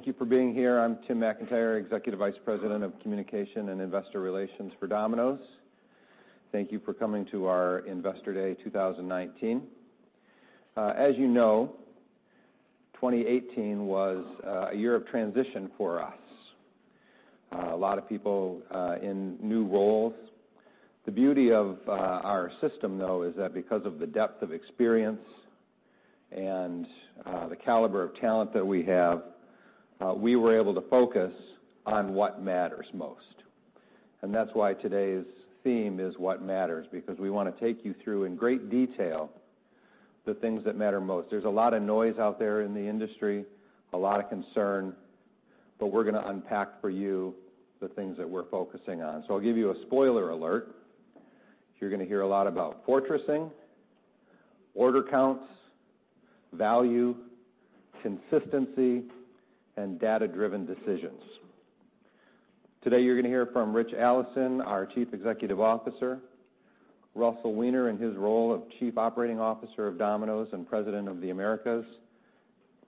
Thank you for being here. I'm Tim McIntyre, Executive Vice President of Communication and Investor Relations for Domino's. Thank you for coming to our Investor Day 2019. As you know, 2018 was a year of transition for us. A lot of people in new roles. The beauty of our system, though, is that because of the depth of experience and the caliber of talent that we have, we were able to focus on what matters most. That's why today's theme is What Matters, because we want to take you through, in great detail, the things that matter most. There's a lot of noise out there in the industry, a lot of concern, but we're going to unpack for you the things that we're focusing on. I'll give you a spoiler alert. You're going to hear a lot about fortressing, order counts, value, consistency, and data-driven decisions. Today, you're going to hear from Ritch Allison, our Chief Executive Officer, Russell Weiner in his role of Chief Operating Officer of Domino's and President of the Americas,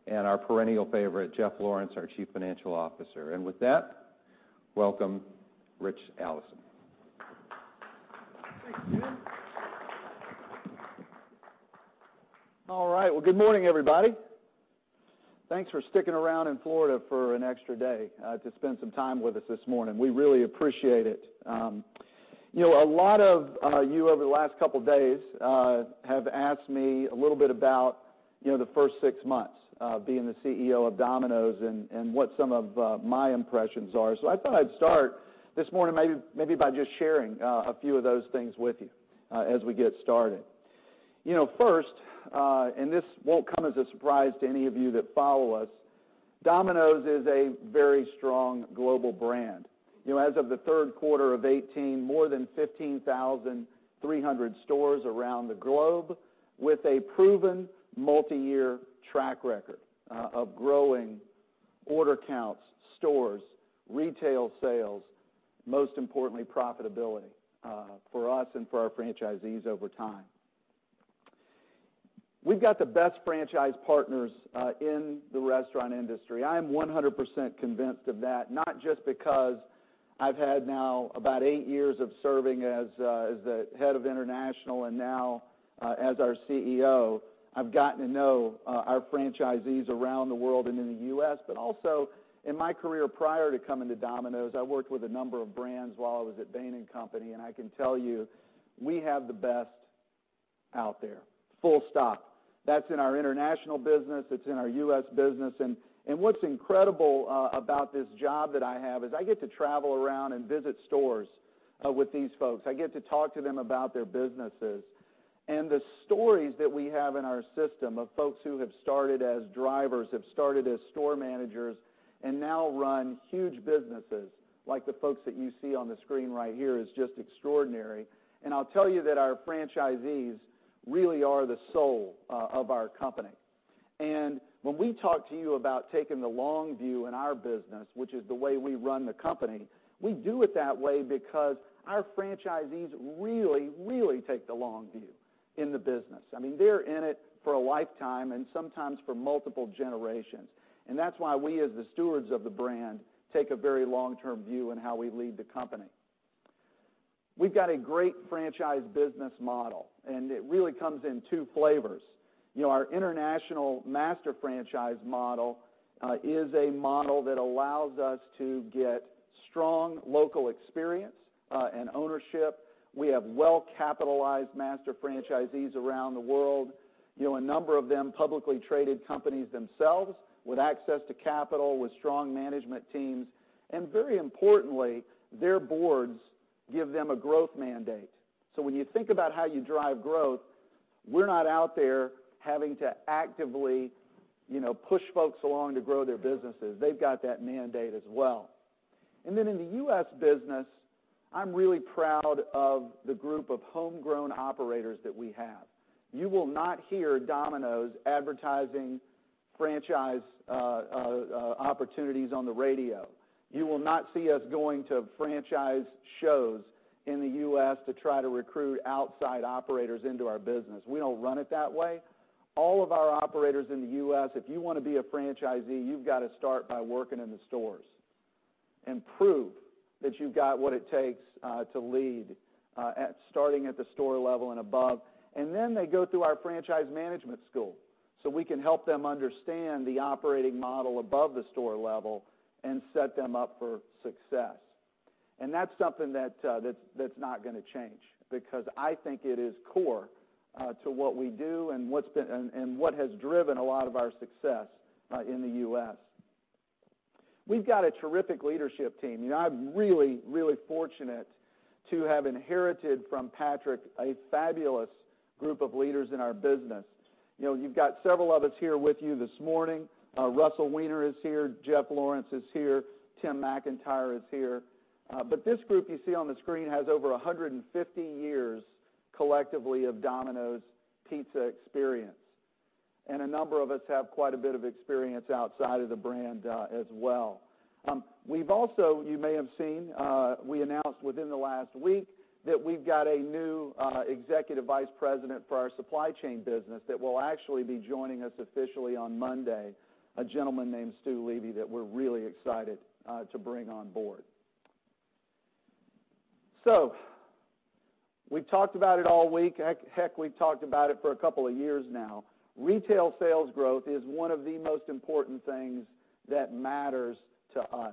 and our perennial favorite, Jeff Lawrence, our Chief Financial Officer. With that, welcome Ritch Allison. Thanks, Tim. All right. Well, good morning, everybody. Thanks for sticking around in Florida for an extra day to spend some time with us this morning. We really appreciate it. A lot of you over the last couple of days have asked me a little bit about the first six months of being the CEO of Domino's and what some of my impressions are. I thought I'd start this morning maybe by just sharing a few of those things with you as we get started. First, this won't come as a surprise to any of you that follow us, Domino's is a very strong global brand. As of the third quarter of 2018, more than 15,300 stores around the globe with a proven multi-year track record of growing order counts, stores, retail sales, most importantly, profitability for us and for our franchisees over time. We've got the best franchise partners in the restaurant industry. I am 100% convinced of that, not just because I've had now about eight years of serving as the head of international, and now as our CEO. I've gotten to know our franchisees around the world and in the U.S., but also in my career prior to coming to Domino's, I worked with a number of brands while I was at Bain & Company, I can tell you, we have the best out there, full stop. That's in our international business, it's in our U.S. business, what's incredible about this job that I have is I get to travel around and visit stores with these folks. I get to talk to them about their businesses. The stories that we have in our system of folks who have started as drivers, have started as store managers, and now run huge businesses, like the folks that you see on the screen right here, is just extraordinary. I'll tell you that our franchisees really are the soul of our company. When we talk to you about taking the long view in our business, which is the way we run the company, we do it that way because our franchisees really, really take the long view in the business. They're in it for a lifetime and sometimes for multiple generations. That's why we, as the stewards of the brand, take a very long-term view in how we lead the company. We've got a great franchise business model, and it really comes in two flavors. Our international master franchise model is a model that allows us to get strong local experience and ownership. We have well-capitalized master franchisees around the world. A number of them publicly traded companies themselves with access to capital, with strong management teams, and very importantly, their boards give them a growth mandate. When you think about how you drive growth, we're not out there having to actively push folks along to grow their businesses. They've got that mandate as well. In the U.S. business, I'm really proud of the group of homegrown operators that we have. You will not hear Domino's advertising franchise opportunities on the radio. You will not see us going to franchise shows in the U.S. to try to recruit outside operators into our business. We don't run it that way. All of our operators in the U.S., if you want to be a franchisee, you've got to start by working in the stores and prove that you've got what it takes to lead, starting at the store level and above. They go through our Franchise Management School so we can help them understand the operating model above the store level and set them up for success. That's something that's not going to change, because I think it is core to what we do and what has driven a lot of our success in the U.S. We've got a terrific leadership team. I'm really, really fortunate to have inherited from Patrick a fabulous group of leaders in our business. You've got several of us here with you this morning. Russell Weiner is here. Jeff Lawrence is here. Tim McIntyre is here. This group you see on the screen has over 150 years collectively of Domino's Pizza experience. A number of us have quite a bit of experience outside of the brand as well. We've also, you may have seen, we announced within the last week that we've got a new Executive Vice President for our supply chain business that will actually be joining us officially on Monday, a gentleman named Stu Levy, that we're really excited to bring on board. We've talked about it all week. Heck, we've talked about it for a couple of years now. Retail sales growth is one of the most important things that matters to us,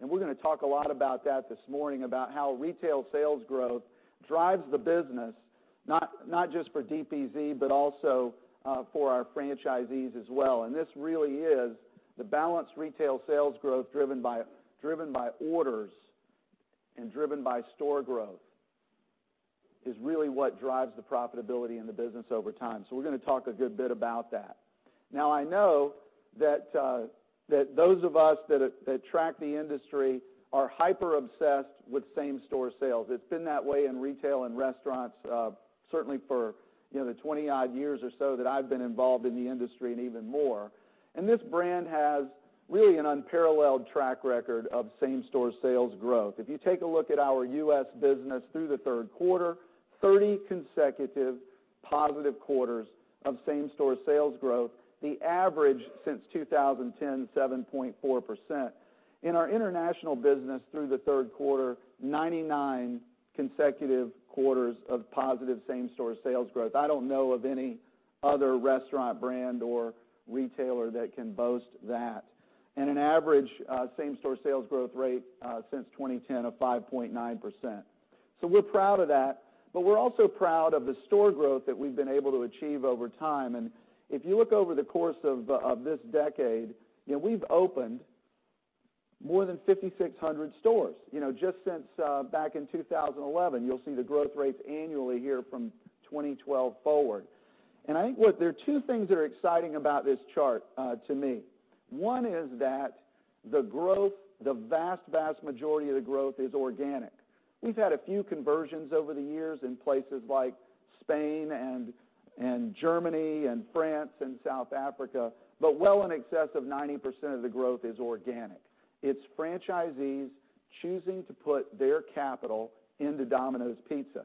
and we're going to talk a lot about that this morning, about how retail sales growth drives the business, not just for DPZ, but also for our franchisees as well. This really is the balanced retail sales growth driven by orders and driven by store growth. Is really what drives the profitability in the business over time. We're going to talk a good bit about that. I know that those of us that track the industry are hyper-obsessed with same-store sales. It's been that way in retail and restaurants certainly for the 20-odd years or so that I've been involved in the industry, and even more. This brand has really an unparalleled track record of same-store sales growth. If you take a look at our U.S. business through the third quarter, 30 consecutive positive quarters of same-store sales growth. The average since 2010, 7.4%. In our international business through the third quarter, 99 consecutive quarters of positive same-store sales growth. I don't know of any other restaurant brand or retailer that can boast that. An average same-store sales growth rate since 2010 of 5.9%. We're proud of that, but we're also proud of the store growth that we've been able to achieve over time. If you look over the course of this decade, we've opened more than 5,600 stores. Just since back in 2011, you'll see the growth rates annually here from 2012 forward. I think there are two things that are exciting about this chart to me. One is that the vast majority of the growth is organic. We've had a few conversions over the years in places like Spain and Germany and France and South Africa, but well in excess of 90% of the growth is organic. It's franchisees choosing to put their capital into Domino's Pizza.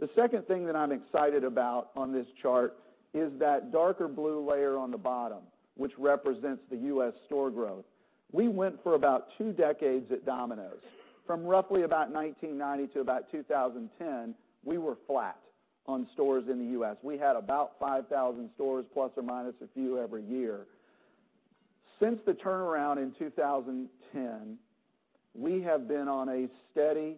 The second thing that I'm excited about on this chart is that darker blue layer on the bottom, which represents the U.S. store growth. We went for about two decades at Domino's. From roughly about 1990 to about 2010, we were flat on stores in the U.S. We had about 5,000 stores, plus or minus a few every year. Since the turnaround in 2010, we have been on a steady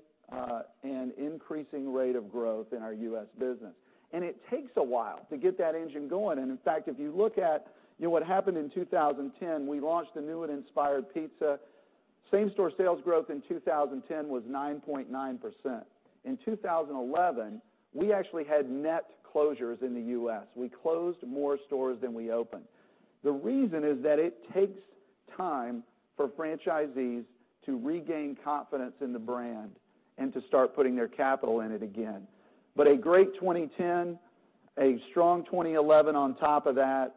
and increasing rate of growth in our U.S. business, and it takes a while to get that engine going. In fact, if you look at what happened in 2010, we launched the New and Inspired Pizza. Same-store sales growth in 2010 was 9.9%. In 2011, we actually had net closures in the U.S. We closed more stores than we opened. The reason is that it takes time for franchisees to regain confidence in the brand and to start putting their capital in it again. A great 2010, a strong 2011 on top of that,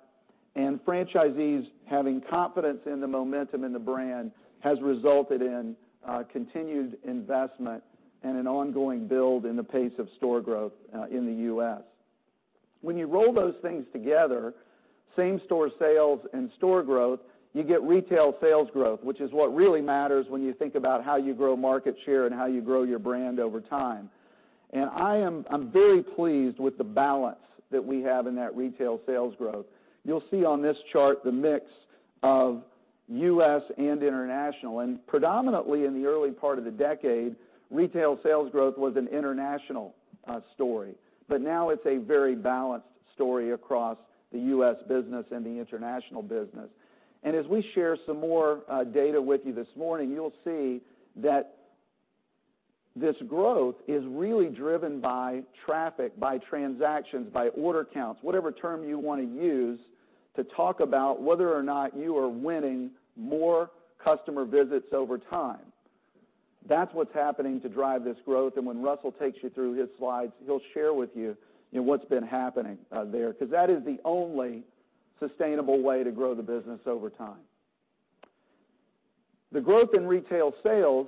and franchisees having confidence in the momentum in the brand has resulted in continued investment and an ongoing build in the pace of store growth in the U.S. When you roll those things together, same-store sales and store growth, you get retail sales growth, which is what really matters when you think about how you grow market share and how you grow your brand over time. I'm very pleased with the balance that we have in that retail sales growth. You'll see on this chart the mix of U.S. and international, predominantly in the early part of the decade, retail sales growth was an international story. Now it's a very balanced story across the U.S. business and the international business. As we share some more data with you this morning, you'll see that this growth is really driven by traffic, by transactions, by order counts, whatever term you want to use to talk about whether or not you are winning more customer visits over time. That's what's happening to drive this growth. When Russell takes you through his slides, he'll share with you what's been happening there, because that is the only sustainable way to grow the business over time. The growth in retail sales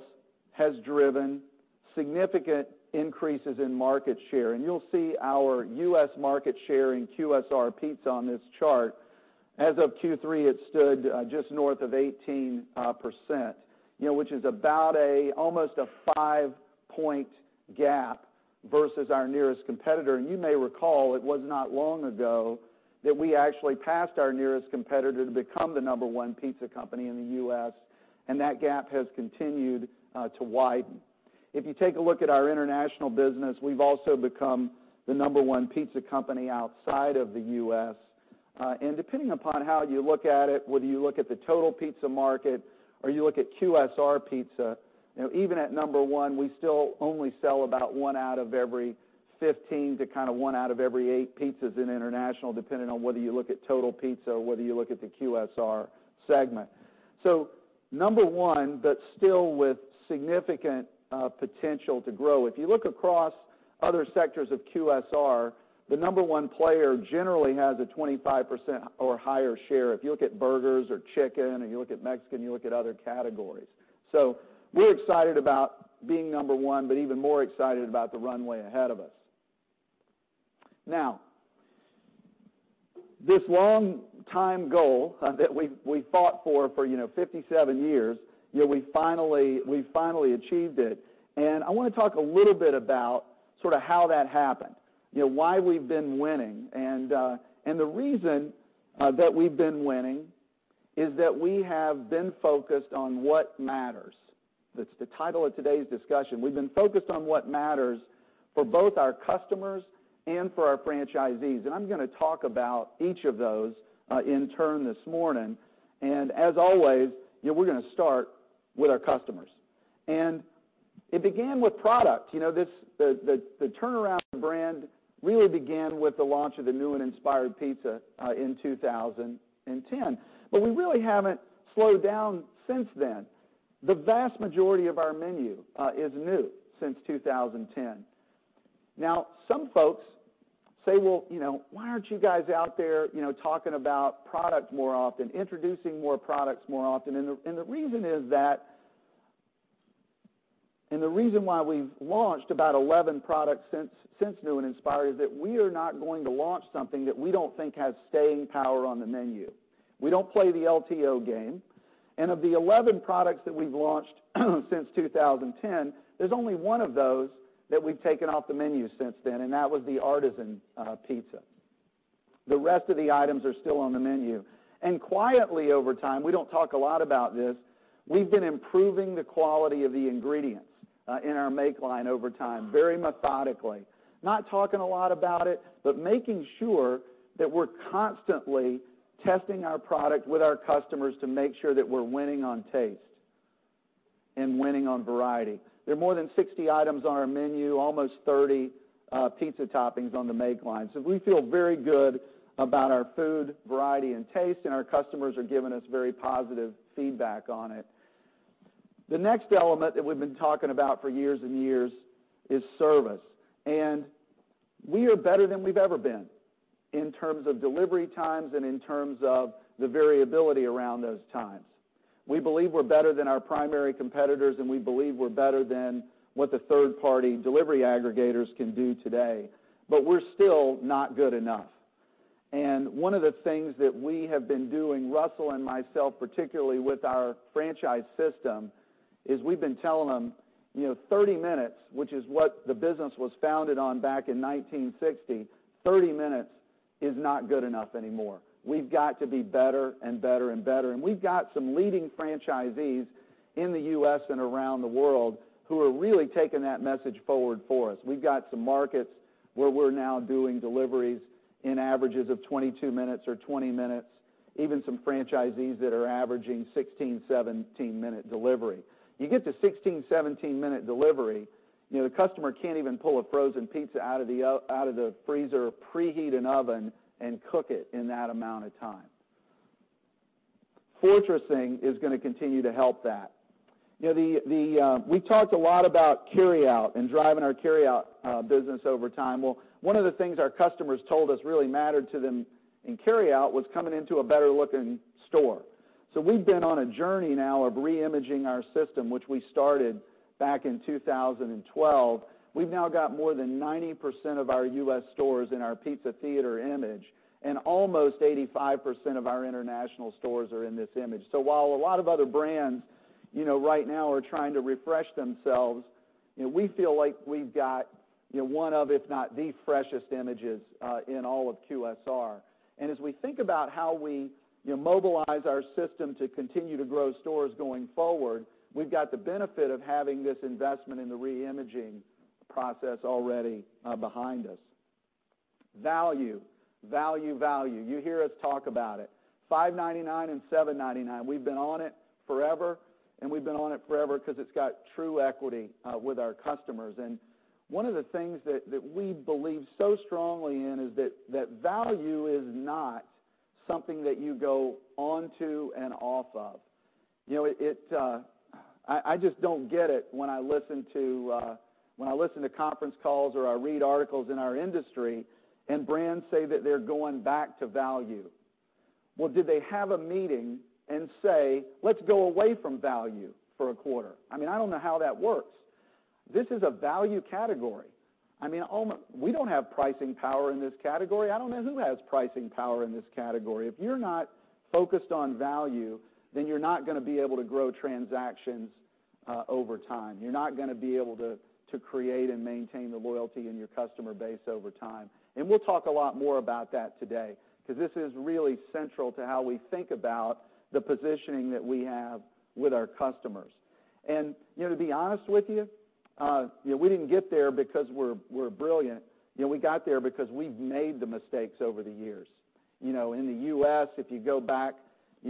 has driven significant increases in market share, and you'll see our U.S. market share in QSR Pizza on this chart. As of Q3, it stood just north of 18%, which is about almost a 5-point gap versus our nearest competitor. You may recall, it was not long ago that we actually passed our nearest competitor to become the number one pizza company in the U.S., and that gap has continued to widen. If you take a look at our international business, we've also become the number one pizza company outside of the U.S. Depending upon how you look at it, whether you look at the total pizza market or you look at QSR pizza, even at number one, we still only sell about one out of every 15 to kind of one out of every eight pizzas in international, depending on whether you look at total pizza or whether you look at the QSR segment. Number one, but still with significant potential to grow. If you look across other sectors of QSR, the number one player generally has a 25% or higher share. If you look at burgers or chicken, and you look at Mexican, you look at other categories. We're excited about being number one, but even more excited about the runway ahead of us. Now, this long time goal that we fought for 57 years, we finally achieved it. I want to talk a little bit about how that happened, why we've been winning. The reason that we've been winning is that we have been focused on what matters. That's the title of today's discussion. We've been focused on what matters for both our customers and for our franchisees, and I'm going to talk about each of those in turn this morning. As always, we're going to start with our customers. It began with product. The turnaround of the brand really began with the launch of the New and Inspired Pizza in 2010. We really haven't slowed down since then. The vast majority of our menu is new since 2010. Now, some folks say, "Well, why aren't you guys out there talking about product more often, introducing more products more often?" The reason why we've launched about 11 products since New and Inspired is that we are not going to launch something that we don't think has staying power on the menu. We don't play the LTO game. Of the 11 products that we've launched since 2010, there's only one of those that we've taken off the menu since then, and that was the Artisan Pizza. The rest of the items are still on the menu. Quietly over time, we don't talk a lot about this, we've been improving the quality of the ingredients in our make line over time, very methodically. Not talking a lot about it, but making sure that we're constantly testing our product with our customers to make sure that we're winning on taste and winning on variety. There are more than 60 items on our menu, almost 30 pizza toppings on the make line. We feel very good about our food variety and taste, and our customers are giving us very positive feedback on it. The next element that we've been talking about for years and years is service. We are better than we've ever been in terms of delivery times and in terms of the variability around those times. We believe we're better than our primary competitors, and we believe we're better than what the third-party delivery aggregators can do today, but we're still not good enough. One of the things that we have been doing, Russell and myself, particularly with our franchise system, is we've been telling them, 30 minutes, which is what the business was founded on back in 1960, 30 minutes is not good enough anymore. We've got to be better and better and better. We've got some leading franchisees in the U.S. and around the world who are really taking that message forward for us. We've got some markets where we're now doing deliveries in averages of 22 minutes or 20 minutes, even some franchisees that are averaging 16, 17-minute delivery. You get to 16, 17-minute delivery, the customer can't even pull a frozen pizza out of the freezer, pre-heat an oven, and cook it in that amount of time. Fortressing is going to continue to help that. We've talked a lot about carryout and driving our carryout business over time. Well, one of the things our customers told us really mattered to them in carryout was coming into a better-looking store. We've been on a journey now of re-imaging our system, which we started back in 2012. We've now got more than 90% of our U.S. stores in our Pizza Theater image, and almost 85% of our international stores are in this image. While a lot of other brands right now are trying to refresh themselves, we feel like we've got one of, if not the freshest images in all of QSR. As we think about how we mobilize our system to continue to grow stores going forward, we've got the benefit of having this investment in the re-imaging process already behind us. Value. Value, value. You hear us talk about it. $5.99 and $7.99. We've been on it forever, and we've been on it forever because it's got true equity with our customers. One of the things that we believe so strongly in is that value is not something that you go onto and off of. I just don't get it when I listen to conference calls or I read articles in our industry and brands say that they're going back to value. Well, did they have a meeting and say, "Let's go away from value for a quarter"? I don't know how that works. This is a value category. We don't have pricing power in this category. I don't know who has pricing power in this category. If you're not focused on value, then you're not going to be able to grow transactions over time. You're not going to be able to create and maintain the loyalty in your customer base over time. We'll talk a lot more about that today because this is really central to how we think about the positioning that we have with our customers. To be honest with you, we didn't get there because we're brilliant. We got there because we've made the mistakes over the years. In the U.S., if you go back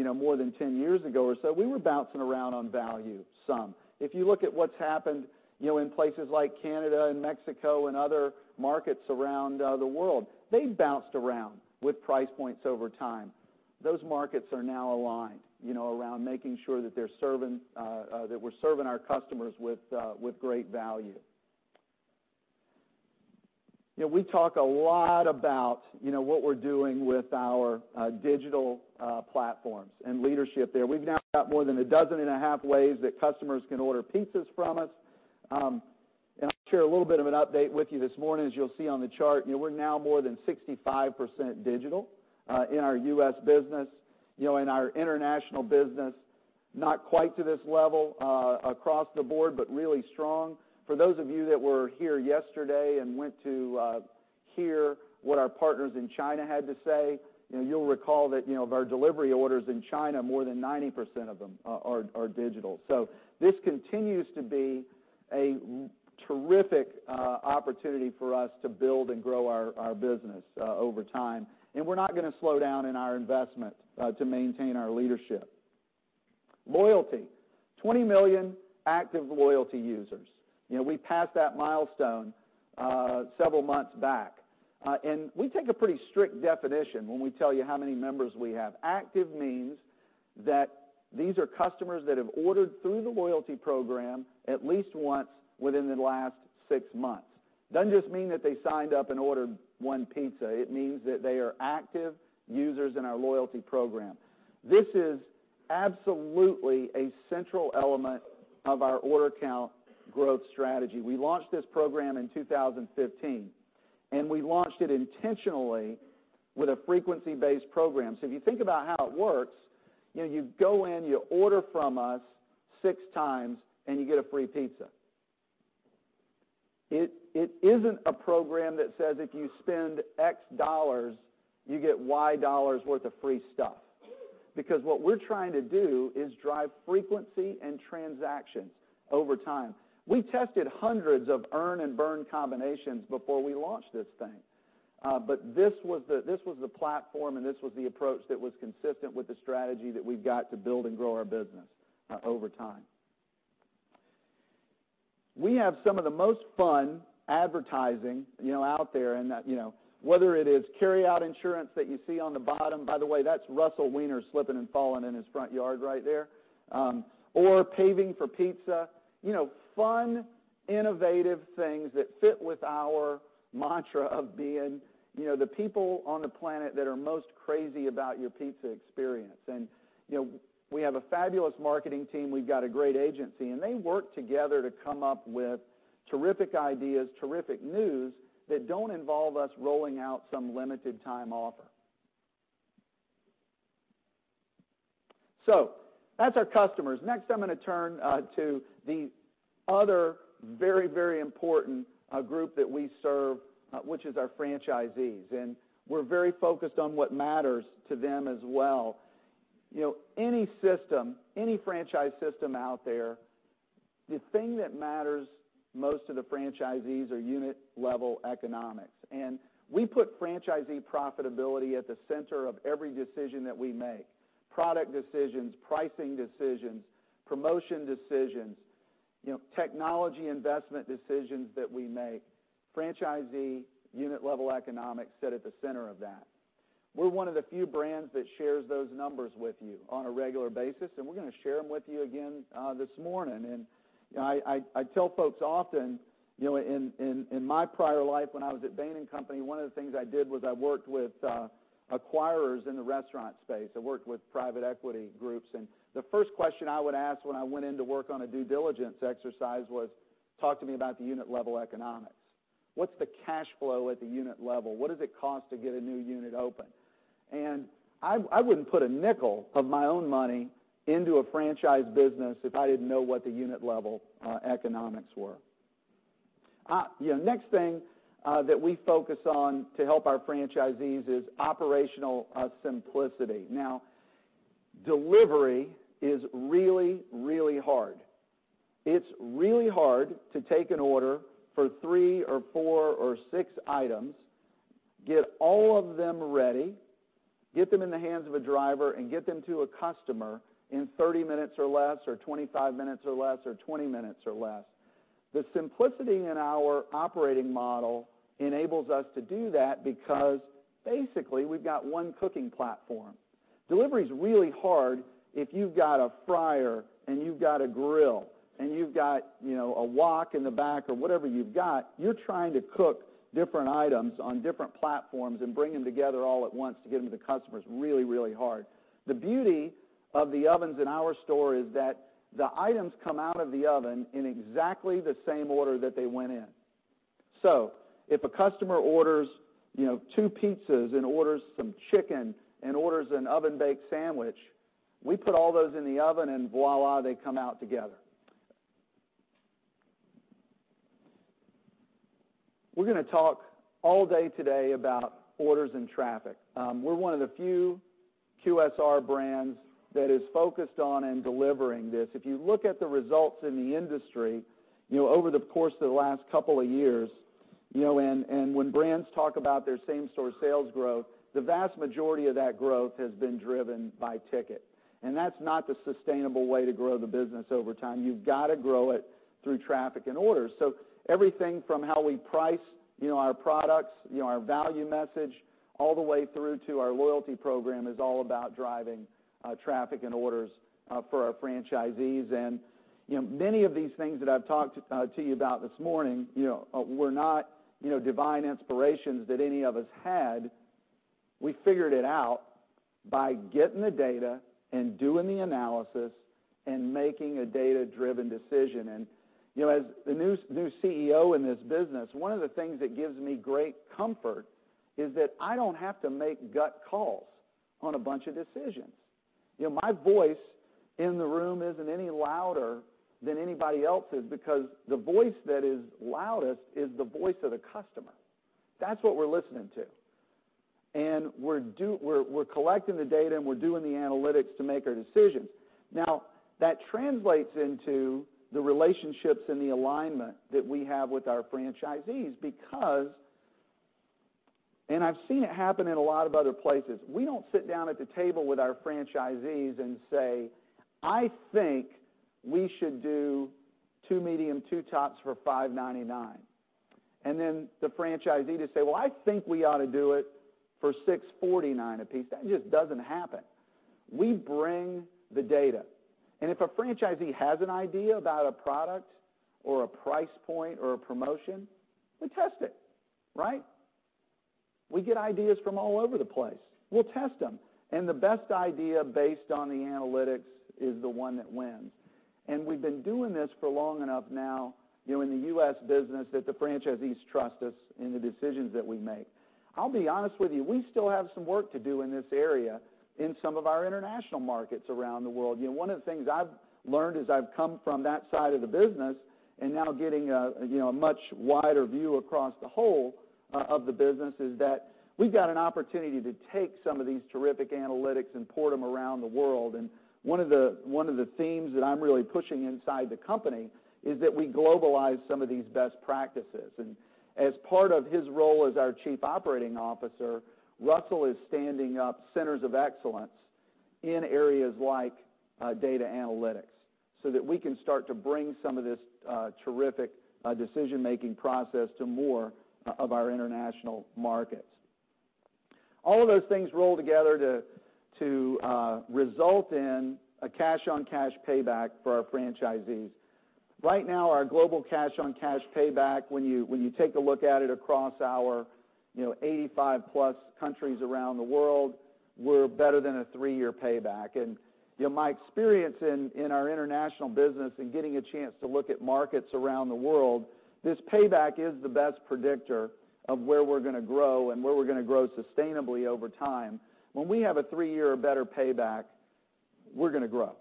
more than 10 years ago or so, we were bouncing around on value some. If you look at what's happened in places like Canada and Mexico and other markets around the world, they've bounced around with price points over time. Those markets are now aligned around making sure that we're serving our customers with great value. We talk a lot about what we're doing with our digital platforms and leadership there. We've now got more than a dozen and a half ways that customers can order pizzas from us. I'll share a little bit of an update with you this morning. As you'll see on the chart, we're now more than 65% digital in our U.S. business. In our international business, not quite to this level across the board, but really strong. For those of you that were here yesterday and went to hear what our partners in China had to say, you'll recall that of our delivery orders in China, more than 90% of them are digital. This continues to be a terrific opportunity for us to build and grow our business over time, and we're not going to slow down in our investment to maintain our leadership. Loyalty. 20 million active loyalty users. We passed that milestone several months back. We take a pretty strict definition when we tell you how many members we have. Active means that these are customers that have ordered through the loyalty program at least once within the last six months. It doesn't just mean that they signed up and ordered one pizza. It means that they are active users in our loyalty program. This is absolutely a central element of our order count growth strategy. We launched this program in 2015. We launched it intentionally with a frequency-based program. If you think about how it works, you go in, you order from us six times, and you get a free pizza. It isn't a program that says if you spend X dollars, you get Y dollars worth of free stuff. What we're trying to do is drive frequency and transactions over time. We tested hundreds of earn and burn combinations before we launched this thing. This was the platform and this was the approach that was consistent with the strategy that we've got to build and grow our business over time. We have some of the most fun advertising out there. Whether it is carryout insurance that you see on the bottom, by the way, that's Russell Weiner slipping and falling in his front yard right there, or Paving for Pizza. Fun, innovative things that fit with our mantra of being the people on the planet that are most crazy about your pizza experience. We have a fabulous marketing team, we've got a great agency, and they work together to come up with terrific ideas, terrific news that don't involve us rolling out some limited time offer. That's our customers. I'm going to turn to the other very, very important group that we serve, which is our franchisees, and we're very focused on what matters to them as well. Any franchise system out there, the thing that matters most to the franchisees are unit level economics, and we put franchisee profitability at the center of every decision that we make. Product decisions, pricing decisions, promotion decisions, technology investment decisions that we make, franchisee unit level economics sit at the center of that. We're one of the few brands that shares those numbers with you on a regular basis, and we're going to share them with you again this morning. I tell folks often, in my prior life when I was at Bain & Company, one of the things I did was I worked with acquirers in the restaurant space. I worked with private equity groups, the first question I would ask when I went in to work on a due diligence exercise was, "Talk to me about the unit level economics. What's the cash flow at the unit level? What does it cost to get a new unit open?" I wouldn't put a nickel of my own money into a franchise business if I didn't know what the unit level economics were. Next thing that we focus on to help our franchisees is operational simplicity. Now, delivery is really, really hard. It's really hard to take an order for three or four or six items, get all of them ready, get them in the hands of a driver, and get them to a customer in 30 minutes or less, or 25 minutes or less, or 20 minutes or less. The simplicity in our operating model enables us to do that because basically we've got one cooking platform. Delivery is really hard if you've got a fryer and you've got a grill and you've got a wok in the back or whatever you've got. You're trying to cook different items on different platforms and bring them together all at once to get them to customers, really, really hard. The beauty of the ovens in our store is that the items come out of the oven in exactly the same order that they went in. If a customer orders two pizzas and orders some chicken and orders an oven-baked sandwich, we put all those in the oven and voila, they come out together. We're going to talk all day today about orders and traffic. We're one of the few QSR brands that is focused on and delivering this. If you look at the results in the industry over the course of the last couple of years. When brands talk about their same-store sales growth, the vast majority of that growth has been driven by ticket. That's not the sustainable way to grow the business over time. You've got to grow it through traffic and orders. Everything from how we price our products, our value message, all the way through to our loyalty program is all about driving traffic and orders for our franchisees. Many of these things that I've talked to you about this morning were not divine inspirations that any of us had. We figured it out by getting the data, and doing the analysis, and making a data-driven decision. As the new CEO in this business, one of the things that gives me great comfort is that I don't have to make gut calls on a bunch of decisions. My voice in the room isn't any louder than anybody else's, because the voice that is loudest is the voice of the customer. That's what we're listening to. We're collecting the data, and we're doing the analytics to make our decisions. That translates into the relationships and the alignment that we have with our franchisees because, I've seen it happen in a lot of other places, we don't sit down at the table with our franchisees and say, "I think we should do two medium, two tops for $5.99." Then the franchisee to say, "Well, I think we ought to do it for $6.49 apiece." That just doesn't happen. We bring the data. If a franchisee has an idea about a product, or a price point, or a promotion, we test it. Right? We get ideas from all over the place. We'll test them. The best idea based on the analytics is the one that wins. We've been doing this for long enough now in the U.S. business that the franchisees trust us in the decisions that we make. I'll be honest with you, we still have some work to do in this area in some of our international markets around the world. One of the things I've learned as I've come from that side of the business and now getting a much wider view across the whole of the business, is that we've got an opportunity to take some of these terrific analytics and port them around the world. One of the themes that I'm really pushing inside the company is that we globalize some of these best practices. As part of his role as our Chief Operating Officer, Russell is standing up centers of excellence in areas like data analytics so that we can start to bring some of this terrific decision-making process to more of our international markets. All of those things roll together to result in a cash-on-cash payback for our franchisees. Right now, our global cash-on-cash payback, when you take a look at it across our 85+ countries around the world, we're better than a three-year payback. My experience in our international business and getting a chance to look at markets around the world, this payback is the best predictor of where we're going to grow and where we're going to grow sustainably over time. When we have a three-year or better payback, we're going to grow.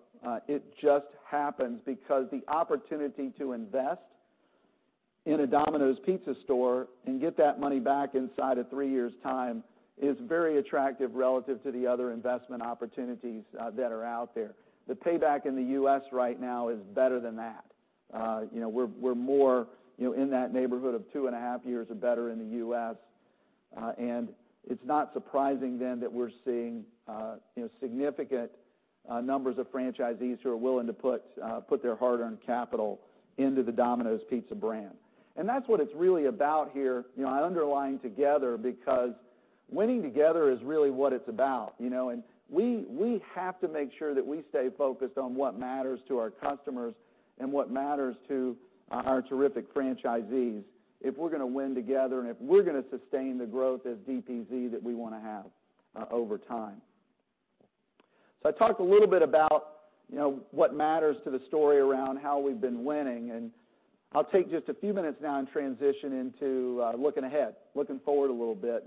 It just happens because the opportunity to invest in a Domino's Pizza store and get that money back inside of three years' time is very attractive relative to the other investment opportunities that are out there. The payback in the U.S. right now is better than that. We're more in that neighborhood of two and a half years or better in the U.S. It's not surprising then that we're seeing significant numbers of franchisees who are willing to put their hard-earned capital into the Domino's Pizza brand. That's what it's really about here. I underline together because winning together is really what it's about. We have to make sure that we stay focused on what matters to our customers and what matters to our terrific franchisees if we're going to win together and if we're going to sustain the growth as DPZ that we want to have over time. I talked a little bit about what matters to the story around how we've been winning, and I'll take just a few minutes now and transition into looking ahead, looking forward a little bit.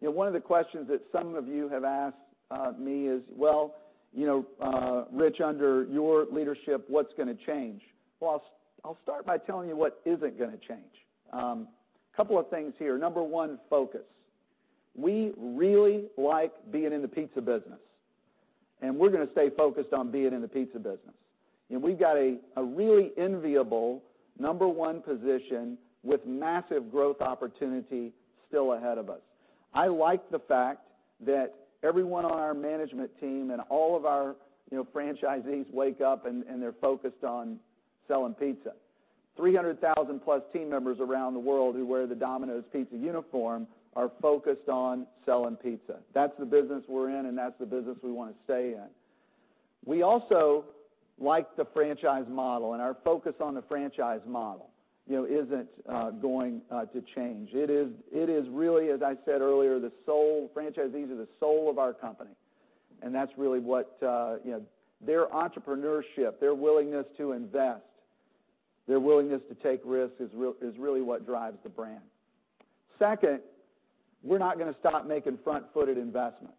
One of the questions that some of you have asked me is, "Well, Ritch, under your leadership, what's going to change?" I'll start by telling you what isn't going to change. Couple of things here. Number 1, focus. We really like being in the pizza business, and we're going to stay focused on being in the pizza business. We've got a really enviable number one position with massive growth opportunity still ahead of us. I like the fact that everyone on our management team and all of our franchisees wake up and they're focused on selling pizza. 300,000+ team members around the world who wear the Domino's Pizza uniform are focused on selling pizza. That's the business we're in, and that's the business we want to stay in. We also like the franchise model, and our focus on the franchise model isn't going to change. It is really, as I said earlier, franchisees are the soul of our company. Their entrepreneurship, their willingness to invest, their willingness to take risks is really what drives the brand. Second, we're not going to stop making front-footed investments.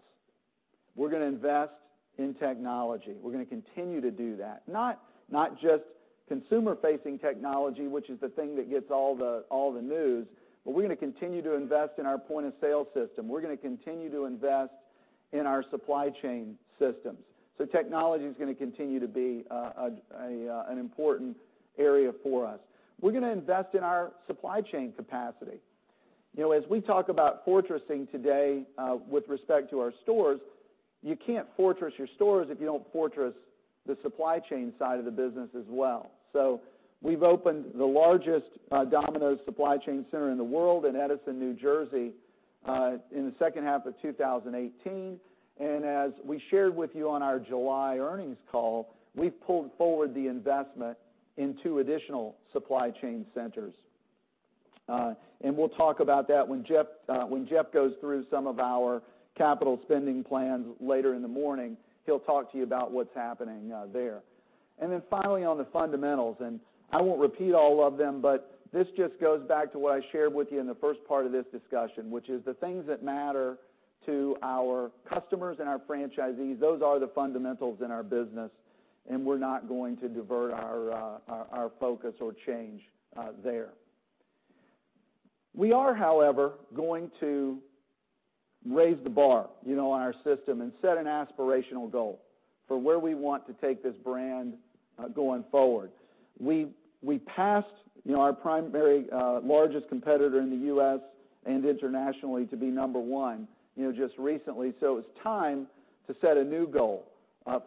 We're going to invest in technology. We're going to continue to do that. Not just consumer-facing technology, which is the thing that gets all the news, but we're going to continue to invest in our point-of-sale system. We're going to continue to invest in our supply chain systems. Technology is going to continue to be an important area for us. We're going to invest in our supply chain capacity. As we talk about fortressing today with respect to our stores, you can't fortress your stores if you don't fortress the supply chain side of the business as well. We've opened the largest Domino's supply chain center in the world in Edison, New Jersey, in the second half of 2018. As we shared with you on our July earnings call, we've pulled forward the investment in two additional supply chain centers. We'll talk about that when Jeff goes through some of our capital spending plans later in the morning. He'll talk to you about what's happening there. Then finally, on the fundamentals, and I won't repeat all of them, but this just goes back to what I shared with you in the first part of this discussion, which is the things that matter to our customers and our franchisees. Those are the fundamentals in our business, and we're not going to divert our focus or change there. We are, however, going to raise the bar in our system and set an aspirational goal for where we want to take this brand going forward. We passed our primary, largest competitor in the U.S. and internationally to be number one just recently. It's time to set a new goal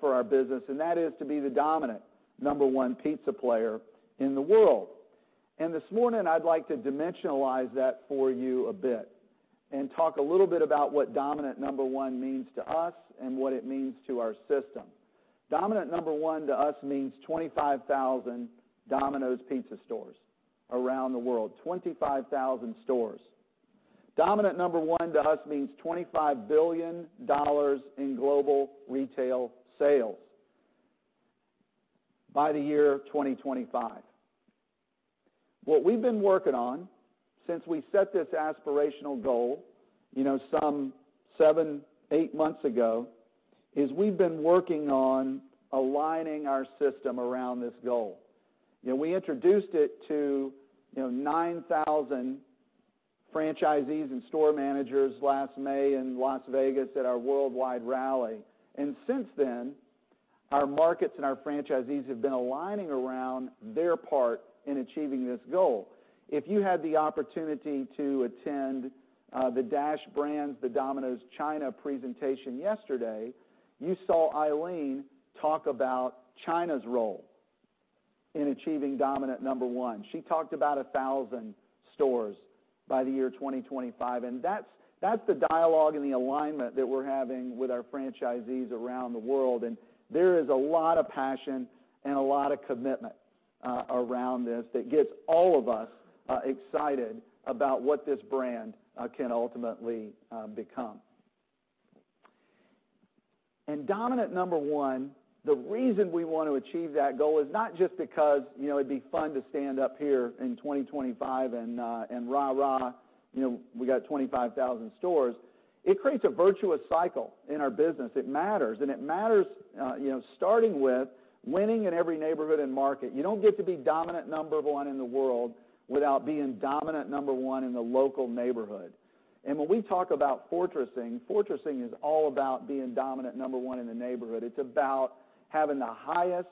for our business, and that is to be the dominant number one pizza player in the world. This morning, I'd like to dimensionalize that for you a bit and talk a little bit about what Dominant Number One means to us and what it means to our system. Dominant Number One to us means 25,000 Domino's Pizza stores around the world. 25,000 stores. Dominant Number One to us means $25 billion in global retail sales by the year 2025. What we've been working on since we set this aspirational goal some seven, eight months ago, is we've been working on aligning our system around this goal. We introduced it to 9,000 franchisees and store managers last May in Las Vegas at our worldwide rally. Since then, our markets and our franchisees have been aligning around their part in achieving this goal. If you had the opportunity to attend the Dash Brands, the Domino's China presentation yesterday, you saw Aileen talk about China's role in achieving Dominant Number One. She talked about 1,000 stores by the year 2025, that's the dialogue and the alignment that we're having with our franchisees around the world. There is a lot of passion and a lot of commitment around this that gets all of us excited about what this brand can ultimately become. Dominant Number One, the reason we want to achieve that goal is not just because it'd be fun to stand up here in 2025 and rah, we got 25,000 stores. It creates a virtuous cycle in our business. It matters, and it matters starting with winning in every neighborhood and market. You don't get to be Dominant Number One in the world without being Dominant Number One in the local neighborhood. When we talk about fortressing is all about being Dominant Number One in the neighborhood. It's about having the highest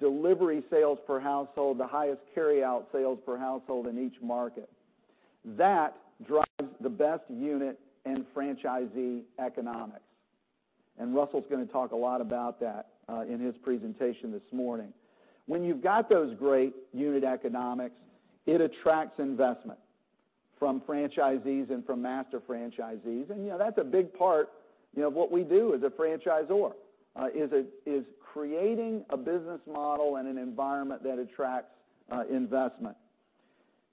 delivery sales per household, the highest carry-out sales per household in each market. That drives the best unit in franchisee economics. Russell's going to talk a lot about that in his presentation this morning. When you've got those great unit economics, it attracts investment from franchisees and from master franchisees. That's a big part of what we do as a franchisor, is creating a business model and an environment that attracts investment.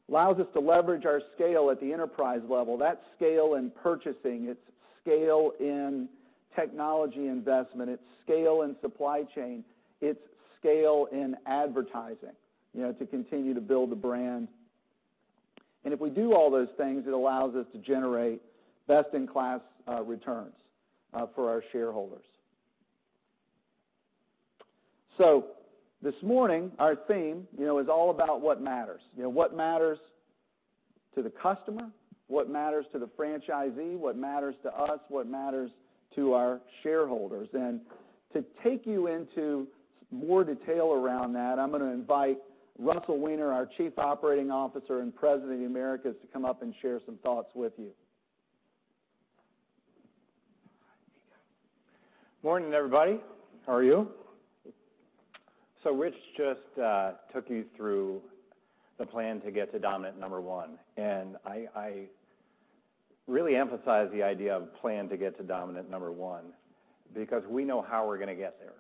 Allows us to leverage our scale at the enterprise level. That's scale in purchasing, it's scale in technology investment, it's scale in supply chain, it's scale in advertising to continue to build the brand. If we do all those things, it allows us to generate best-in-class returns for our shareholders. This morning, our theme is all about what matters. What matters to the customer, what matters to the franchisee, what matters to us, what matters to our shareholders. To take you into more detail around that, I'm going to invite Russell Weiner, our Chief Operating Officer and President of the Americas, to come up and share some thoughts with you. Morning, everybody. How are you? Ritch just took you through the plan to get to dominant number one. I really emphasize the idea of plan to get to dominant number one, because we know how we're going to get there.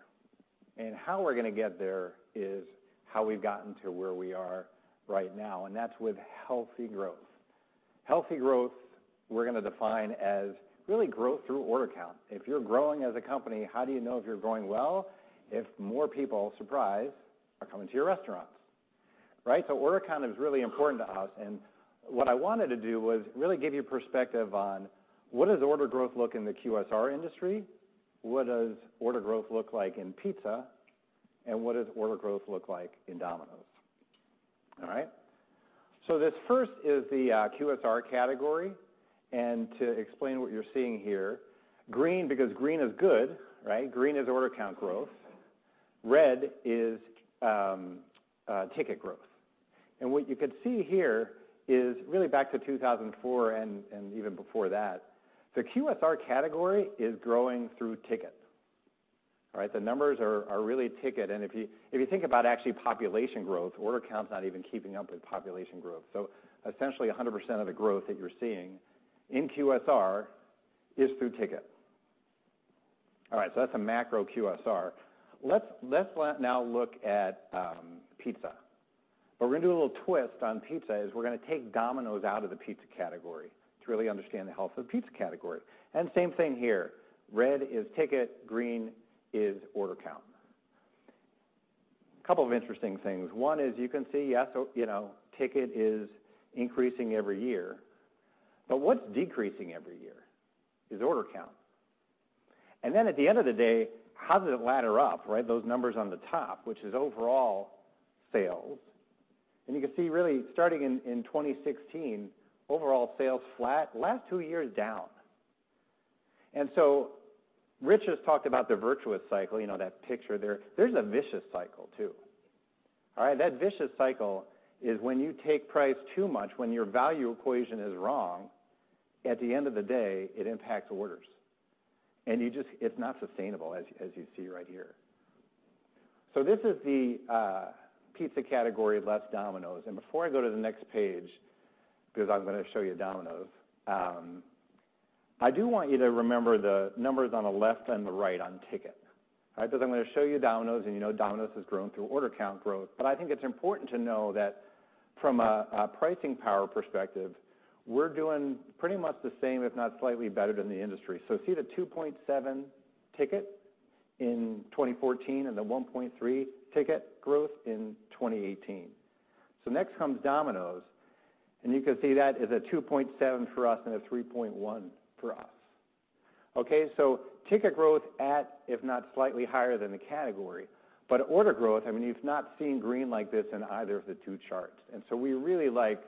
How we're going to get there is how we've gotten to where we are right now, and that's with healthy growth. Healthy growth we're going to define as really growth through order count. If you're growing as a company, how do you know if you're growing well? If more people, surprise, are coming to your restaurants. Right? Order count is really important to us, and what I wanted to do was really give you perspective on what does order growth look in the QSR industry? What does order growth look like in pizza? What does order growth look like in Domino's? All right. This first is the QSR category. To explain what you're seeing here, green, because green is good. Green is order count growth. Red is ticket growth. What you can see here is really back to 2004 and even before that, the QSR category is growing through ticket. The numbers are really ticket, and if you think about actually population growth, order count's not even keeping up with population growth. Essentially 100% of the growth that you're seeing in QSR is through ticket. All right. That's a macro QSR. Let's now look at pizza. We're going to do a little twist on pizza, is we're going to take Domino's out of the pizza category to really understand the health of the pizza category. Same thing here. Red is ticket, green is order count. Couple of interesting things. One is you can see, yes, ticket is increasing every year, but what's decreasing every year is order count. Then at the end of the day, how does it ladder up? Those numbers on the top, which is overall sales. You can see really starting in 2016, overall sales flat, last two years down. Ritch has talked about the virtuous cycle, you know that picture there. There's a vicious cycle too. That vicious cycle is when you take price too much, when your value equation is wrong, at the end of the day, it impacts orders. It's not sustainable, as you see right here. This is the pizza category less Domino's. Before I go to the next page, because I'm going to show you Domino's, I do want you to remember the numbers on the left and the right on ticket. Because I'm going to show you Domino's, you know Domino's has grown through order count growth. I think it's important to know that from a pricing power perspective, we're doing pretty much the same, if not slightly better than the industry. See the 2.7 ticket in 2014 and the 1.3 ticket growth in 2018. Next comes Domino's, you can see that is a 2.7 for us and a 3.1 for us. Okay, ticket growth at, if not slightly higher than the category, order growth, I mean you've not seen green like this in either of the two charts. We really like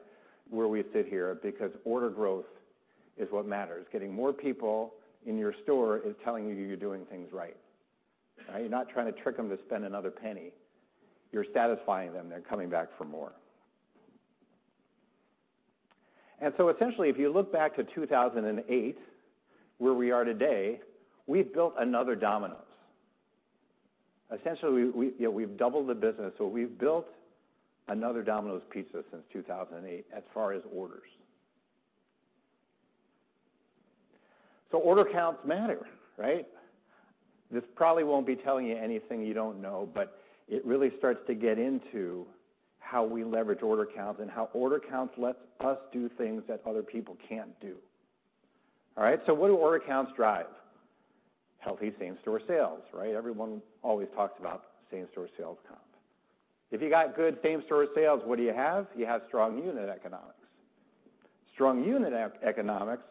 where we sit here because order growth is what matters. Getting more people in your store is telling you you're doing things right. You're not trying to trick them to spend another penny. You're satisfying them, they're coming back for more. Essentially, if you look back to 2008, where we are today, we've built another Domino's. Essentially, we've doubled the business. We've built another Domino's Pizza since 2008 as far as orders. Order counts matter, right? This probably won't be telling you anything you don't know, but it really starts to get into how we leverage order counts and how order counts lets us do things that other people can't do. All right. What do order counts drive? Healthy same-store sales. Everyone always talks about same-store sales count. If you got good same-store sales, what do you have? You have strong unit economics. Strong unit economics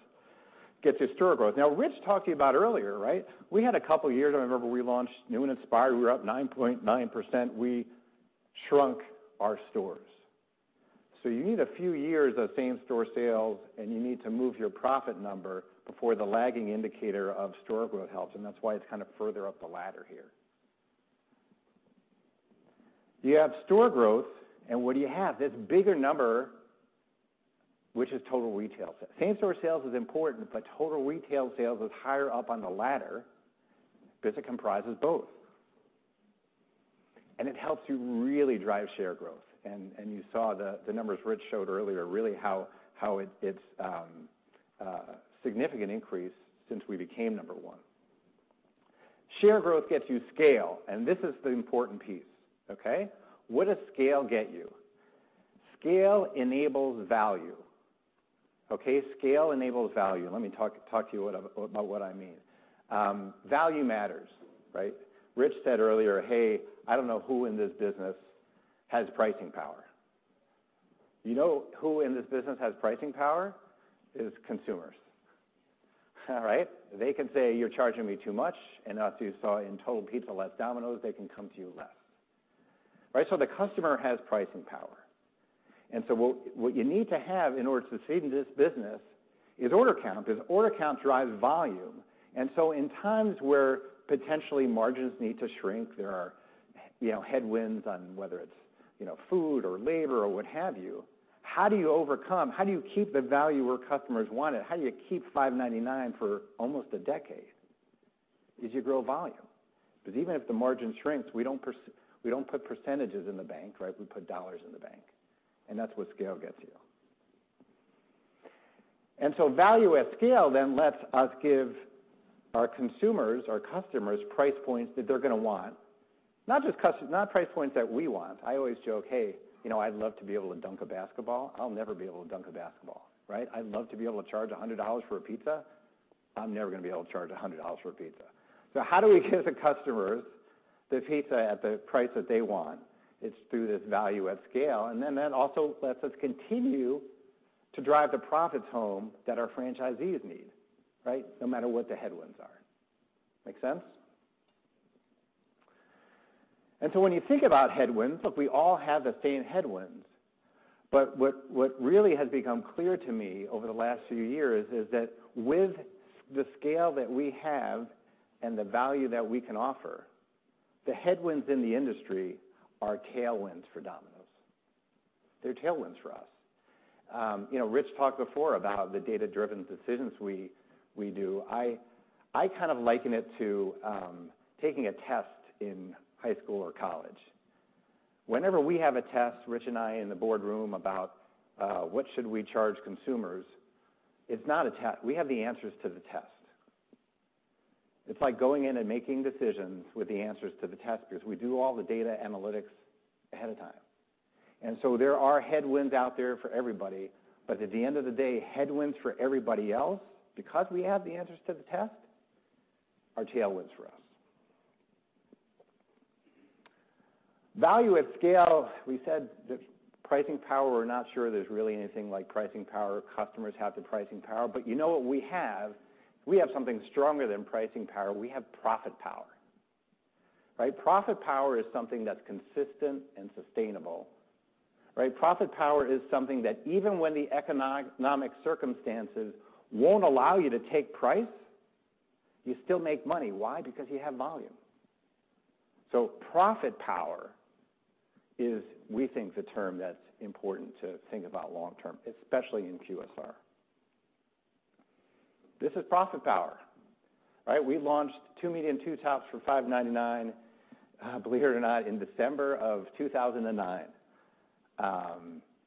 gets you store growth. Now, Ritch talked to you about earlier. We had a couple years, I remember we launched New and Inspired. We were up 9.9%. We shrunk our stores. You need a few years of same-store sales, and you need to move your profit number before the lagging indicator of store growth helps, and that's why it's kind of further up the ladder here. You have store growth and what do you have? This bigger number, which is total retail sales. Same-store sales is important, but total retail sales is higher up on the ladder because it comprises both. It helps you really drive share growth. You saw the numbers Ritch showed earlier, really how it's a significant increase since we became number one. Share growth gets you scale, and this is the important piece. What does scale get you? Scale enables value. Scale enables value. Let me talk to you about what I mean. Value matters. Ritch said earlier, "Hey, I don't know who in this business has pricing power." You know who in this business has pricing power? Is consumers. They can say, "You're charging me too much," and as you saw in total pizza less Domino's, they can come to you less. The customer has pricing power. What you need to have in order to succeed in this business is order count, because order count drives volume. In times where potentially margins need to shrink, there are headwinds on whether it's food or labor or what have you, how do you overcome, how do you keep the value where customers want it? How do you keep $5.99 for almost a decade? Is you grow volume. Even if the margin shrinks, we don't put percentages in the bank, we put dollars in the bank, and that's what scale gets you. Value at scale then lets us give our consumers, our customers, price points that they're going to want, not price points that we want. I always joke, "Hey, I'd love to be able to dunk a basketball." I'll never be able to dunk a basketball. I'd love to be able to charge $100 for a pizza. I'm never going to be able to charge $100 for a pizza. How do we give the customers the pizza at the price that they want? It's through this value at scale. That also lets us continue to drive the profits home that our franchisees need. No matter what the headwinds are. Make sense? When you think about headwinds, Look, we all have the same headwinds. What really has become clear to me over the last few years is that with the scale that we have and the value that we can offer, the headwinds in the industry are tailwinds for Domino's. They're tailwinds for us. Ritch talked before about the data-driven decisions we do. I kind of liken it to taking a test in high school or college. Whenever we have a test, Ritch and I in the boardroom about what should we charge consumers, we have the answers to the test. It's like going in and making decisions with the answers to the test because we do all the data analytics ahead of time. There are headwinds out there for everybody. At the end of the day, headwinds for everybody else, because we have the answers to the test, are tailwinds for us. Value at scale. We said the pricing power, we're not sure there's really anything like pricing power. Customers have the pricing power. You know what we have? We have something stronger than pricing power. We have profit power, right? Profit power is something that's consistent and sustainable, right? Profit power is something that even when the economic circumstances won't allow you to take price, you still make money. Why? Because you have volume. Profit power is, we think, the term that's important to think about long term, especially in QSR. This is profit power, right? We launched two medium two tops for $5.99, believe it or not, in December of 2009.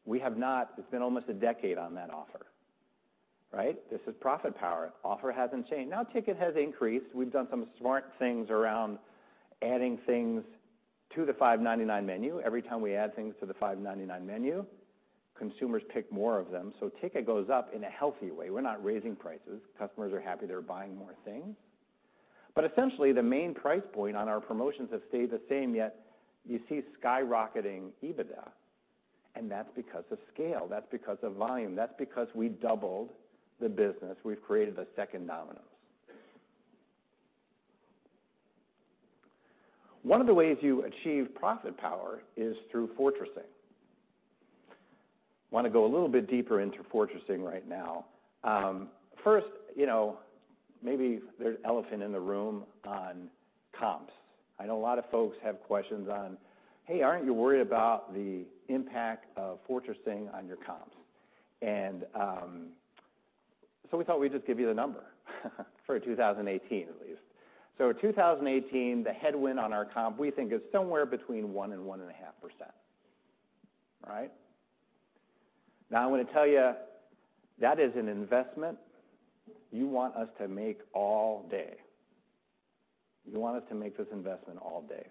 It's been almost a decade on that offer, right? This is profit power. Offer hasn't changed. Ticket has increased. We've done some smart things around adding things to the $5.99 menu. Every time we add things to the $5.99 menu, consumers pick more of them, so ticket goes up in a healthy way. We're not raising prices. Customers are happy they're buying more things. Essentially, the main price point on our promotions have stayed the same, yet you see skyrocketing EBITDA. That's because of scale. That's because of volume. That's because we doubled the business. We've created a second Domino's. One of the ways you achieve profit power is through fortressing. Want to go a little bit deeper into fortressing right now. First, maybe there's an elephant in the room on comps. I know a lot of folks have questions on, "Hey, aren't you worried about the impact of fortressing on your comps?" We thought we'd just give you the number for 2018, at least. In 2018, the headwind on our comp, we think, is somewhere between 1%-1.5%, right? I'm going to tell you, that is an investment you want us to make all day. You want us to make this investment all day.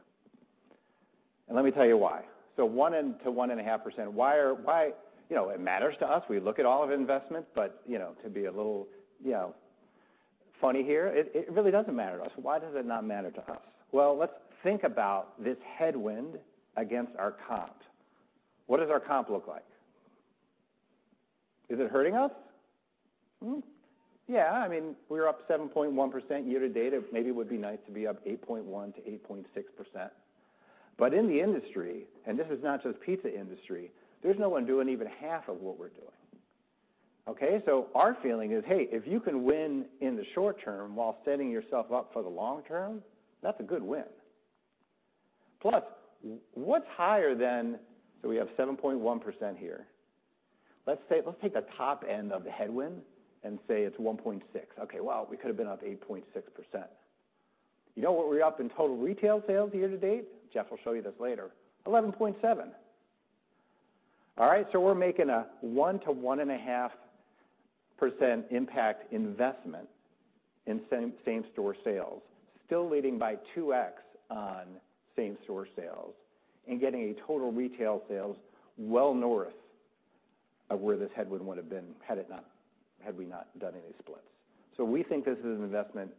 Let me tell you why. 1%-1.5%, it matters to us. We look at all of our investments. To be a little funny here, it really doesn't matter to us. Why does it not matter to us? Let's think about this headwind against our comp. What does our comp look like? Is it hurting us? Yeah. I mean, we were up 7.1% year-to-date. Maybe it would be nice to be up 8.1%-8.6%. In the industry, and this is not just pizza industry, there's no one doing even half of what we're doing, okay? Our feeling is, hey, if you can win in the short term while setting yourself up for the long term, that's a good win. Plus, what's higher than. We have 7.1% here. Let's take the top end of the headwind and say it's 1.6%. Okay. Well, we could have been up 8.6%. You know what we're up in total retail sales year to date? Jeff will show you this later. 11.7%. All right? We're making a 1%-1.5% impact investment in same-store sales, still leading by 2x on same-store sales and getting a total retail sales well north of where this headwind would have been had we not done any splits. We think this is an investment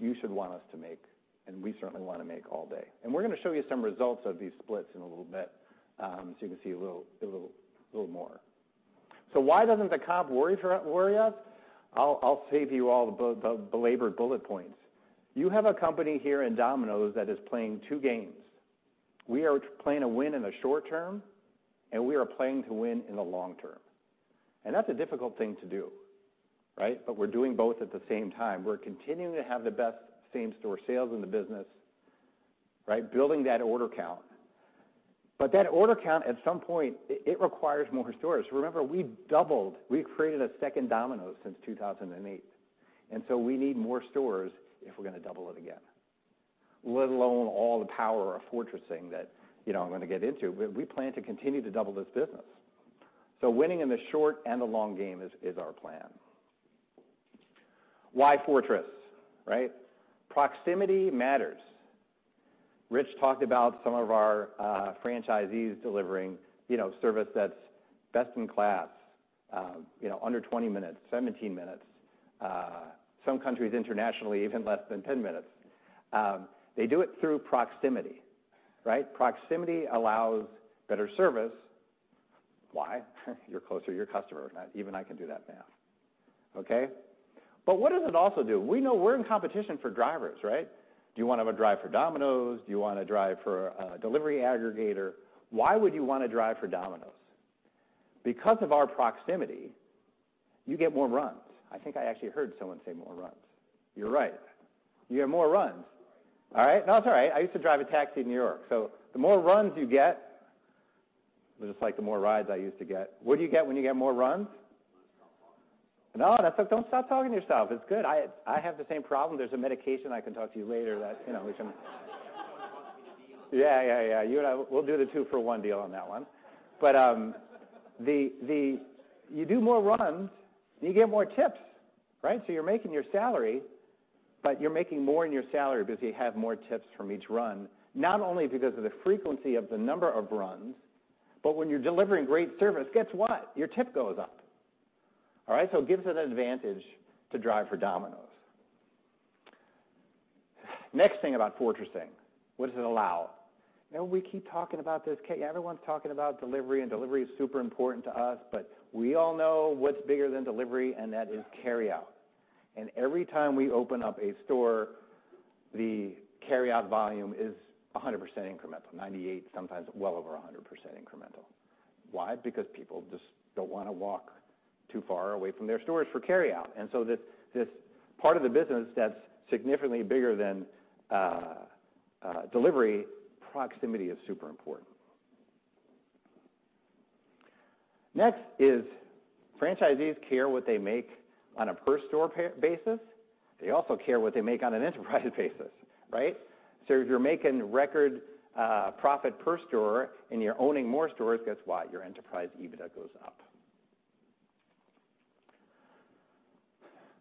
you should want us to make, and we certainly want to make all day. We're going to show you some results of these splits in a little bit, so you can see a little more. Why doesn't the comp worry us? I'll save you all the belabored bullet points. You have a company here in Domino's that is playing two games. We are playing to win in the short term, and we are playing to win in the long term. That's a difficult thing to do, right? We're doing both at the same time. We're continuing to have the best same-store sales in the business, right? Building that order count. That order count, at some point, it requires more stores. Remember, we doubled. We created a second Domino's since 2008. We need more stores if we're going to double it again. Let alone all the power of fortressing that I'm going to get into. We plan to continue to double this business. Winning in the short and the long game is our plan. Why fortress, right? Proximity matters. Ritch talked about some of our franchisees delivering service that's best in class. Under 20 minutes, 17 minutes. Some countries internationally, even less than 10 minutes. They do it through proximity, right? Proximity allows better service. Why? You're closer to your customer. Even I can do that math. Okay? What does it also do? We know we're in competition for drivers, right? Do you want to drive for Domino's? Do you want to drive for a delivery aggregator? Why would you want to drive for Domino's? Because of our proximity, you get more runs. I think I actually heard someone say more runs. You're right. You get more runs. All right. No, it's all right. I used to drive a taxi in New York. The more runs you get, just like the more rides I used to get. What do you get when you get more runs? You want to stop talking. No, don't stop talking to yourself. It's good. I have the same problem. There's a medication I can talk to you later that. Everyone wants a deal. Yeah. You and I, we'll do the two for one deal on that one. You do more runs, and you get more tips, right? You're making your salary, but you're making more in your salary because you have more tips from each run, not only because of the frequency of the number of runs, but when you're delivering great service, guess what? Your tip goes up. All right. It gives an advantage to drive for Domino's. Next thing about fortressing. What does it allow? We keep talking about this. Everyone's talking about delivery, and delivery is super important to us, but we all know what's bigger than delivery, and that is carryout. Every time we open up a store, the carryout volume is 100% incremental, 98%, sometimes well over 100% incremental. Why? Because people just don't want to walk too far away from their stores for carryout. This part of the business that's significantly bigger than delivery, proximity is super important. Next is franchisees care what they make on a per store basis. They also care what they make on an enterprise basis. Right. If you're making record profit per store and you're owning more stores, guess what? Your enterprise EBITDA goes up.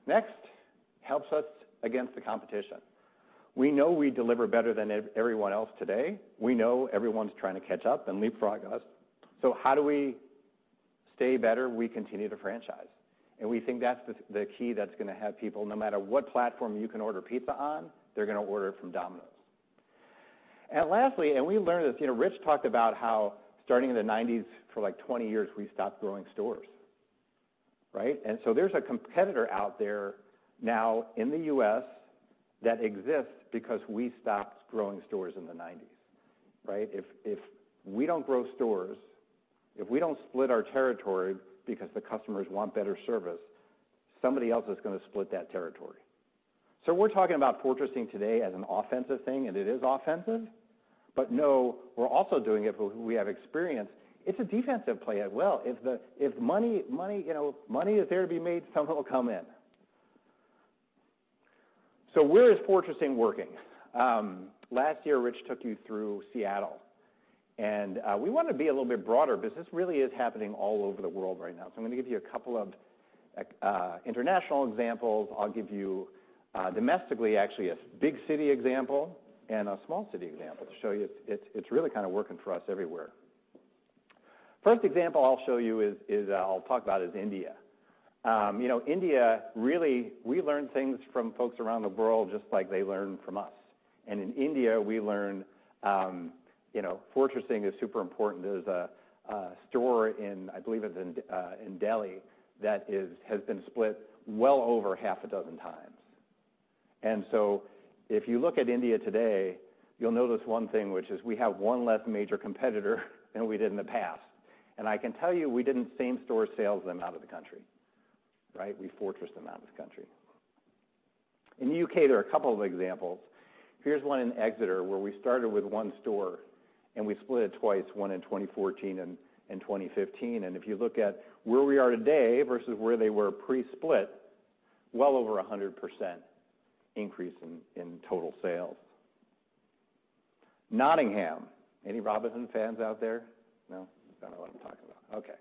Next, helps us against the competition. We know we deliver better than everyone else today. We know everyone's trying to catch up and leapfrog us. How do we stay better? We continue to franchise, and we think that's the key that's going to have people, no matter what platform you can order pizza on, they're going to order it from Domino's. Lastly, we learned this, Ritch talked about how starting in the 1990s, for 20 years, we stopped growing stores. Right. There's a competitor out there now in the U.S. that exists because we stopped growing stores in the 1990s. Right. If we don't grow stores, if we don't split our territory because the customers want better service, somebody else is going to split that territory. We're talking about fortressing today as an offensive thing, and it is offensive. Know we're also doing it, we have experience, it's a defensive play as well. If money is there to be made, someone will come in. Where is fortressing working? Last year, Ritch took you through Seattle. We want to be a little bit broader because this really is happening all over the world right now. I'm going to give you a couple of international examples. I'll give you domestically, actually, a big city example and a small city example to show you it's really kind of working for us everywhere. First example I'll talk about is India. India, really, we learn things from folks around the world just like they learn from us. In India, we learn fortressing is super important. There's a store in, I believe it's in Delhi, that has been split well over half a dozen times. If you look at India today, you'll notice one thing, which is we have one less major competitor than we did in the past. I can tell you, we didn't same-store sales them out of the country. Right. We fortressed them out of the country. In the U.K., there are a couple of examples. Here's one in Exeter, where we started with one store and we split it twice, one in 2014 and 2015. If you look at where we are today versus where they were pre-split, well over 100% increase in total sales. Nottingham. Any Robinson fans out there? No? Don't know what I'm talking about. Okay.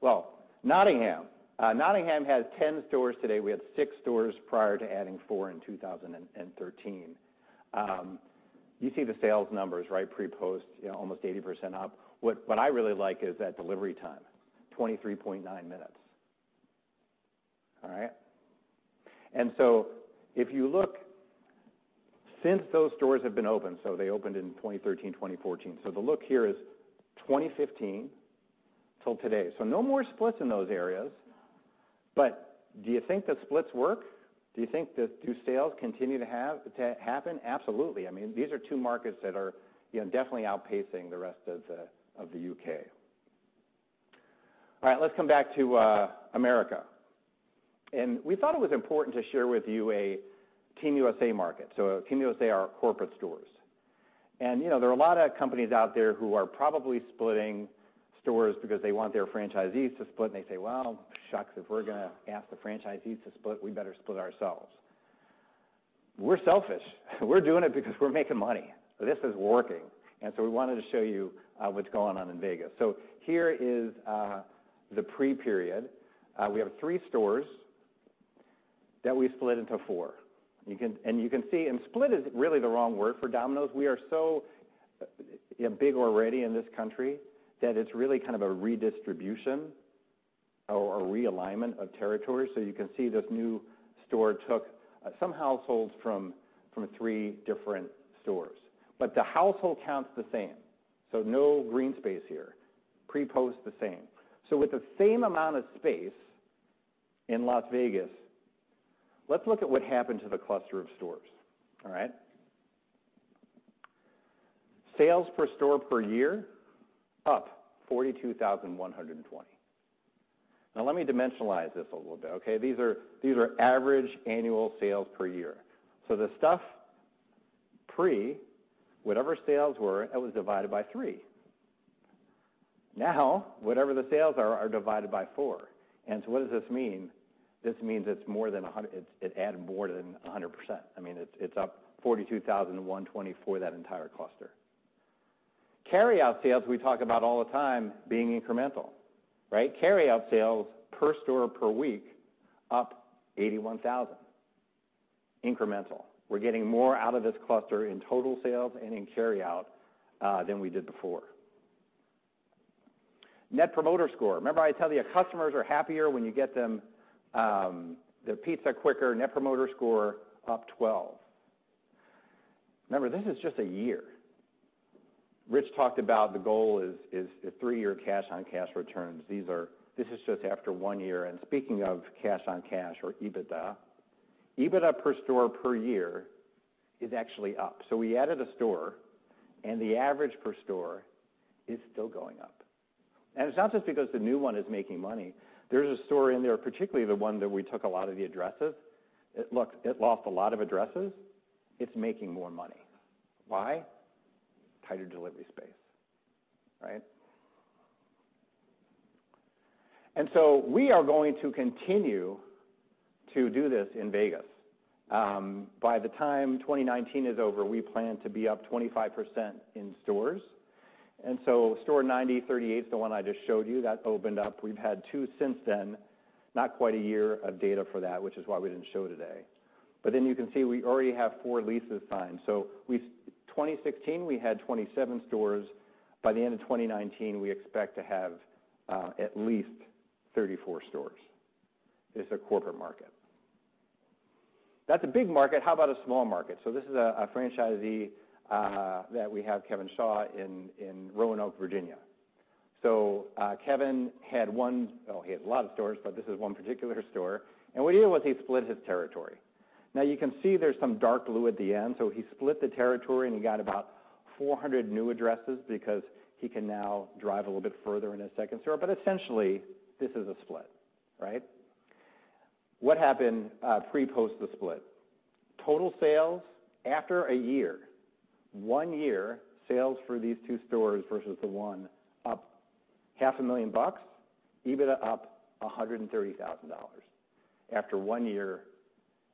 Well, Nottingham. Nottingham has 10 stores today. We had six stores prior to adding four in 2013. You see the sales numbers, right? Pre, post, almost 80% up. What I really like is that delivery time, 23.9 minutes. All right? If you look, since those stores have been open, so they opened in 2013, 2014. The look here is 2015 till today. So no more splits in those areas. Do you think the splits work? Do you think that sales continue to happen? Absolutely. These are two markets that are definitely outpacing the rest of the U.K. All right. Let's come back to America. We thought it was important to share with you a Team USA market. Team USA are corporate stores. There are a lot of companies out there who are probably splitting stores because they want their franchisees to split, and they say, "Well, shucks, if we're going to ask the franchisees to split, we better split ourselves." We're selfish. We're doing it because we're making money. This is working. We wanted to show you what's going on in Vegas. Here is the pre-period. We have three stores that we split into four. You can see, split is really the wrong word for Domino's. We are so big already in this country that it's really kind of a redistribution or realignment of territories. You can see this new store took some households from three different stores. The household count's the same, so no green space here. Pre, post the same. With the same amount of space in Las Vegas, let's look at what happened to the cluster of stores. All right? Sales per store per year, up $42,120. Let me dimensionalize this a little bit. Okay? These are average annual sales per year. So the stuff pre, whatever sales were, it was divided by three. Now, whatever the sales are divided by four. What does this mean? This means it added more than 100%. It's up $42,120 for that entire cluster. Carry-out sales we talk about all the time being incremental. Right? Carry-out sales per store per week, up $81,000. Incremental. We're getting more out of this cluster in total sales and in carry-out, than we did before. Net Promoter Score. Remember I tell you, customers are happier when you get them their pizza quicker. Net Promoter Score up 12. Remember, this is just a year. Ritch talked about the goal is a three-year cash on cash returns. This is just after one year. Speaking of cash on cash or EBITDA per store per year is actually up. We added a store, and the average per store is still going up. It's not just because the new one is making money. There's a store in there, particularly the one that we took a lot of the addresses. Look, it lost a lot of addresses. It's making more money. Why? Tighter delivery space. Right? We are going to continue to do this in Vegas. By the time 2019 is over, we plan to be up 25% in stores. Store 9038 is the one I just showed you. That opened up. We've had two since then. Not quite a year of data for that, which is why we didn't show today. You can see we already have four leases signed. 2016, we had 27 stores. By the end of 2019, we expect to have at least 34 stores. This is a corporate market. That's a big market. How about a small market? This is a franchisee that we have, Kevin Shaw, in Roanoke, Virginia. Kevin had one. He had a lot of stores, but this is one particular store. What he did was he split his territory. You can see there's some dark blue at the end. He split the territory, and he got about 400 new addresses because he can now drive a little bit further in his second store. Essentially, this is a split, right? What happened pre, post the split? Total sales after a year, one year, sales for these two stores versus the one, up $500,000. EBITDA up $130,000 after one year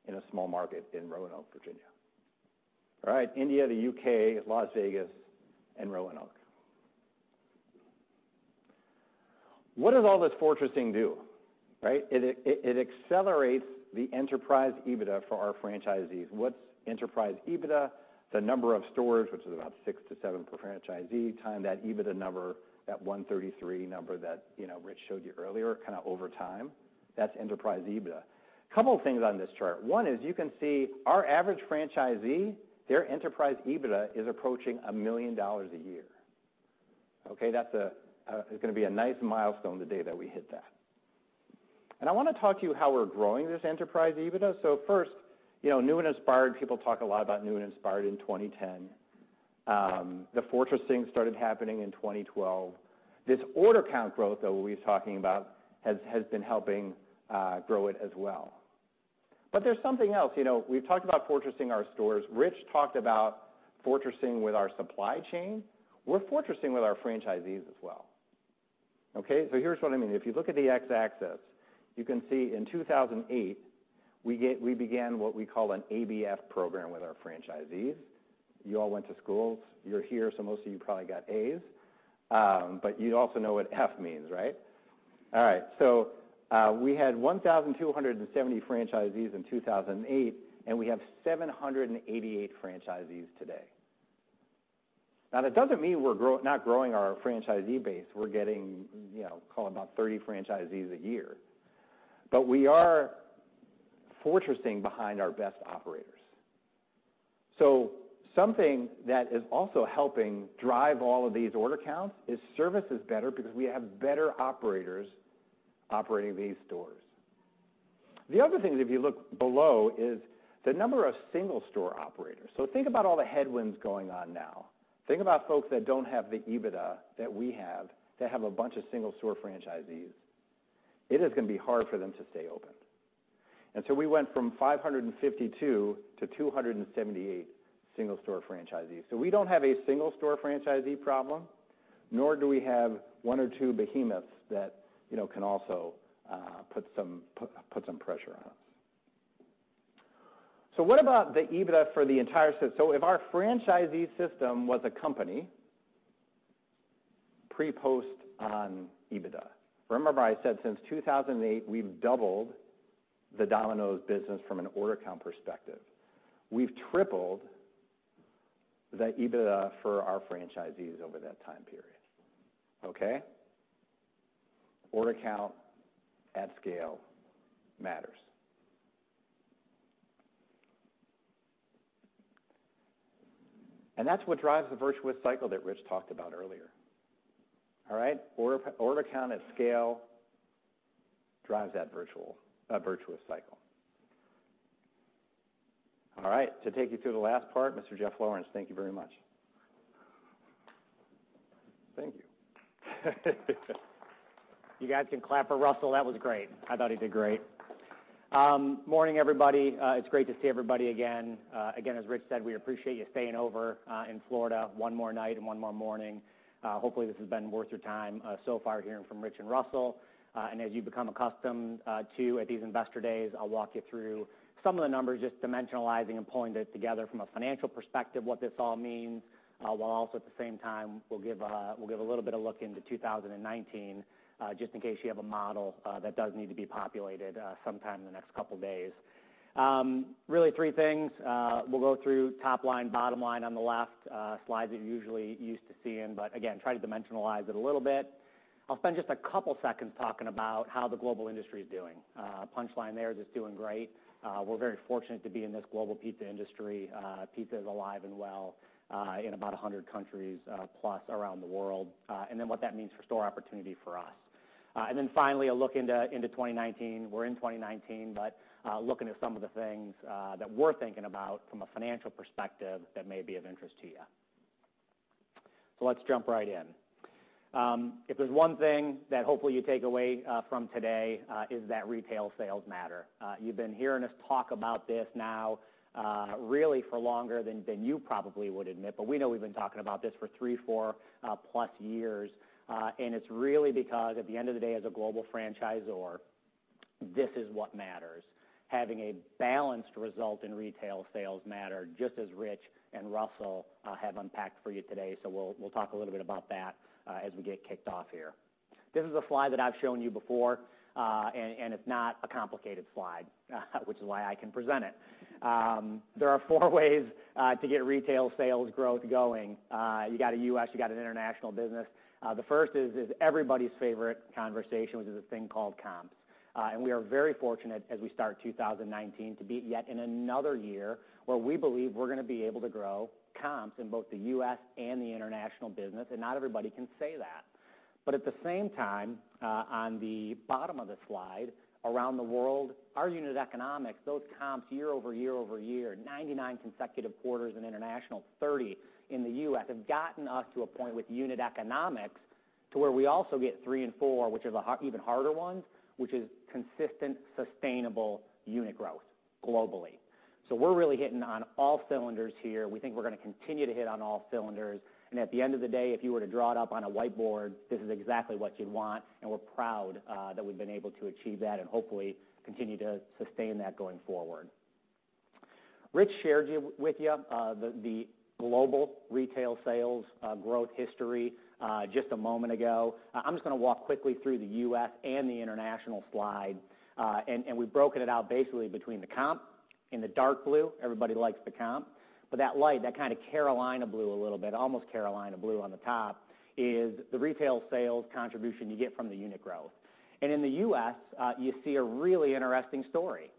in a small market in Roanoke, Virginia. All right. India, the U.K., Las Vegas, and Roanoke. What does all this fortressing do? Right? It accelerates the enterprise EBITDA for our franchisees. What's enterprise EBITDA? The number of stores, which is about six to seven per franchisee, times that EBITDA number, that 133 number that Ritch showed you earlier, kind of over time. That's enterprise EBITDA. Couple of things on this chart. One is you can see our average franchisee, their enterprise EBITDA is approaching a million dollars a year. Okay? That's going to be a nice milestone the day that we hit that. I want to talk to you how we're growing this enterprise EBITDA. First, New and Inspired, people talk a lot about New and Inspired in 2010. The fortressing started happening in 2012. This order count growth, though, we were talking about has been helping grow it as well. There's something else. We've talked about fortressing our stores. Ritch talked about fortressing with our supply chain. We're fortressing with our franchisees as well. Okay? Here's what I mean. If you look at the X-axis, you can see in 2008, we began what we call an ABF program with our franchisees. You all went to school. You're here, so most of you probably got As. You also know what F means, right? All right. We had 1,270 franchisees in 2008, and we have 788 franchisees today. That doesn't mean we're not growing our franchisee base. We're getting call it about 30 franchisees a year. We are fortressing behind our best operators. Something that is also helping drive all of these order counts is service is better because we have better operators operating these stores. The other thing is, if you look below, is the number of single store operators. Think about all the headwinds going on now. Think about folks that don't have the EBITDA that we have that have a bunch of single store franchisees. It is going to be hard for them to stay open. We went from 552 to 278 single store franchisees. We don't have a single store franchisee problem, nor do we have one or two behemoths that can also put some pressure on us. What about the EBITDA for the entire system? If our franchisee system was a company, pre, post on EBITDA. Remember I said since 2008, we've doubled the Domino's business from an order count perspective. We've tripled that EBITDA for our franchisees over that time period. Okay? Order count at scale matters. That's what drives the virtuous cycle that Ritch talked about earlier. All right? Order count at scale drives that virtuous cycle. All right. To take you through the last part, Mr. Jeff Lawrence. Thank you very much. Thank you. You guys can clap for Russell. That was great. I thought he did great. Morning, everybody. It's great to see everybody again. Again, as Ritch said, we appreciate you staying over in Florida one more night and one more morning. Hopefully, this has been worth your time so far hearing from Ritch and Russell. As you've become accustomed to at these investor days, I'll walk you through some of the numbers, just dimensionalizing and pulling it together from a financial perspective what this all means, while also at the same time, we'll give a little bit of look into 2019, just in case you have a model that does need to be populated sometime in the next couple of days. Really three things. We'll go through top line, bottom line on the left slides that you're usually used to seeing, but again, try to dimensionalize it a little bit. I'll spend just a couple seconds talking about how the global industry is doing. Punchline there is it's doing great. We're very fortunate to be in this global pizza industry. Pizza is alive and well in about 100+ countries around the world, then what that means for store opportunity for us. Then finally, a look into 2019. We're in 2019, but looking at some of the things that we're thinking about from a financial perspective that may be of interest to you. Let's jump right in. If there's one thing that hopefully you take away from today is that retail sales matter. You've been hearing us talk about this now really for longer than you probably would admit, but we know we've been talking about this for three, four plus years. It's really because at the end of the day, as a global franchisor, this is what matters. Having a balanced result in retail sales matter just as Ritch and Russell have unpacked for you today. We'll talk a little bit about that as we get kicked off here. This is a slide that I've shown you before, it's not a complicated slide, which is why I can present it. There are four ways to get retail sales growth going. You got a U.S., you got an international business. The first is everybody's favorite conversation, which is a thing called comps. We are very fortunate as we start 2019 to be yet in another year where we believe we're going to be able to grow comps in both the U.S. and the international business, not everybody can say that. At the same time, on the bottom of the slide, around the world, our unit economics, those comps year-over-year-over-year, 99 consecutive quarters in international, 30 in the U.S., have gotten us to a point with unit economics to where we also get three and four, which is the even harder ones, which is consistent, sustainable unit growth globally. We're really hitting on all cylinders here. We think we're going to continue to hit on all cylinders. At the end of the day, if you were to draw it up on a whiteboard, this is exactly what you'd want, and we're proud that we've been able to achieve that and hopefully continue to sustain that going forward. Ritch shared with you the global retail sales growth history just a moment ago. I'm just going to walk quickly through the U.S. and the international slide. We've broken it out basically between the comp in the dark blue. Everybody likes the comp. That light, that kind of Carolina blue a little bit, almost Carolina blue on the top is the retail sales contribution you get from the unit growth. In the U.S., you see a really interesting story.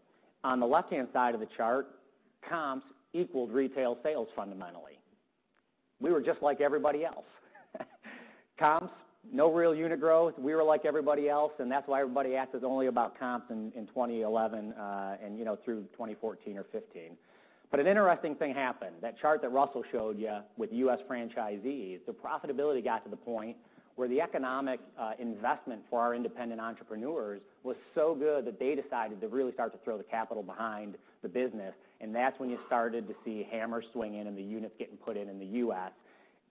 On the left-hand side of the chart, comps equaled retail sales fundamentally. We were just like everybody else. Comps, no real unit growth. We were like everybody else, that's why everybody asked us only about comps in 2011 and through 2014 or 2015. An interesting thing happened. That chart that Russell showed you with U.S. franchisees, the profitability got to the point where the economic investment for our independent entrepreneurs was so good that they decided to really start to throw the capital behind the business, that's when you started to see hammers swinging and the units getting put in in the U.S.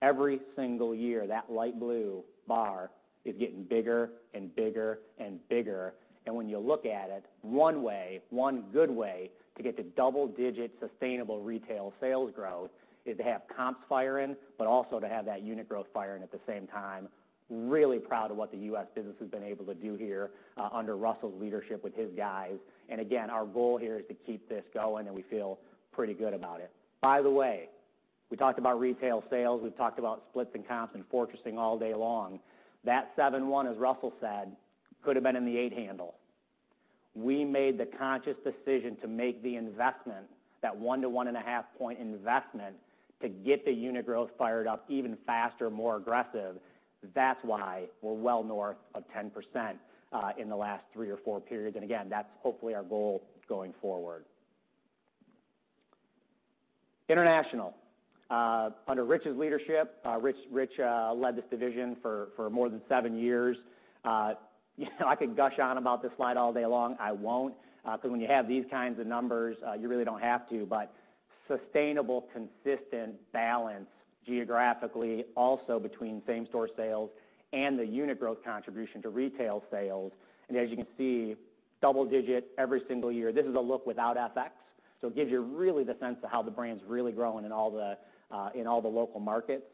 Every single year, that light blue bar is getting bigger and bigger and bigger, when you look at it, one way, one good way to get to double-digit sustainable retail sales growth is to have comps firing, also to have that unit growth firing at the same time. Really proud of what the U.S. business has been able to do here under Russell's leadership with his guys. Again, our goal here is to keep this going, and we feel pretty good about it. By the way, we talked about retail sales, we've talked about splits and comps and fortressing all day long. That 7.1%, as Russell said, could have been in the 8% handle. We made the conscious decision to make the investment, that 1-1.5 point investment to get the unit growth fired up even faster, more aggressive. That's why we're well north of 10% in the last three or four periods, again, that's hopefully our goal going forward. International. Under Ritch's leadership, Ritch led this division for more than seven years. I could gush on about this slide all day long. I won't, because when you have these kinds of numbers, you really don't have to, but sustainable, consistent balance geographically also between same store sales and the unit growth contribution to retail sales. As you can see, double digit every single year. This is a look without FX, so it gives you really the sense of how the brand's really growing in all the local markets.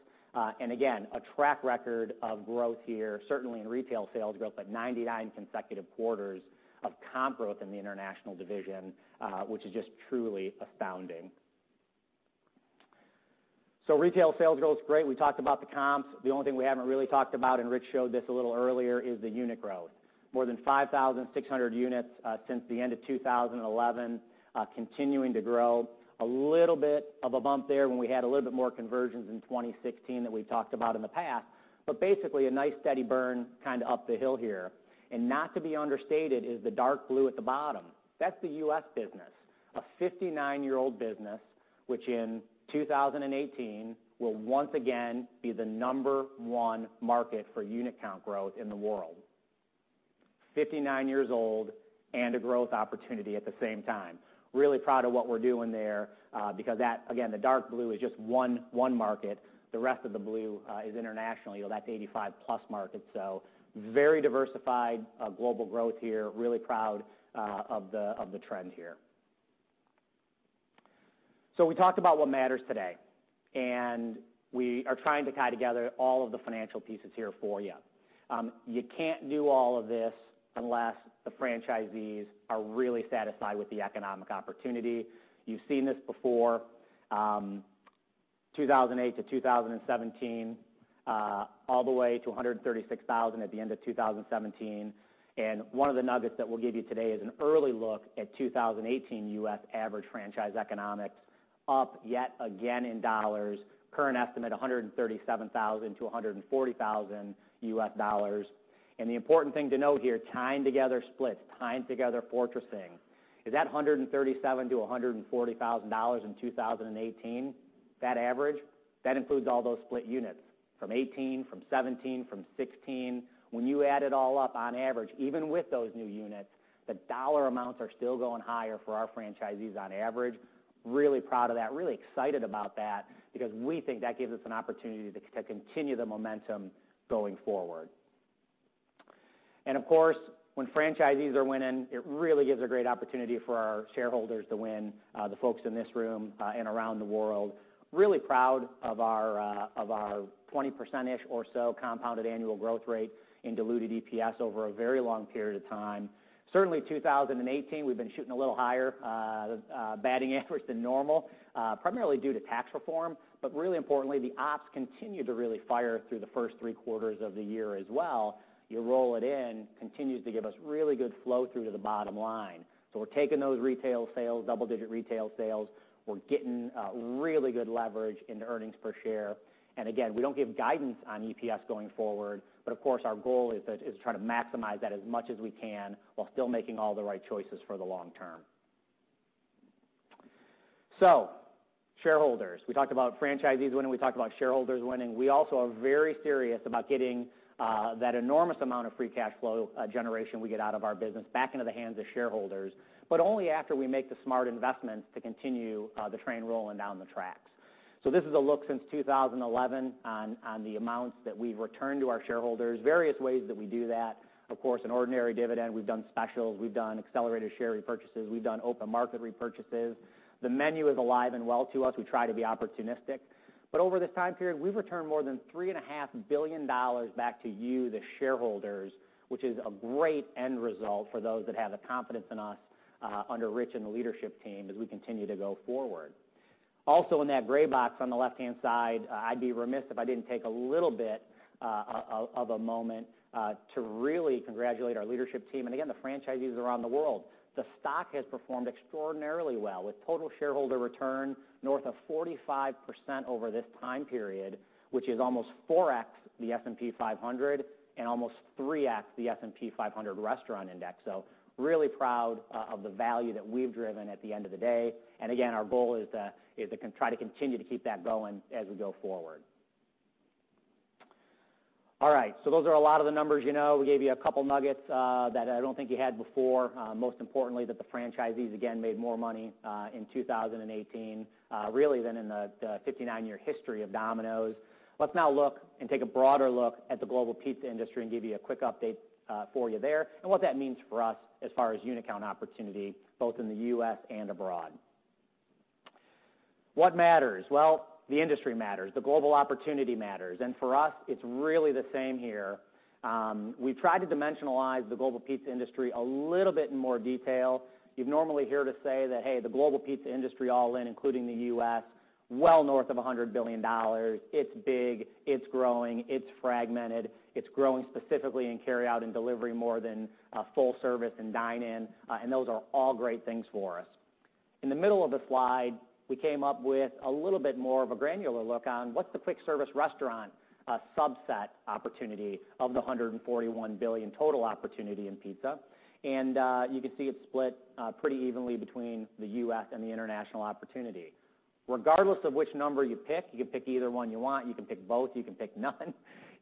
Again, a track record of growth here, certainly in retail sales growth, but 99 consecutive quarters of comp growth in the international division, which is just truly astounding. Retail sales growth is great. We talked about the comps. The only thing we haven't really talked about, and Ritch showed this a little earlier, is the unit growth. More than 5,600 units since the end of 2011, continuing to grow. A little bit of a bump there when we had a little bit more conversions in 2016 that we've talked about in the past. Basically, a nice steady burn kind of up the hill here. Not to be understated is the dark blue at the bottom. That's the U.S. business. A 59-year-old business, which in 2018, will once again be the number one market for unit count growth in the world. 59 years old and a growth opportunity at the same time. Really proud of what we're doing there, because again, the dark blue is just one market. The rest of the blue is international. That's 85+ markets. Very diversified global growth here. Really proud of the trend here. We talked about what matters today, and we are trying to tie together all of the financial pieces here for you. You can't do all of this unless the franchisees are really satisfied with the economic opportunity. You've seen this before. 2008 to 2017, all the way to $136,000 at the end of 2017. One of the nuggets that we'll give you today is an early look at 2018 U.S. average franchise economics, up yet again in dollars. Current estimate, $137,000-$140,000. The important thing to note here, tying together splits, tying together fortressing. Is that $137,000-$140,000 in 2018, that average? That includes all those split units from 2018, from 2017, from 2016. When you add it all up, on average, even with those new units, the dollar amounts are still going higher for our franchisees on average. Really proud of that, really excited about that, because we think that gives us an opportunity to continue the momentum going forward. Of course, when franchisees are winning, it really gives a great opportunity for our shareholders to win, the folks in this room and around the world. Really proud of our 20%-ish or so compounded annual growth rate in diluted EPS over a very long period of time. Certainly 2018, we've been shooting a little higher batting average than normal primarily due to tax reform. Really importantly, the ops continue to really fire through the first three quarters of the year as well. You roll it in, continues to give us really good flow through to the bottom line. We're taking those retail sales, double-digit retail sales. We're getting really good leverage into earnings per share. Again, we don't give guidance on EPS going forward, of course, our goal is to try to maximize that as much as we can while still making all the right choices for the long term. Shareholders. We talked about franchisees winning, we talked about shareholders winning. We also are very serious about getting that enormous amount of free cash flow generation we get out of our business back into the hands of shareholders, but only after we make the smart investments to continue the train rolling down the tracks. This is a look since 2011 on the amounts that we've returned to our shareholders. Various ways that we do that. Of course, an ordinary dividend. We've done specials. We've done accelerated share repurchases. We've done open market repurchases. The menu is alive and well to us. We try to be opportunistic. Over this time period, we've returned more than $3.5 billion back to you, the shareholders, which is a great end result for those that have the confidence in us under Ritch and the leadership team as we continue to go forward. Also in that gray box on the left-hand side, I'd be remiss if I didn't take a little bit of a moment to really congratulate our leadership team, again, the franchisees around the world. The stock has performed extraordinarily well, with total shareholder return north of 45% over this time period, which is almost 4x the S&P 500 and almost 3x the S&P 500 restaurant index. Really proud of the value that we've driven at the end of the day. Again, our goal is to try to continue to keep that going as we go forward. All right. Those are a lot of the numbers you know. We gave you a couple nuggets that I don't think you had before. Most importantly, that the franchisees, again, made more money in 2018, really than in the 59-year history of Domino's. Let's now look and take a broader look at the global pizza industry and give you a quick update for you there and what that means for us as far as unit count opportunity, both in the U.S. and abroad. What matters? Well, the industry matters. The global opportunity matters. For us, it's really the same here. We've tried to dimensionalize the global pizza industry a little bit in more detail. You'd normally hear to say that, hey, the global pizza industry, all in, including the U.S., well north of $100 billion. It's big. It's growing. It's fragmented. It's growing specifically in carryout and delivery more than full service and dine-in. Those are all great things for us. In the middle of the slide, we came up with a little bit more of a granular look on what's the quick service restaurant subset opportunity of the $141 billion total opportunity in pizza. You can see it's split pretty evenly between the U.S. and the international opportunity. Regardless of which number you pick, you can pick either one you want. You can pick both. You can pick none.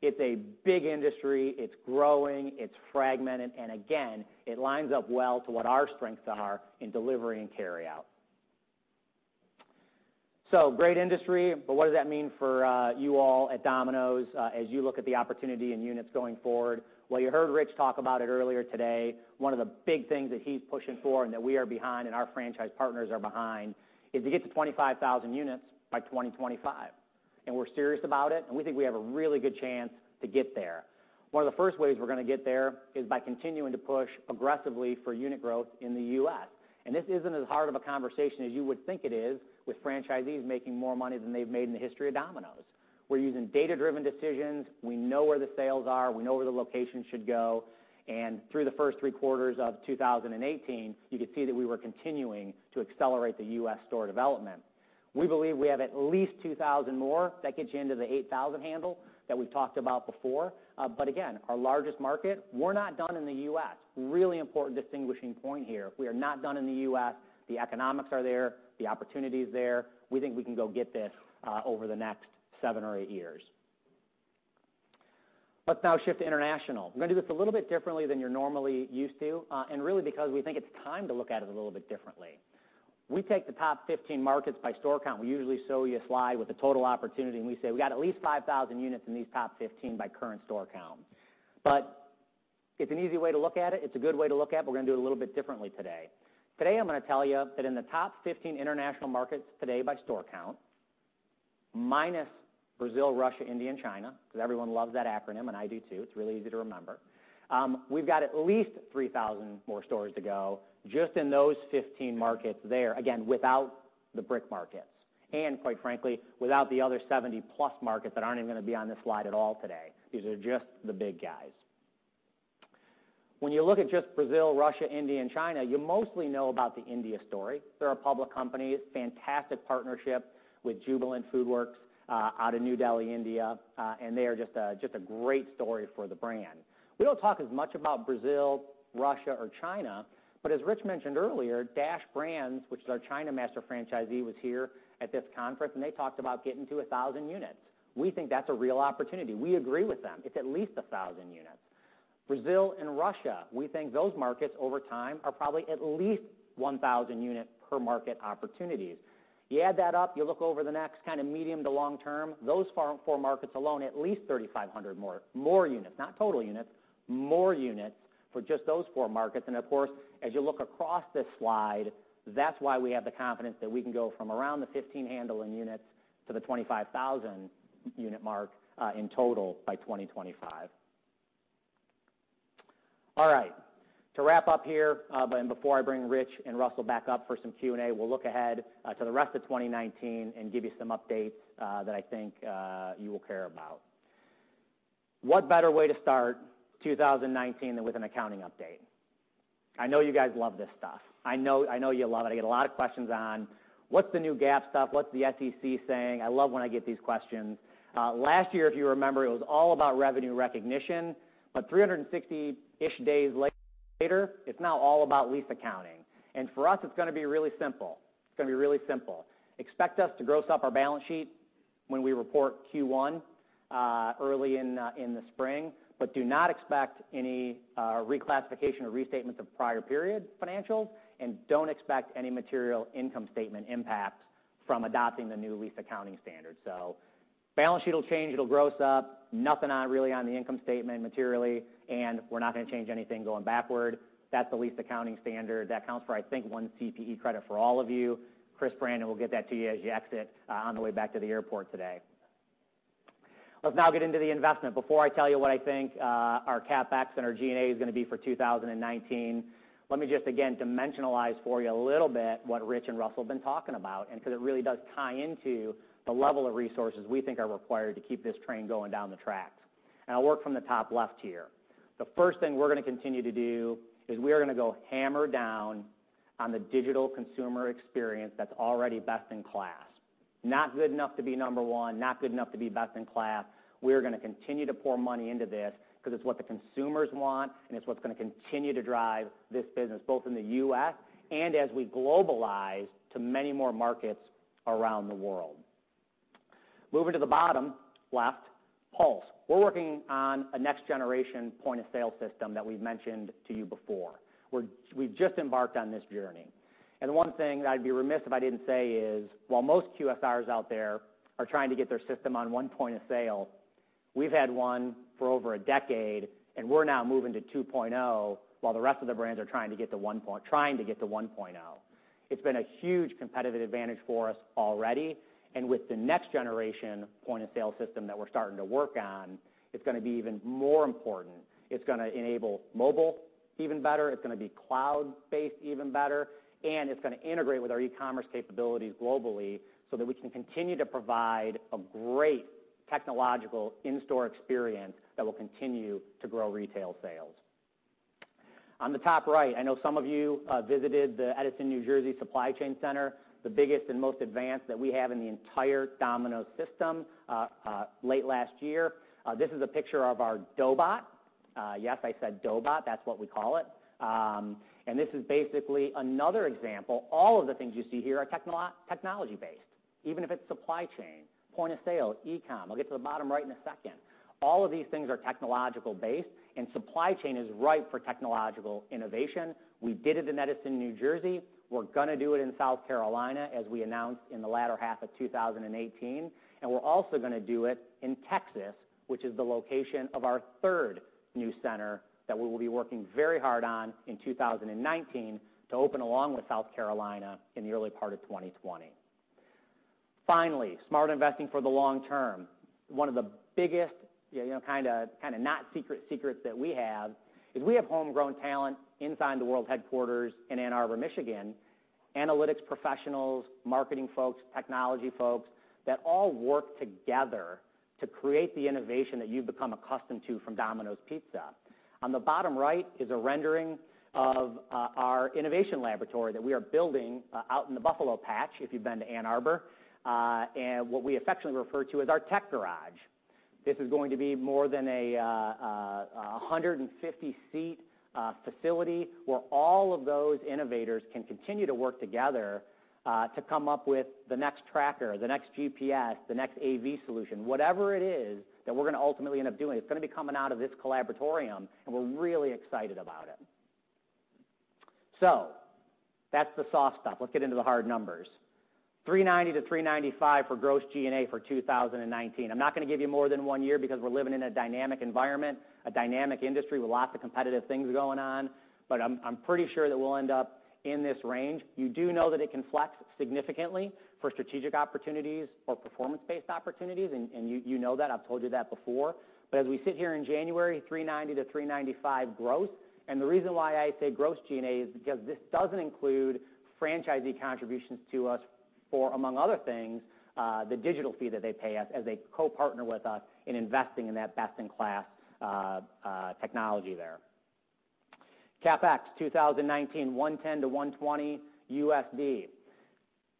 It's a big industry. It's growing. It's fragmented. Again, it lines up well to what our strengths are in delivery and carryout. Great industry, but what does that mean for you all at Domino's as you look at the opportunity in units going forward? Well, you heard Ritch talk about it earlier today. One of the big things that he's pushing for and that we are behind, and our franchise partners are behind, is to get to 25,000 units by 2025. We're serious about it, and we think we have a really good chance to get there. One of the first ways we're going to get there is by continuing to push aggressively for unit growth in the U.S. This isn't as hard of a conversation as you would think it is with franchisees making more money than they've made in the history of Domino's. We're using data-driven decisions. We know where the sales are, we know where the locations should go, and through the first three quarters of 2018, you could see that we were continuing to accelerate the U.S. store development. We believe we have at least 2,000 more. That gets you into the 8,000 handle that we've talked about before. Again, our largest market, we're not done in the U.S. Really important distinguishing point here. We are not done in the U.S. The economics are there, the opportunity is there. We think we can go get this over the next seven or eight years. Let's now shift to international. We're going to do this a little bit differently than you're normally used to. Really, because we think it's time to look at it a little bit differently. We take the top 15 markets by store count. We usually show you a slide with the total opportunity, and we say, we got at least 5,000 units in these top 15 by current store count. It's an easy way to look at it. It's a good way to look at. We're going to do it a little bit differently today. Today, I'm going to tell you that in the top 15 international markets today by store count, minus Brazil, Russia, India, and China, because everyone loves that acronym, and I do too. It's really easy to remember. We've got at least 3,000 more stores to go just in those 15 markets there. Again, without the BRIC markets and quite frankly, without the other 70+ markets that aren't even going to be on this slide at all today. These are just the big guys. When you look at just Brazil, Russia, India, and China, you mostly know about the India story. They're a public company. Fantastic partnership with Jubilant FoodWorks out of New Delhi, India. They are just a great story for the brand. We don't talk as much about Brazil, Russia, or China, as Ritch mentioned earlier, Dash Brands, which is our China master franchisee, was here at this conference, and they talked about getting to 1,000 units. We think that's a real opportunity. We agree with them. It's at least 1,000 units. Brazil and Russia, we think those markets over time are probably at least 1,000 unit per market opportunities. You add that up, you look over the next kind of medium to long term, those four markets alone, at least 3,500 more units. Not total units, more units for just those four markets. Of course, as you look across this slide, that's why we have the confidence that we can go from around the 15 handle in units to the 25,000 unit mark in total by 2025. All right. To wrap up here, before I bring Ritch and Russell back up for some Q&A, we'll look ahead to the rest of 2019 and give you some updates that I think you will care about. What better way to start 2019 than with an accounting update? I know you guys love this stuff. I know you love it. I get a lot of questions on what's the new GAAP stuff, what's the SEC saying? I love when I get these questions. Last year, if you remember, it was all about revenue recognition. 360-ish days later, it's now all about lease accounting. For us, it's going to be really simple. Expect us to gross up our balance sheet when we report Q1 early in the spring, do not expect any reclassification or restatements of prior period financials and don't expect any material income statement impact from adopting the new lease accounting standard. Balance sheet will change, it'll gross up. Nothing really on the income statement materially, we're not going to change anything going backward. That's the lease accounting standard. That counts for, I think, one CPE credit for all of you. Chris Brandon will get that to you as you exit on the way back to the airport today. Let's now get into the investment. Before I tell you what I think our CapEx and our G&A is going to be for 2019, let me just again dimensionalize for you a little bit what Ritch and Russell have been talking about. Because it really does tie into the level of resources we think are required to keep this train going down the track. I'll work from the top left here. The first thing we're going to continue to do is we are going to go hammer down on the digital consumer experience that's already best in class. Not good enough to be number one, not good enough to be best in class. We are going to continue to pour money into this because it's what the consumers want, and it's what's going to continue to drive this business both in the U.S. and as we globalize to many more markets around the world. Moving to the bottom left, Pulse. We're working on a next generation point-of-sale system that we've mentioned to you before. We've just embarked on this journey. The one thing that I'd be remiss if I didn't say is, while most QSRs out there are trying to get their system on one point of sale, we've had one for over a decade, we're now moving to 2.0 while the rest of the brands are trying to get to 1.0. It's been a huge competitive advantage for us already, with the next generation point-of-sale system that we're starting to work on, it's going to be even more important. It's going to enable mobile even better. It's going to be cloud-based even better, it's going to integrate with our e-commerce capabilities globally so that we can continue to provide a great technological in-store experience that will continue to grow retail sales. On the top right, I know some of you visited the Edison, New Jersey supply chain center, the biggest and most advanced that we have in the entire Domino's system, late last year. This is a picture of our Doughbot. Yes, I said Doughbot. That's what we call it. This is basically another example. All of the things you see here are technology-based. Even if it's supply chain, point of sale, e-com. I'll get to the bottom right in a second. All of these things are technological-based, and supply chain is ripe for technological innovation. We did it in Edison, New Jersey. We're going to do it in South Carolina, as we announced in the latter half of 2018, and we're also going to do it in Texas, which is the location of our third new center that we will be working very hard on in 2019 to open along with South Carolina in the early part of 2020. Finally, smart investing for the long term. One of the biggest kind of not secret secrets that we have is we have homegrown talent inside the world headquarters in Ann Arbor, Michigan. Analytics professionals, marketing folks, technology folks that all work together to create the innovation that you've become accustomed to from Domino's Pizza. On the bottom right is a rendering of our innovation laboratory that we are building out in the Buffalo Patch, if you've been to Ann Arbor, and what we affectionately refer to as our tech garage. This is going to be more than a 150-seat facility where all of those innovators can continue to work together to come up with the next tracker, the next GPS, the next AV solution. Whatever it is that we're going to ultimately end up doing, it's going to be coming out of this collaboratorium, and we're really excited about it. That's the soft stuff. Let's get into the hard numbers. $390 million-$395 million for gross G&A for 2019. I'm not going to give you more than one year because we're living in a dynamic environment, a dynamic industry with lots of competitive things going on. I'm pretty sure that we'll end up in this range. You do know that it can flex significantly for strategic opportunities or performance-based opportunities, and you know that. I've told you that before. As we sit here in January, $390 million-$395 million gross. The reason why I say gross G&A is because this doesn't include franchisee contributions to us for, among other things, the digital fee that they pay us as they co-partner with us in investing in that best-in-class technology there. CapEx 2019, $110 million-$120 million.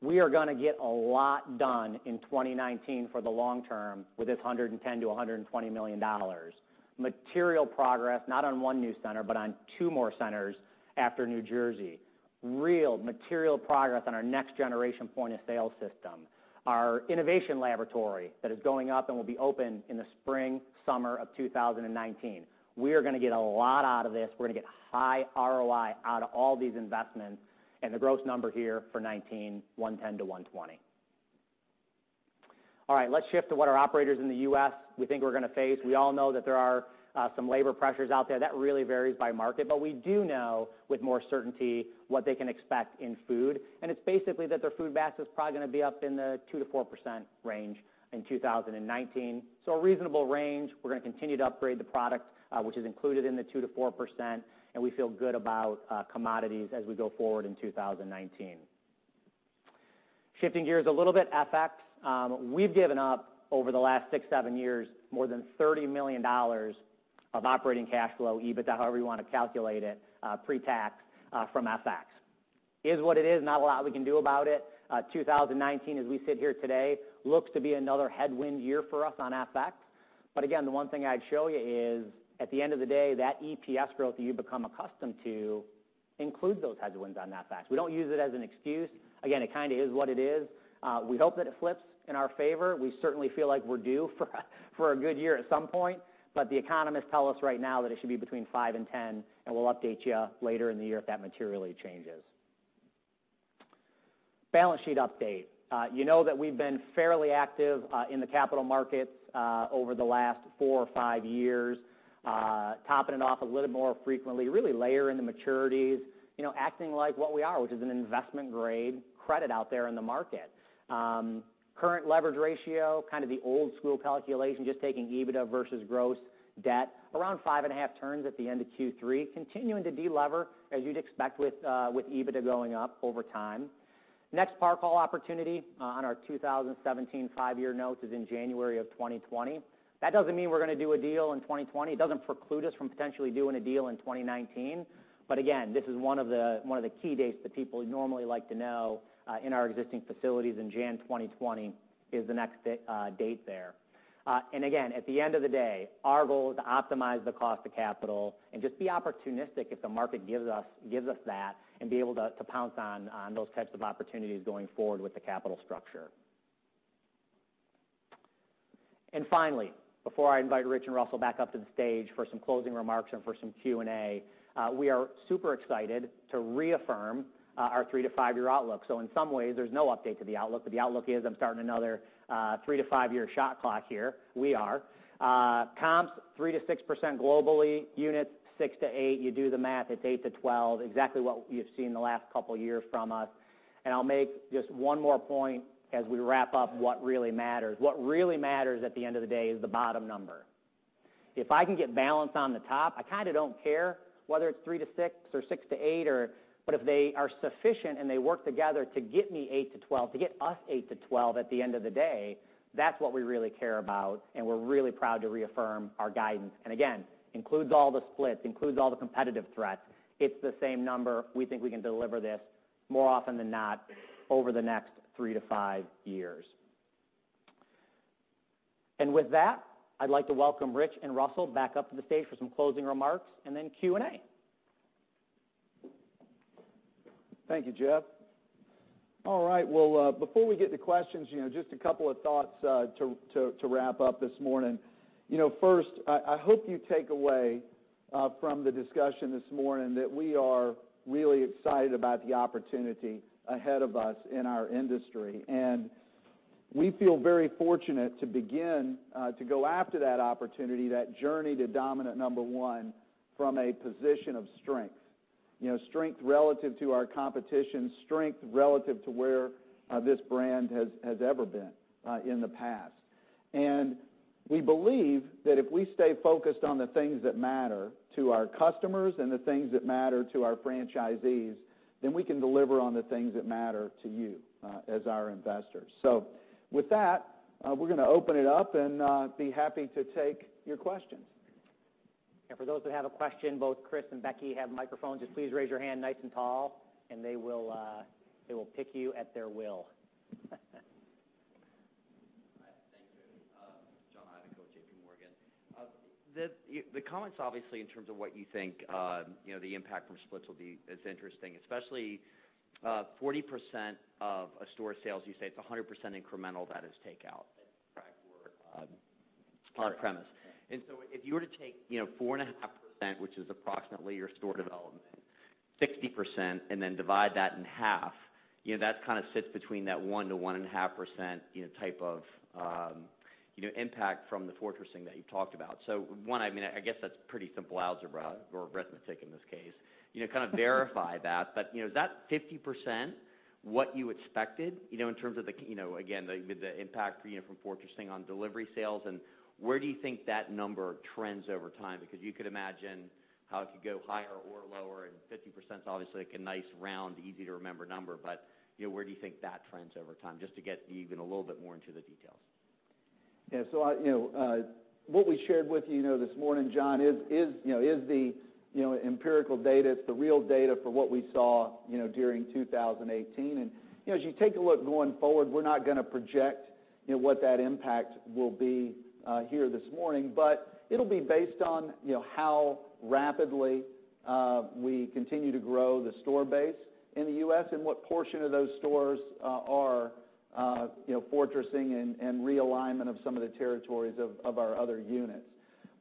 We are going to get a lot done in 2019 for the long term with this $110 million-$120 million. Material progress, not on one new center, but on two more centers after New Jersey. Real material progress on our next generation point-of-sale system. Our innovation laboratory that is going up and will be open in the spring, summer of 2019. We are going to get a lot out of this. We're going to get high ROI out of all these investments, and the gross number here for 2019, $110 million-$120 million. All right, let's shift to what our operators in the U.S. we think we're going to face. We all know that there are some labor pressures out there. That really varies by market. We do know with more certainty what they can expect in food, and it's basically that their food basket is probably going to be up in the 2%-4% range in 2019. A reasonable range. We're going to continue to upgrade the product, which is included in the 2%-4%, and we feel good about commodities as we go forward in 2019. Shifting gears a little bit, FX. We've given up over the last six, seven years more than $30 million of operating cash flow, EBITDA, however you want to calculate it, pre-tax, from FX. It is what it is. Not a lot we can do about it. 2019, as we sit here today, looks to be another headwind year for us on FX. Again, the one thing I'd show you is at the end of the day, that EPS growth that you've become accustomed to includes those headwinds on FX. We don't use it as an excuse. Again, it kind of is what it is. We hope that it flips in our favor. We certainly feel like we're due for a good year at some point. The economists tell us right now that it should be between 5% and 10%, and we'll update you later in the year if that materially changes. Balance sheet update. You know that we've been fairly active in the capital markets over the last four or five years, topping it off a little more frequently, really layering the maturities. Acting like what we are, which is an investment-grade credit out there in the market. Current leverage ratio, kind of the old school calculation, just taking EBITDA versus gross debt, around five and a half turns at the end of Q3. Continuing to de-lever, as you'd expect with EBITDA going up over time. Next par call opportunity on our 2017 five-year note is in January of 2020. That doesn't mean we're going to do a deal in 2020. It doesn't preclude us from potentially doing a deal in 2019. Again, this is one of the key dates that people normally like to know in our existing facilities, and January 2020 is the next date there. Again, at the end of the day, our goal is to optimize the cost of capital and just be opportunistic if the market gives us that, and be able to pounce on those types of opportunities going forward with the capital structure. Finally, before I invite Ritch and Russell back up to the stage for some closing remarks and for some Q&A, we are super excited to reaffirm our three-to-five-year outlook. In some ways, there's no update to the outlook. The outlook is I'm starting another three-to-five-year shot clock here. We are. Comps, 3%-6% globally. Units, 6%-8%. You do the math, it's 8%-12%. Exactly what you've seen the last couple of years from us. I'll make just one more point as we wrap up what really matters. What really matters at the end of the day is the bottom number. If I can get balance on the top, I kind of don't care whether it's 3%-6% or 6%-8%. If they are sufficient and they work together to get me 8%-12%, to get us 8%-12% at the end of the day, that's what we really care about, and we're really proud to reaffirm our guidance. Again, includes all the splits, includes all the competitive threats. It's the same number. We think we can deliver this more often than not over the next three to five years. With that, I'd like to welcome Ritch and Russell back up to the stage for some closing remarks and then Q&A. Thank you, Jeff. All right. Before we get to questions, just a couple of thoughts to wrap up this morning. First, I hope you take away from the discussion this morning that we are really excited about the opportunity ahead of us in our industry. We feel very fortunate to begin to go after that opportunity, that journey to dominant number one from a position of strength relative to our competition, strength relative to where this brand has ever been in the past. We believe that if we stay focused on the things that matter to our customers and the things that matter to our franchisees, then we can deliver on the things that matter to you as our investors. With that, we're going to open it up and be happy to take your questions. For those that have a question, both Chris and Becky have microphones. Just please raise your hand nice and tall, and they will pick you at their will. Hi. Thank you. John Ivankoe, JPMorgan. The comments, obviously, in terms of what you think the impact from splits will be is interesting, especially 40% of a store sales, you say it's 100% incremental that is takeout. That's correct. It's on-premise. Yeah. If you were to take 4.5%, which is approximately your store development, 60%, then divide that in half, that sits between that 1% to 1.5% type of impact from the fortressing that you talked about. One, I guess that's pretty simple algebra, or arithmetic in this case. Kind of verify that. Is that 50% what you expected, in terms of, again, the impact for you from fortressing on delivery sales, and where do you think that number trends over time? You could imagine how it could go higher or lower, and 50%'s obviously like a nice, round, easy-to-remember number, but where do you think that trends over time, just to get even a little bit more into the details? Yeah. What we shared with you this morning, John, is the empirical data. It's the real data for what we saw during 2018. As you take a look going forward, we're not going to project what that impact will be here this morning, but it'll be based on how rapidly we continue to grow the store base in the U.S., and what portion of those stores are fortressing and realignment of some of the territories of our other units.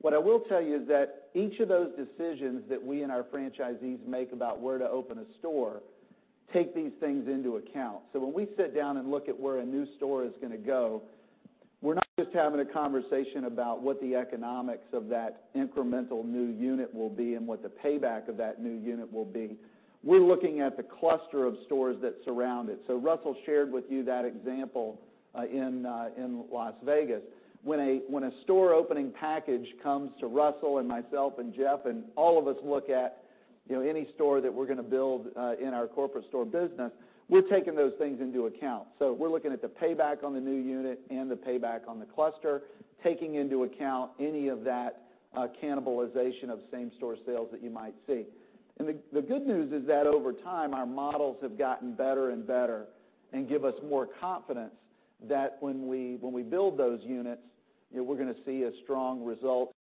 What I will tell you is that each of those decisions that we and our franchisees make about where to open a store take these things into account. When we sit down and look at where a new store is going to go, we're not just having a conversation about what the economics of that incremental new unit will be and what the payback of that new unit will be. We're looking at the cluster of stores that surround it. Russell shared with you that example in Las Vegas. When a store opening package comes to Russell and myself and Jeff, and all of us look at any store that we're going to build in our corporate store business, we're taking those things into account. We're looking at the payback on the new unit and the payback on the cluster, taking into account any of that cannibalization of same-store sales that you might see. The good news is that over time, our models have gotten better and better, and give us more confidence that when we build those units, we're going to see a strong result,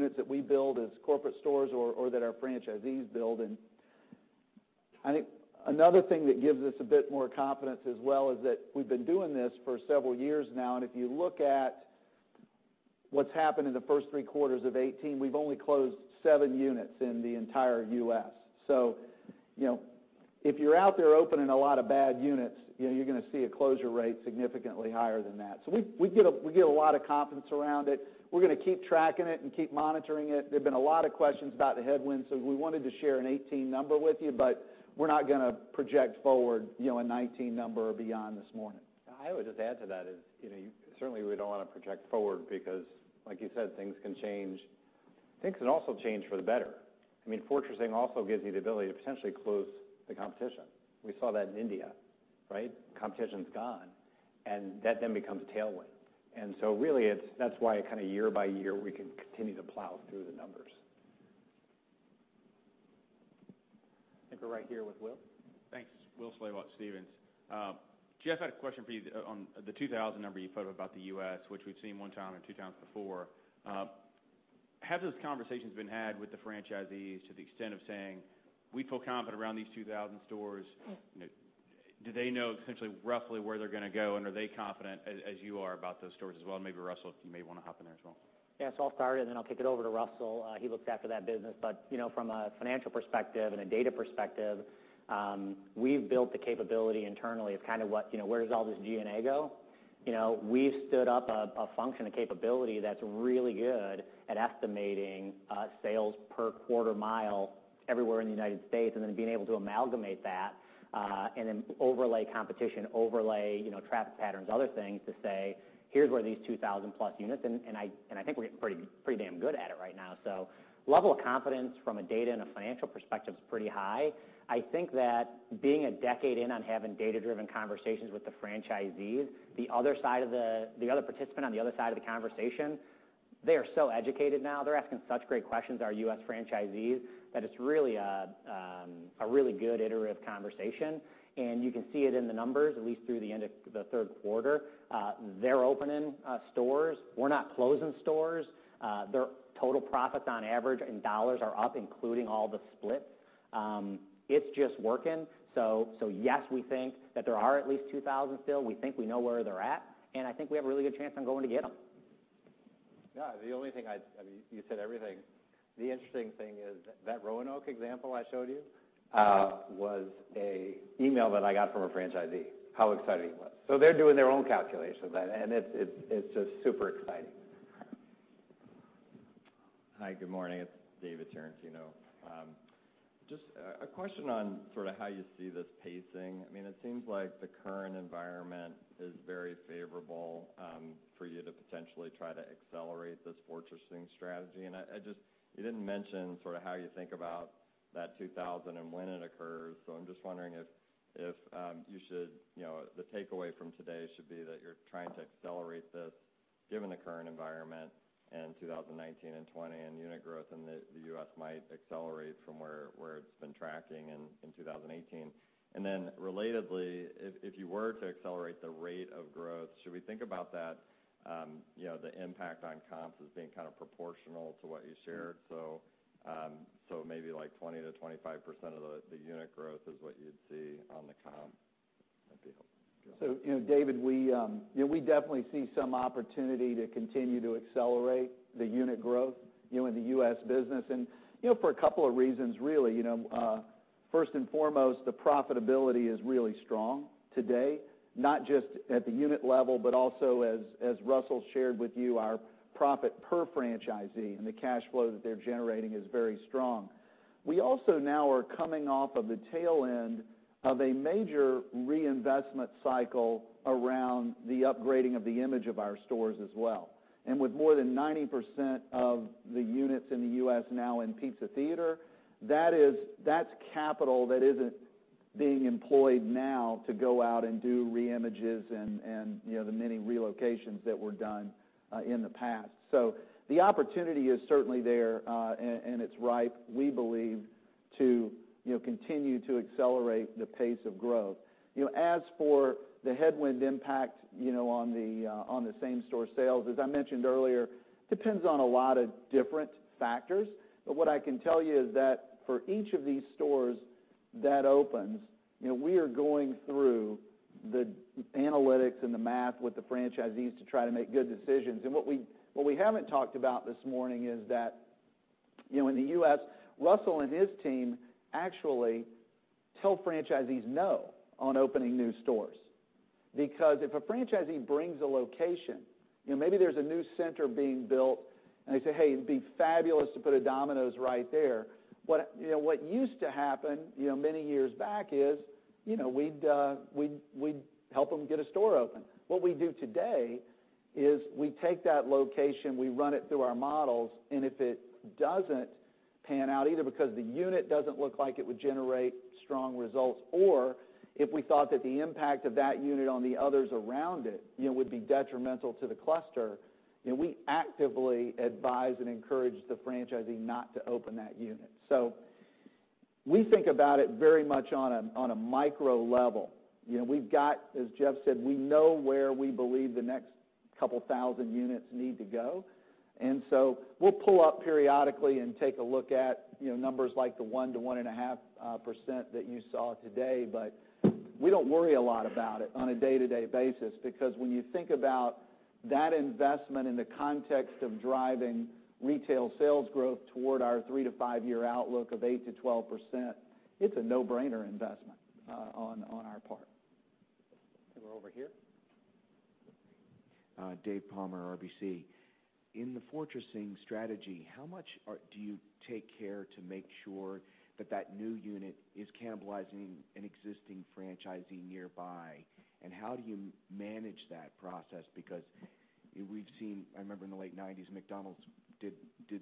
units that we build as corporate stores or that our franchisees build. I think another thing that gives us a bit more confidence as well is that we've been doing this for several years now, and if you look at what's happened in the first three quarters of 2018, we've only closed seven units in the entire U.S. If you're out there opening a lot of bad units, you're going to see a closure rate significantly higher than that. We get a lot of confidence around it. We're going to keep tracking it and keep monitoring it. There've been a lot of questions about the headwinds, we wanted to share a 2018 number with you, we're not going to project forward a 2019 number or beyond this morning. I would just add to that is, certainly we don't want to project forward because, like you said, things can change. Things can also change for the better. Fortressing also gives you the ability to potentially close the competition. We saw that in India, right? Competition's gone, that then becomes tailwind. Really, that's why kind of year by year, we can continue to plow through the numbers. I think we're right here with Will. Thanks. Will Slabaugh with Stephens. Jeff, had a question for you on the 2,000 number you put about the U.S., which we've seen one time or two times before. Have those conversations been had with the franchisees to the extent of saying, "We feel confident around these 2,000 stores." Do they know essentially roughly where they're going to go, and are they confident as you are about those stores as well? Maybe Russell, you may want to hop in there as well. Yeah. I'll start, then I'll kick it over to Russell. He looks after that business. From a financial perspective and a data perspective, we've built the capability internally of kind of what, where does all this G&A go? We've stood up a function, a capability that's really good at estimating sales per quarter mile everywhere in the United States, then being able to amalgamate that, then overlay competition, overlay traffic patterns, other things to say, "Here's where these 2,000+ units" I think we're pretty damn good at it right now. Level of confidence from a data and a financial perspective's pretty high. I think that being a decade in on having data-driven conversations with the franchisees, the other participant on the other side of the conversation, they are so educated now. They're asking such great questions, our U.S. franchisees, that it's really a good iterative conversation. You can see it in the numbers, at least through the end of the third quarter. They're opening stores. We're not closing stores. Their total profits on average in dollars are up, including all the splits. It's just working. Yes, we think that there are at least 2,000 still. We think we know where they're at, and I think we have a really good chance on going to get them. Yeah, the only thing. You said everything. The interesting thing is that Roanoke example I showed you was an email that I got from a franchisee, how exciting it was. They're doing their own calculations, and it's just super exciting. Hi, good morning. It's David Tarantino. Just a question on how you see this pacing. It seems like the current environment is very favorable for you to potentially try to accelerate this fortressing strategy. You didn't mention how you think about that 2,000 and when it occurs. I'm just wondering if the takeaway from today should be that you're trying to accelerate this, given the current environment in 2019 and 2020, and unit growth in the U.S. might accelerate from where it's been tracking in 2018. Relatedly, if you were to accelerate the rate of growth, should we think about the impact on comps as being proportional to what you shared? Maybe like 20%-25% of the unit growth is what you'd see on the comp. That'd be helpful. David, we definitely see some opportunity to continue to accelerate the unit growth in the U.S. business and for a couple of reasons really. First and foremost, the profitability is really strong today, not just at the unit level, but also as Russell shared with you, our profit per franchisee, and the cash flow that they're generating is very strong. We also now are coming off of the tail end of a major reinvestment cycle around the upgrading of the image of our stores as well. With more than 90% of the units in the U.S. now in Pizza Theater, that's capital that isn't being employed now to go out and do re-images and the many relocations that were done in the past. The opportunity is certainly there, and it's ripe, we believe, to continue to accelerate the pace of growth. As for the headwind impact on the same store sales, as I mentioned earlier, depends on a lot of different factors. What I can tell you is that for each of these stores that opens, we are going through the analytics and the math with the franchisees to try to make good decisions. What we haven't talked about this morning is that in the U.S., Russell and his team actually tell franchisees no on opening new stores. If a franchisee brings a location, maybe there's a new center being built, and they say, "Hey, it'd be fabulous to put a Domino's right there." What used to happen many years back is, we'd help them get a store open. What we do today is we take that location, we run it through our models, and if it doesn't pan out, either because the unit doesn't look like it would generate strong results, or if we thought that the impact of that unit on the others around it would be detrimental to the cluster, we actively advise and encourage the franchisee not to open that unit. We think about it very much on a micro level. As Jeff said, we know where we believe the next couple thousand units need to go. We'll pull up periodically and take a look at numbers like the 1%-1.5% that you saw today. We don't worry a lot about it on a day-to-day basis, because when you think about that investment in the context of driving retail sales growth toward our three- to five-year outlook of 8%-12%, it's a no-brainer investment on our part. We're over here. Dave Palmer, RBC. In the fortressing strategy, how much do you take care to make sure that that new unit is cannibalizing an existing franchisee nearby? How do you manage that process? Because we've seen, I remember in the late 1990s, McDonald's did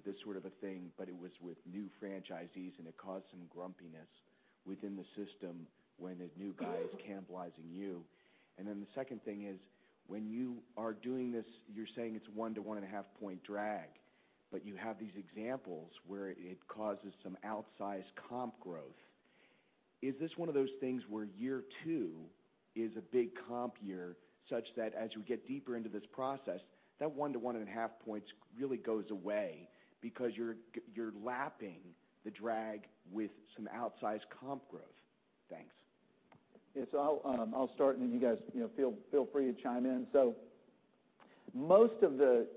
this sort of a thing, but it was with new franchisees, and it caused some grumpiness within the system when a new guy is cannibalizing you. The second thing is, when you are doing this, you're saying it's one to one and a half point drag, but you have these examples where it causes some outsized comp growth. Is this one of those things where year two is a big comp year, such that as we get deeper into this process, that 1-1.5 points really goes away because you're lapping the drag with some outsized comp growth? Thanks. Yeah, I'll start and then you guys feel free to chime in. Most of the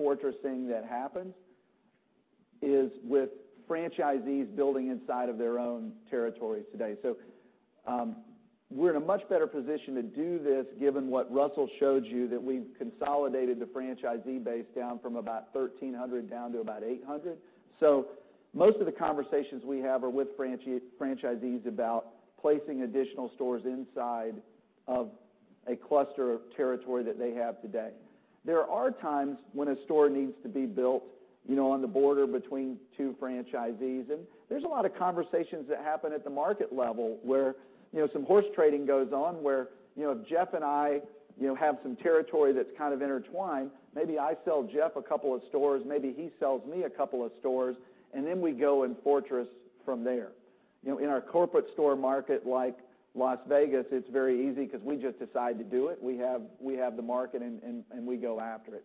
fortressing that happens is with franchisees building inside of their own territories today. We're in a much better position to do this given what Russell showed you, that we've consolidated the franchisee base down from about 1,300 down to about 800. Most of the conversations we have are with franchisees about placing additional stores inside of a cluster of territory that they have today. There are times when a store needs to be built on the border between two franchisees. There's a lot of conversations that happen at the market level where some horse trading goes on where if Jeff and I have some territory that's kind of intertwined, maybe I sell Jeff a couple of stores, maybe he sells me a couple of stores. Then we go and fortress from there. In our corporate store market like Las Vegas, it's very easy because we just decide to do it. We have the market and we go after it.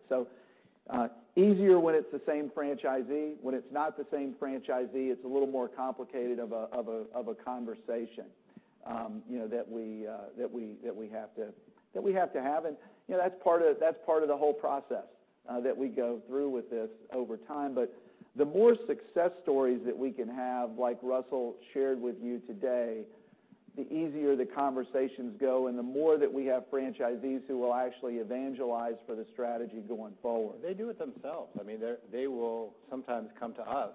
Easier when it's the same franchisee. When it's not the same franchisee, it's a little more complicated of a conversation that we have to have. That's part of the whole process that we go through with this over time. The more success stories that we can have, like Russell shared with you today. The easier the conversations go and the more that we have franchisees who will actually evangelize for the strategy going forward. They do it themselves. They will sometimes come to us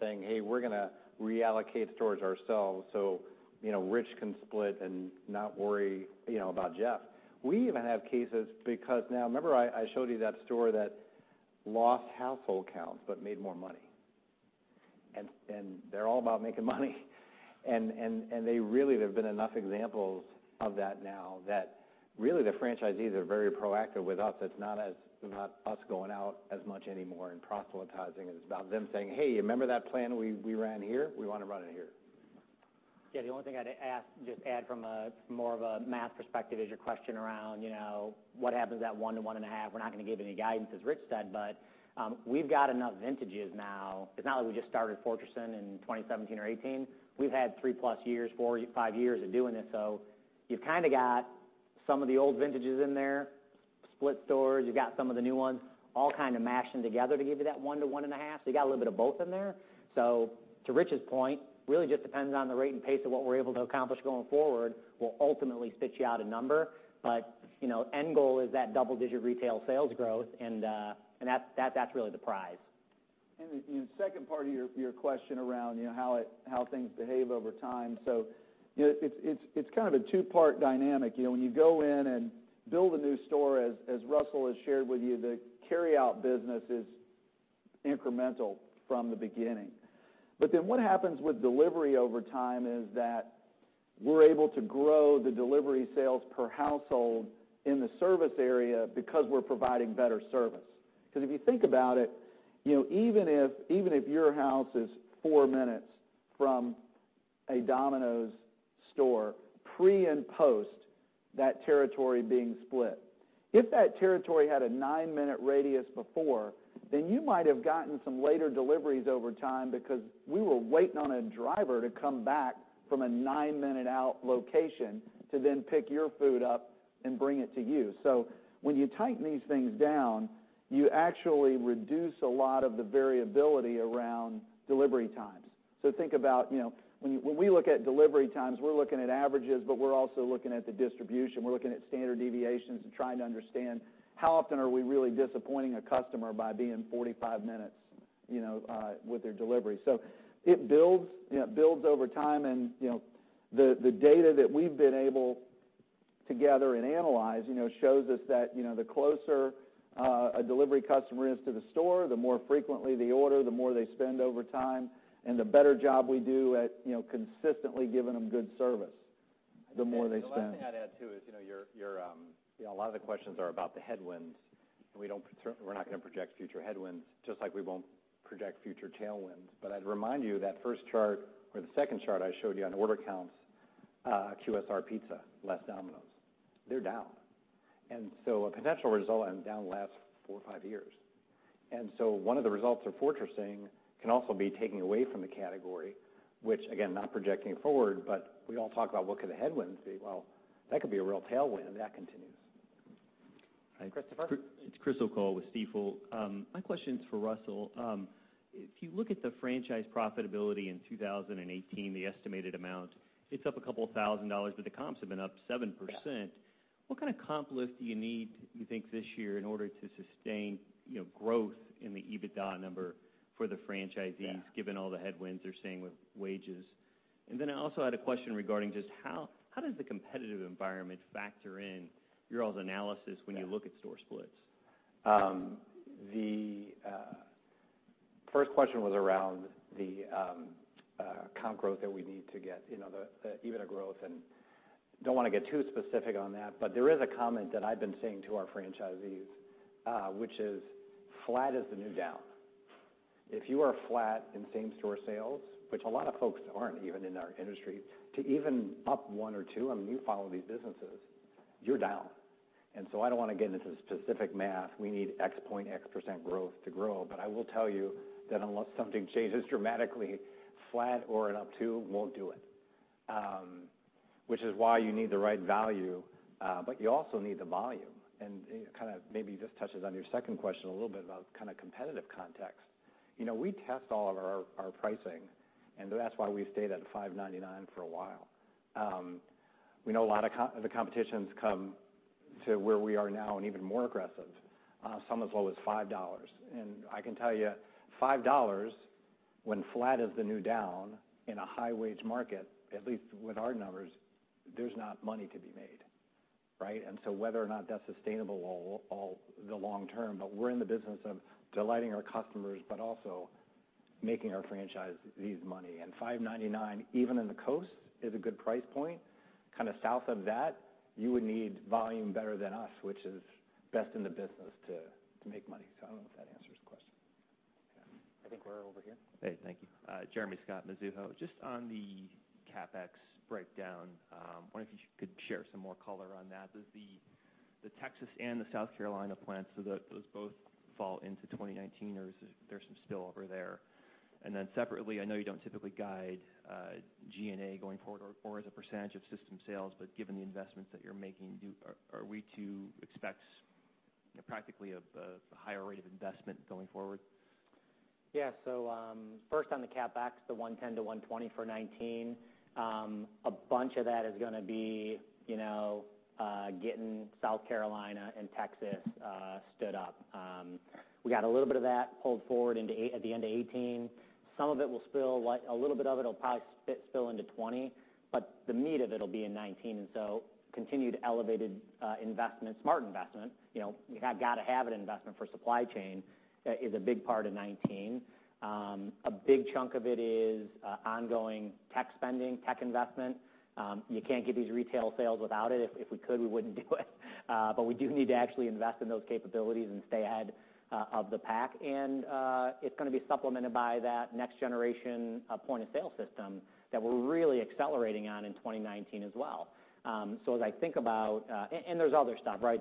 saying, "Hey, we're going to reallocate stores ourselves, so Ritch can split and not worry about Jeff." We even have cases because now, remember I showed you that store that lost household counts but made more money? They're all about making money. Really, there have been enough examples of that now that really the franchisees are very proactive with us. It's not us going out as much anymore and proselytizing. It's about them saying, "Hey, you remember that plan we ran here? We want to run it here. The only thing I'd just add from more of a math perspective is your question around what happens at 1 to 1.5. We're not going to give any guidance, as Ritch said, we've got enough vintages now. It's not like we just started fortressing in 2017 or 2018. We've had three-plus years, four, five years of doing this. You've kind of got some of the old vintages in there, split stores. You've got some of the new ones all kind of mashing together to give you that 1 to 1.5. You got a little bit of both in there. To Ritch's point, really just depends on the rate and pace of what we're able to accomplish going forward will ultimately spit you out a number. End goal is that double-digit retail sales growth and that's really the prize. The second part of your question around how things behave over time. It's kind of a two-part dynamic. When you go in and build a new store, as Russell has shared with you, the carryout business is incremental from the beginning. What happens with delivery over time is that we're able to grow the delivery sales per household in the service area because we're providing better service. Because if you think about it, even if your house is four minutes from a Domino's store, pre and post that territory being split. If that territory had a nine-minute radius before, you might have gotten some later deliveries over time because we were waiting on a driver to come back from a nine-minute out location to then pick your food up and bring it to you. When you tighten these things down, you actually reduce a lot of the variability around delivery times. Think about when we look at delivery times, we're looking at averages, but we're also looking at the distribution. We're looking at standard deviations and trying to understand how often are we really disappointing a customer by being 45 minutes with their delivery. It builds over time, and the data that we've been able to gather and analyze shows us that the closer a delivery customer is to the store, the more frequently they order, the more they spend over time, and the better job we do at consistently giving them good service, the more they spend. The last thing I'd add, too, is a lot of the questions are about the headwinds, and we're not going to project future headwinds, just like we won't project future tailwinds. I'd remind you that first chart or the second chart I showed you on order counts, QSR Pizza, less Domino's. They're down. A potential result and down the last four or five years. One of the results of fortressing can also be taking away from the category, which, again, not projecting forward, but we all talk about what could the headwinds be? Well, that could be a real tailwind if that continues. Christopher? It's Chris O'Cull with Stifel. My question's for Russell. If you look at the franchise profitability in 2018, the estimated amount, it's up a couple of thousand dollars, but the comps have been up 7%. Yeah. What kind of comp lift do you need, you think, this year in order to sustain growth in the EBITDA number for the franchisees. Yeah. Given all the headwinds they're seeing with wages? I also had a question regarding just how does the competitive environment factor in your all's analysis when you look at store splits? The first question was around the comp growth that we need to get, the EBITDA growth. Don't want to get too specific on that, but there is a comment that I've been saying to our franchisees, which is flat is the new down. If you are flat in same-store sales, which a lot of folks aren't even in our industry, to even up one or two, I mean, you follow these businesses, you're down. I don't want to get into specific math. We need X point X% growth to grow. I will tell you that unless something changes dramatically, flat or an up two won't do it, which is why you need the right value. You also need the volume, and kind of maybe this touches on your second question a little bit about kind of competitive context. We test all of our pricing, that's why we stayed at $5.99 for a while. We know a lot of the competition's come to where we are now and even more aggressive, some as low as $5. I can tell you $5 when flat is the new down in a high-wage market, at least with our numbers, there's not money to be made, right? Whether or not that's sustainable all the long term, but we're in the business of delighting our customers, but also making our franchisees money. $5.99, even in the coast, is a good price point. Kind of south of that, you would need volume better than us, which is best in the business to make money. I don't know if that answers the question. I think we're over here. Hey, thank you. Jeremy Scott, Mizuho. Just on the CapEx breakdown, wonder if you could share some more color on that. Does the Texas and the South Carolina plants, those both fall into 2019, or is there some spillover there? Then separately, I know you don't typically guide G&A going forward or as a percentage of system sales, but given the investments that you're making, are we to expect practically a higher rate of investment going forward? Yeah. First on the CapEx, the $110 million-$120 million for 2019. A bunch of that is going to be getting South Carolina and Texas stood up. We got a little bit of that pulled forward at the end of 2018. A little bit of it'll probably spill into 2020, but the meat of it'll be in 2019. Continued elevated investment, smart investment, you have got to have an investment for supply chain, is a big part of 2019. A big chunk of it is ongoing tech spending, tech investment. You can't get these retail sales without it. If we could, we wouldn't do it. We do need to actually invest in those capabilities and stay ahead of the pack. It's going to be supplemented by that next generation of point-of-sale system that we're really accelerating on in 2019 as well. There's other stuff, right?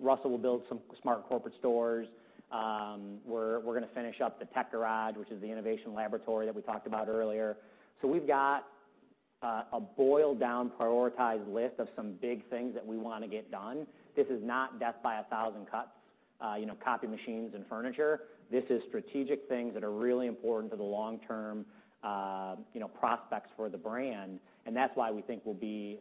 Russell will build some smart corporate stores. We're going to finish up the Tech Garage, which is the innovation laboratory that we talked about earlier. We've got a boiled-down prioritized list of some big things that we want to get done. This is not death by a thousand cuts, copy machines and furniture. This is strategic things that are really important to the long-term prospects for the brand, and that's why we think we'll be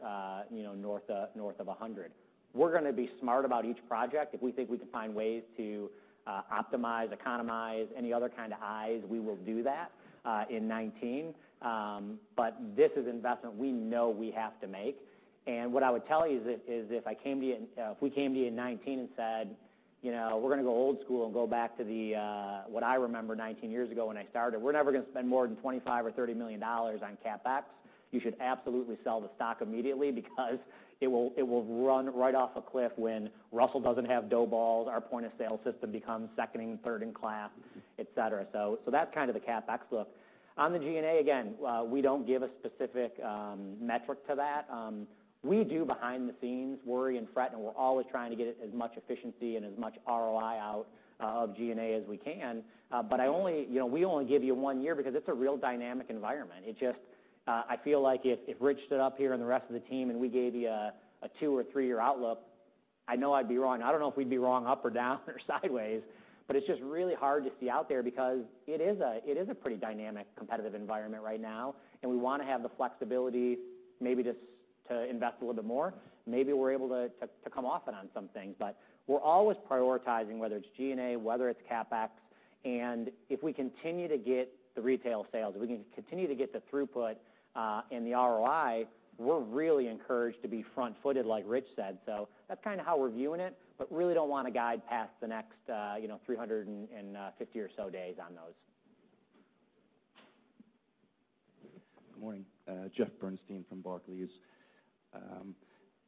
north of 100. We're going to be smart about each project. If we think we can find ways to optimize, economize, any other kind of ize, we will do that in 2019. This is investment we know we have to make. What I would tell you is if we came to you in 2019 and said, "We're going to go old school and go back to what I remember 19 years ago when I started. We're never going to spend more than $25 or $30 million on CapEx," you should absolutely sell the stock immediately because it will run right off a cliff when Russell doesn't have dough balls, our point-of-sale system becomes second and third in class, et cetera. That's kind of the CapEx look. On the G&A, again, we don't give a specific metric to that. We do, behind the scenes, worry and fret, and we're always trying to get as much efficiency and as much ROI out of G&A as we can. We only give you one year because it's a real dynamic environment. I feel like if Ritch stood up here and the rest of the team and we gave you a two or three-year outlook, I know I'd be wrong. I don't know if we'd be wrong up or down or sideways, but it's just really hard to see out there because it is a pretty dynamic, competitive environment right now, and we want to have the flexibility maybe just to invest a little bit more. Maybe we're able to come off it on some things. We're always prioritizing, whether it's G&A, whether it's CapEx, and if we continue to get the retail sales, if we can continue to get the throughput and the ROI, we're really encouraged to be front-footed, like Ritch said. That's kind of how we're viewing it, but really don't want to guide past the next 350 or so days on those. Good morning. Jeff Bernstein from Barclays.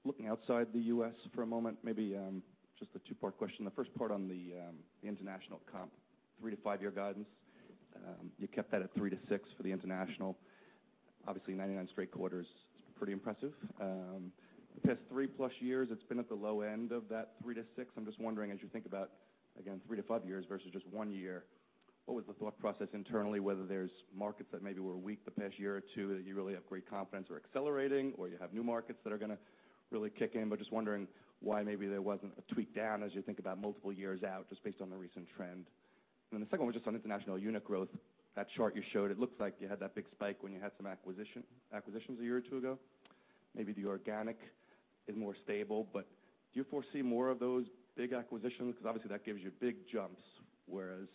Looking outside the U.S. for a moment, maybe just a two-part question. The first part on the international comp, three to five-year guidance. You kept that at 3%-6% for the international. Obviously, 99 straight quarters is pretty impressive. The past three-plus years, it's been at the low end of that 3%-6%. I'm just wondering, as you think about, again, three to five years versus just one year, what was the thought process internally, whether there's markets that maybe were weak the past year or two that you really have great confidence are accelerating, or you have new markets that are going to really kick in? Just wondering why maybe there wasn't a tweak down as you think about multiple years out, just based on the recent trend. Then the second one, just on international unit growth. That chart you showed, it looks like you had that big spike when you had some acquisitions a year or two ago. Maybe the organic is more stable, but do you foresee more of those big acquisitions? Because obviously, that gives you big jumps, whereas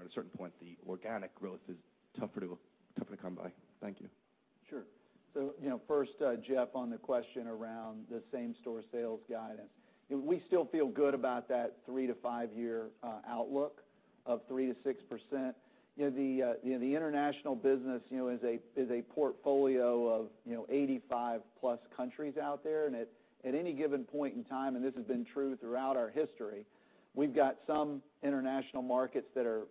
at a certain point, the organic growth is tougher to come by. Thank you. Sure. First, Jeff, on the question around the same-store sales guidance. We still feel good about that three to five-year outlook of 3%-6%. The international business is a portfolio of 85+ countries out there. At any given point in time, and this has been true throughout our history, we've got some international markets that are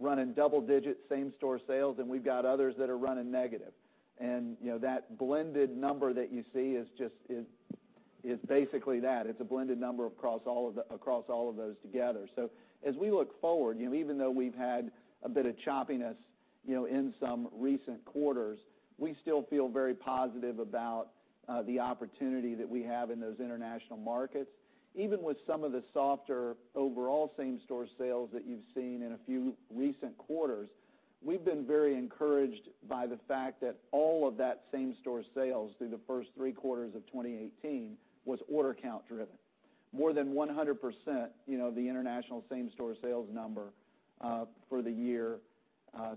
running double-digits same-store sales, and we've got others that are running negative. That blended number that you see is basically that. It's a blended number across all of those together. As we look forward, even though we've had a bit of choppiness in some recent quarters, we still feel very positive about the opportunity that we have in those international markets. Even with some of the softer overall same-store sales that you've seen in a few recent quarters, we've been very encouraged by the fact that all of that same-store sales through the first three quarters of 2018 was order count driven. More than 100% the international same-store sales number for the year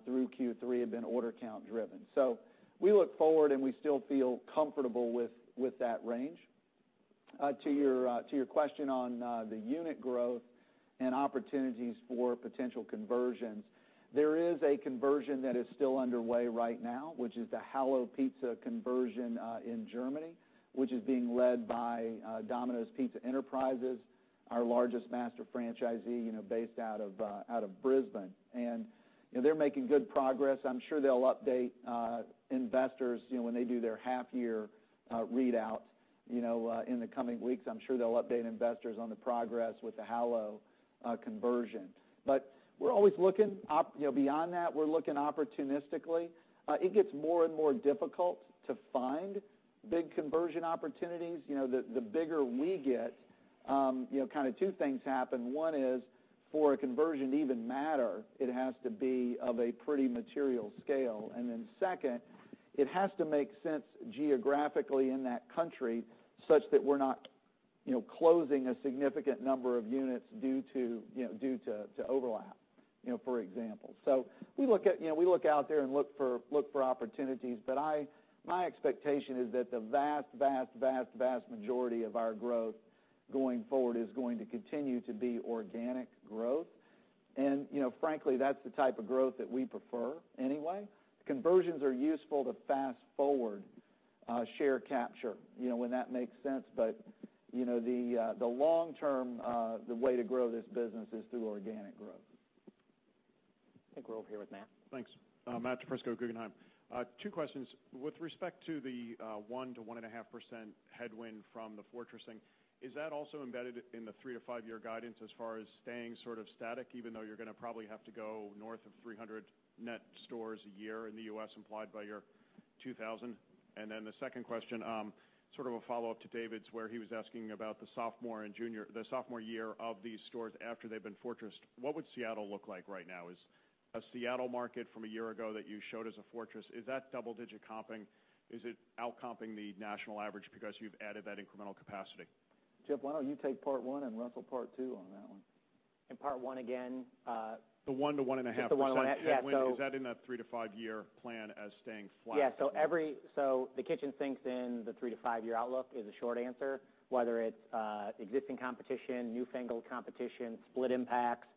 through Q3 had been order count driven. We look forward, and we still feel comfortable with that range. To your question on the unit growth and opportunities for potential conversions, there is a conversion that is still underway right now, which is the Hallo Pizza conversion in Germany, which is being led by Domino's Pizza Enterprises, our largest master franchisee based out of Brisbane. They're making good progress. I'm sure they'll update investors when they do their half-year readout in the coming weeks. I'm sure they'll update investors on the progress with the Hallo conversion. We're always looking. Beyond that, we're looking opportunistically. It gets more and more difficult to find big conversion opportunities. The bigger we get. Kind of two things happen. One is, for a conversion to even matter, it has to be of a pretty material scale. Second, it has to make sense geographically in that country such that we're not closing a significant number of units due to overlap, for example. We look out there and look for opportunities, but my expectation is that the vast majority of our growth going forward is going to continue to be organic growth. Frankly, that's the type of growth that we prefer anyway. Conversions are useful to fast-forward share capture, when that makes sense. The long-term way to grow this business is through organic growth. I think we're over here with Matt. Thanks. Matt DiFrisco, Guggenheim. Two questions. With respect to the 1%-1.5% headwind from the fortressing, is that also embedded in the three to five-year guidance as far as staying sort of static, even though you're going to probably have to go north of 300 net stores a year in the U.S. implied by your 2,000? The second question, sort of a follow-up to David's where he was asking about the sophomore year of these stores after they've been fortressed. What would Seattle look like right now? Is a Seattle market from a year ago that you showed as a fortress, is that double-digit comping? Is it out-comping the national average because you've added that incremental capacity? Jeff, why don't you take part one and Russell, part two on that one? Part one again? The 1%-1.5% Just the 1% headwind, is that in the three-to-five-year plan as staying flat? Yeah. The kitchen sinks in the three-to-five-year outlook is the short answer. Whether it's existing competition, newfangled competition, split impacts,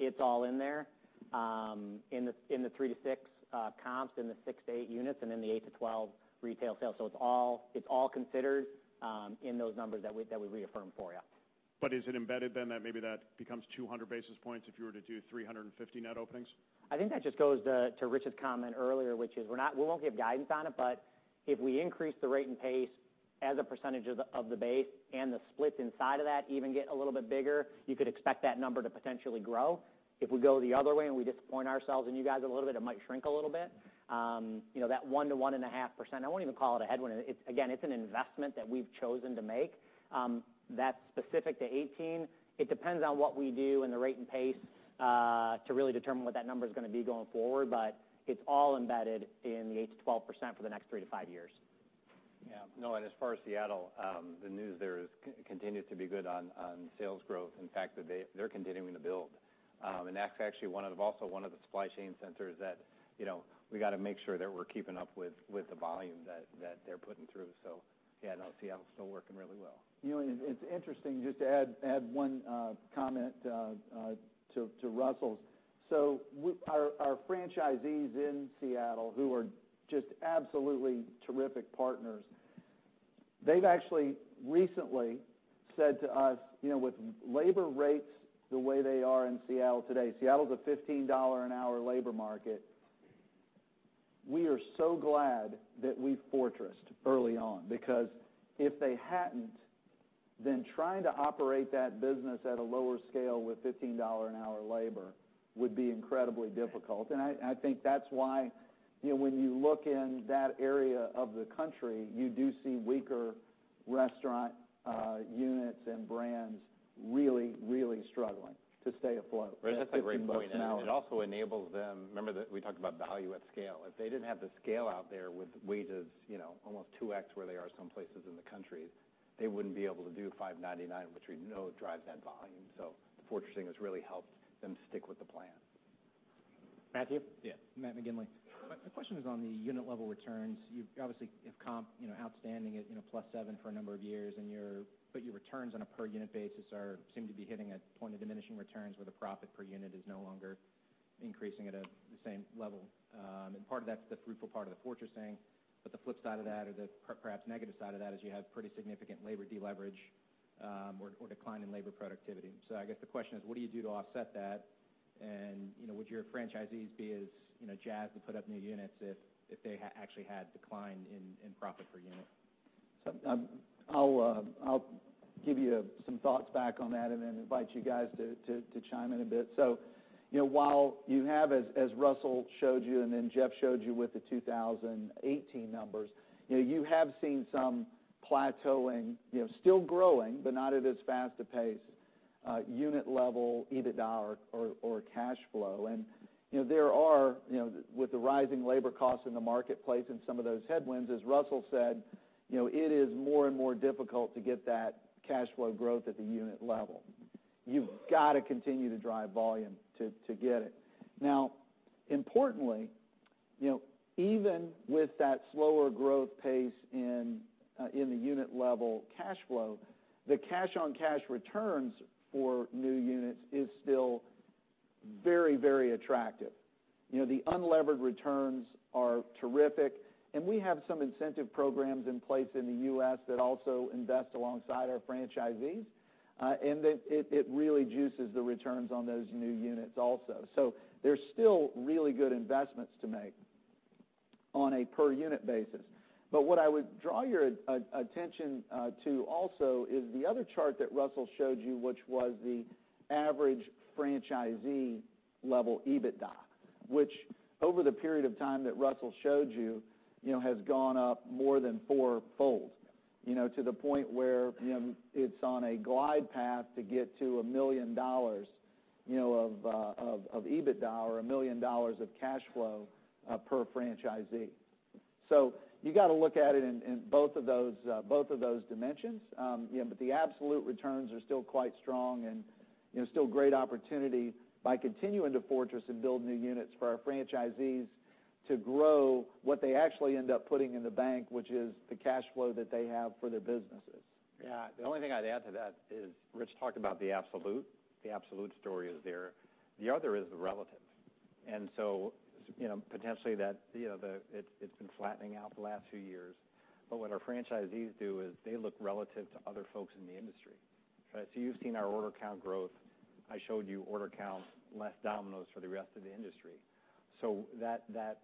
it's all in there, in the 3%-6% comps, in the 6%-8% units, and in the 8%-12% retail sales. It's all considered in those numbers that we reaffirm for you. Is it embedded then that maybe that becomes 200 basis points if you were to do 350 net openings? I think that just goes to Ritch's comment earlier, which is we won't give guidance on it. If we increase the rate and pace as a percentage of the base and the splits inside of that even get a little bit bigger, you could expect that number to potentially grow. If we go the other way and we disappoint ourselves and you guys a little bit, it might shrink a little bit. That 1%-1.5%, I won't even call it a headwind. Again, it's an investment that we've chosen to make. That's specific to 2018. It depends on what we do and the rate and pace to really determine what that number's going to be going forward. It's all embedded in the 8%-12% for the next three to five years. As far as Seattle, the news there has continued to be good on sales growth. In fact, they're continuing to build. That's actually also one of the supply chain centers that we got to make sure that we're keeping up with the volume that they're putting through. Seattle's still working really well. It's interesting, just to add one comment to Russell's. Our franchisees in Seattle, who are just absolutely terrific partners, they've actually recently said to us, "With labor rates the way they are in Seattle today," Seattle's a $15-an-hour labor market, "we are so glad that we fortressed early on." If they hadn't, then trying to operate that business at a lower scale with $15-an-hour labor would be incredibly difficult. I think that's why when you look in that area of the country, you do see weaker restaurant units and brands really struggling to stay afloat at $15 an hour. It also enables them, remember that we talked about value at scale. If they didn't have the scale out there with wages almost 2x where they are some places in the country, they wouldn't be able to do $5.99, which we know drives that volume. The fortressing has really helped them stick with the plan. Matthew? Yeah. Matt McGinley. My question is on the unit level returns. You obviously have comp outstanding at +7 for a number of years, but your returns on a per unit basis seem to be hitting a point of diminishing returns where the profit per unit is no longer increasing at the same level. Part of that's the fruitful part of the fortressing, but the flip side of that or the perhaps negative side of that is you have pretty significant labor de-leverage or decline in labor productivity. I guess the question is what do you do to offset that? Would your franchisees be as jazzed to put up new units if they actually had decline in profit per unit? I'll give you some thoughts back on that and then invite you guys to chime in a bit. While you have, as Russell showed you and then Jeff showed you with the 2018 numbers, you have seen some plateauing. Still growing, but not at as fast a pace, unit level, EBITDA or cash flow. There are, with the rising labor costs in the marketplace and some of those headwinds, as Russell said, it is more and more difficult to get that cash flow growth at the unit level. You've got to continue to drive volume to get it. Importantly, even with that slower growth pace in the unit level cash flow, the cash on cash returns for new units is still very attractive. The unlevered returns are terrific, and we have some incentive programs in place in the U.S. that also invest alongside our franchisees. It really juices the returns on those new units also. There's still really good investments to make on a per unit basis. What I would draw your attention to also is the other chart that Russell showed you, which was the average franchisee level EBITDA. Which over the period of time that Russell showed you, has gone up more than fourfold. To the point where it's on a glide path to get to $1 million of EBITDA or $1 million of cash flow per franchisee. You got to look at it in both of those dimensions. The absolute returns are still quite strong and still great opportunity by continuing to fortress and build new units for our franchisees to grow what they actually end up putting in the bank, which is the cash flow that they have for their businesses. The only thing I'd add to that is Ritch talked about the absolute story is there. The other is the relative. Potentially it's been flattening out the last few years. What our franchisees do is they look relative to other folks in the industry, right? You've seen our order count growth. I showed you order count, less Domino's for the rest of the industry. That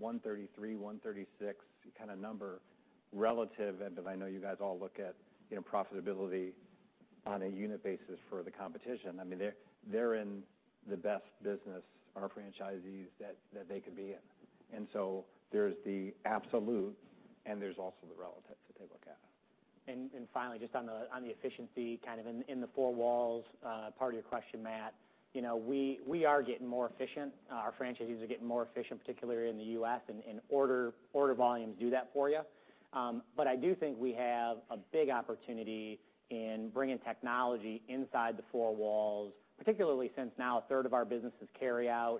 133,136 kind of number relative, and I know you guys all look at profitability on a unit basis for the competition. They're in the best business, our franchisees, that they could be in. There's the absolute, and there's also the relative to take a look at. Finally, just on the efficiency kind of in the four walls, part of your question, Matt. We are getting more efficient. Our franchisees are getting more efficient, particularly in the U.S. Order volumes do that for you. I do think we have a big opportunity in bringing technology inside the four walls, particularly since now a third of our business is carryout.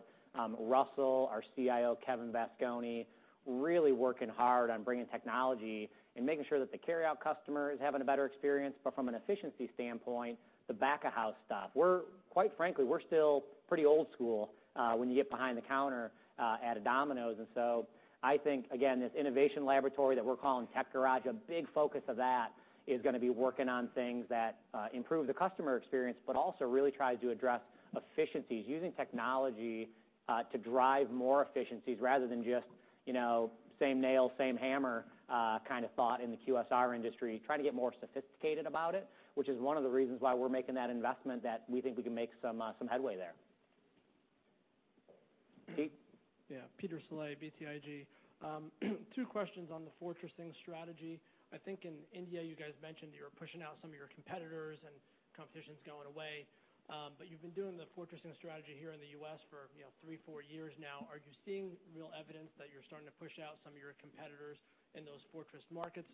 Russell, our CIO, Kevin Vasconi, really working hard on bringing technology and making sure that the carryout customer is having a better experience. From an efficiency standpoint, the back-of-house stuff, quite frankly, we're still pretty old school when you get behind the counter at a Domino's. I think, again, this innovation laboratory that we're calling Tech Garage, a big focus of that is going to be working on things that improve the customer experience, but also really tries to address efficiencies. Using technology to drive more efficiencies rather than just same nail, same hammer kind of thought in the QSR industry. Trying to get more sophisticated about it, which is one of the reasons why we're making that investment, that we think we can make some headway there. Pete? Peter Saleh, BTIG. Two questions on the fortressing strategy. In India, you guys mentioned you're pushing out some of your competitors and competition's going away. You've been doing the fortressing strategy here in the U.S. for three, four years now. Are you seeing real evidence that you're starting to push out some of your competitors in those fortress markets?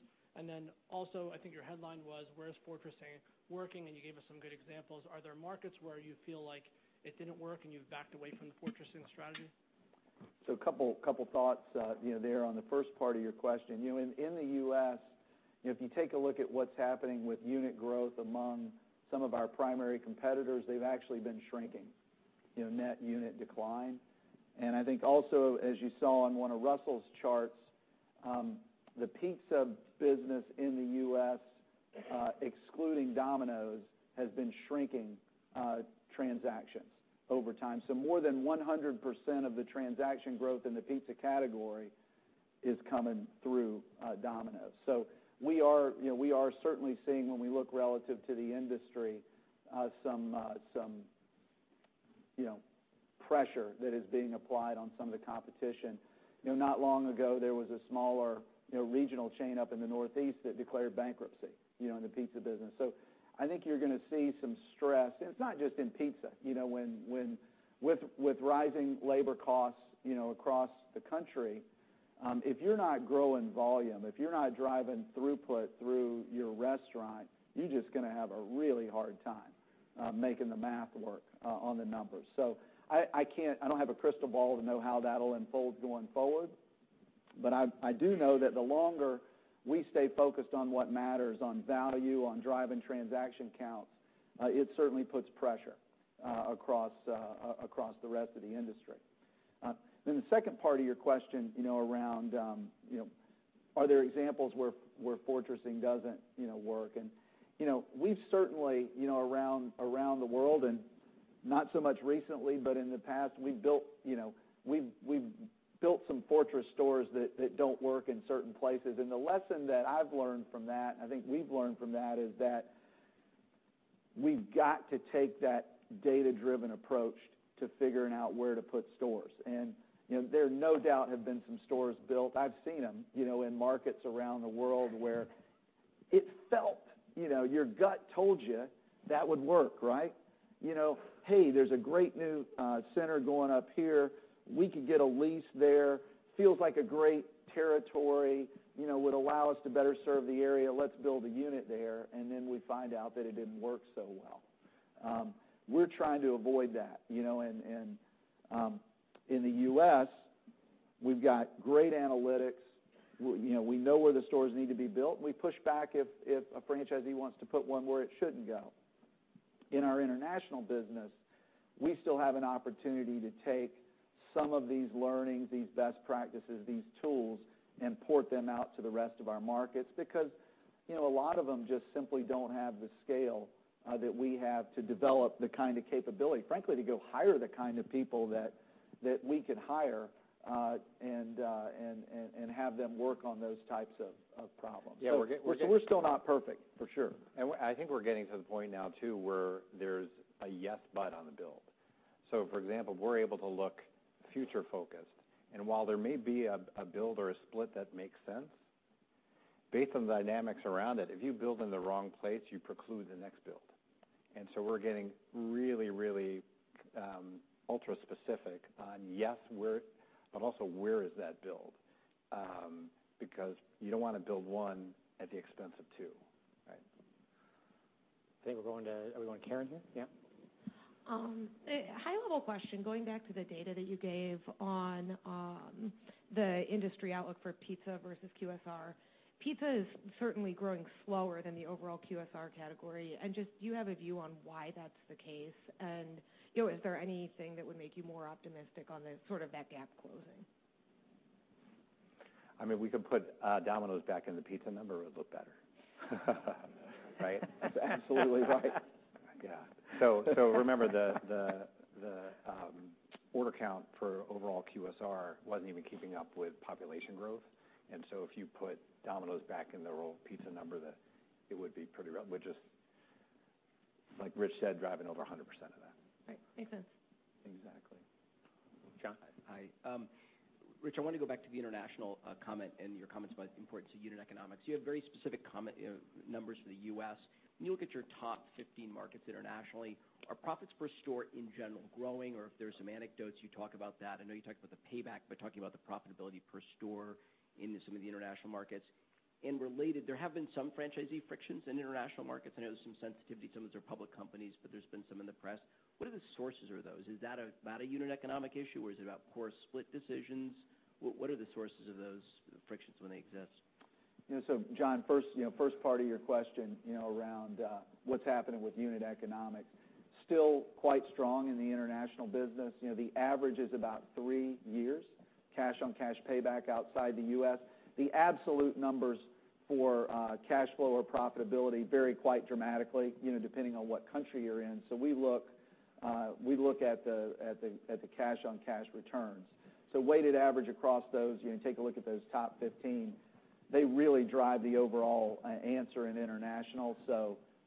Your headline was, Where is Fortressing Working? You gave us some good examples. Are there markets where you feel like it didn't work and you've backed away from the fortressing strategy? A couple thoughts there on the first part of your question. In the U.S., if you take a look at what's happening with unit growth among some of our primary competitors, they've actually been shrinking. Net unit decline. I think also, as you saw on one of Russell's charts, the pizza business in the U.S. excluding Domino's, has been shrinking transactions over time. We are certainly seeing when we look relative to the industry, some pressure that is being applied on some of the competition. Not long ago, there was a smaller regional chain up in the Northeast that declared bankruptcy in the pizza business. I think you're going to see some stress, and it's not just in pizza. With rising labor costs across the country, if you're not growing volume, if you're not driving throughput through your restaurant, you're just going to have a really hard time making the math work on the numbers. I don't have a crystal ball to know how that'll unfold going forward, but I do know that the longer we stay focused on what matters, on value, on driving transaction counts, it certainly puts pressure across the rest of the industry. The second part of your question, around are there examples where fortressing doesn't work? We've certainly around the world, and not so much recently, but in the past, we've built some fortress stores that don't work in certain places. The lesson that I've learned from that, I think we've learned from that, is that we've got to take that data-driven approach to figuring out where to put stores. There no doubt have been some stores built, I've seen them in markets around the world where it felt your gut told you that would work, right? "Hey, there's a great new center going up here. We could get a lease there. Feels like a great territory. Would allow us to better serve the area. Let's build a unit there." We find out that it didn't work so well. We're trying to avoid that. In the U.S., we've got great analytics. We know where the stores need to be built, and we push back if a franchisee wants to put one where it shouldn't go. In our international business, we still have an opportunity to take some of these learnings, these best practices, these tools, and port them out to the rest of our markets. A lot of them just simply don't have the scale that we have to develop the kind of capability. Frankly, to go hire the kind of people that we could hire, and have them work on those types of problems. Yeah. We're still not perfect, for sure. I think we're getting to the point now, too, where there's a yes but on the build. For example, we're able to look future focused. While there may be a build or a split that makes sense based on the dynamics around it, if you build in the wrong place, you preclude the next build. We're getting really ultra-specific on, yes, but also where is that build? Because you don't want to build one at the expense of two. Right. I think we're going to Are we going to Karen here? Yeah. High-level question, going back to the data that you gave on the industry outlook for pizza versus QSR. Pizza is certainly growing slower than the overall QSR category. Do you have a view on why that's the case? Is there anything that would make you more optimistic on that gap closing? We could put Domino's back in the pizza number, it would look better. Right. That's absolutely right. Yeah. Remember, the order count for overall QSR wasn't even keeping up with population growth. If you put Domino's back in the overall pizza number, it would be pretty rough, which is, like Ritch said, driving over 100% of that. Right. Makes sense. Exactly. John? Hi. Ritch, I want to go back to the international comment and your comments about the importance of unit economics. You have very specific numbers for the U.S. When you look at your top 15 markets internationally, are profits per store in general growing, or if there's some anecdotes, you talk about that. I know you talked about the payback by talking about the profitability per store in some of the international markets. Related, there have been some franchisee frictions in international markets. I know there's some sensitivity, some of those are public companies, but there's been some in the press. What are the sources of those? Is that about a unit economic issue, or is it about core split decisions? What are the sources of those frictions when they exist? John, first part of your question, around what's happening with unit economics. Still quite strong in the international business. The average is about three years, cash on cash payback outside the U.S. The absolute numbers for cash flow or profitability vary quite dramatically, depending on what country you're in. We look at the cash on cash returns. Weighted average across those, you take a look at those top 15, they really drive the overall answer in international.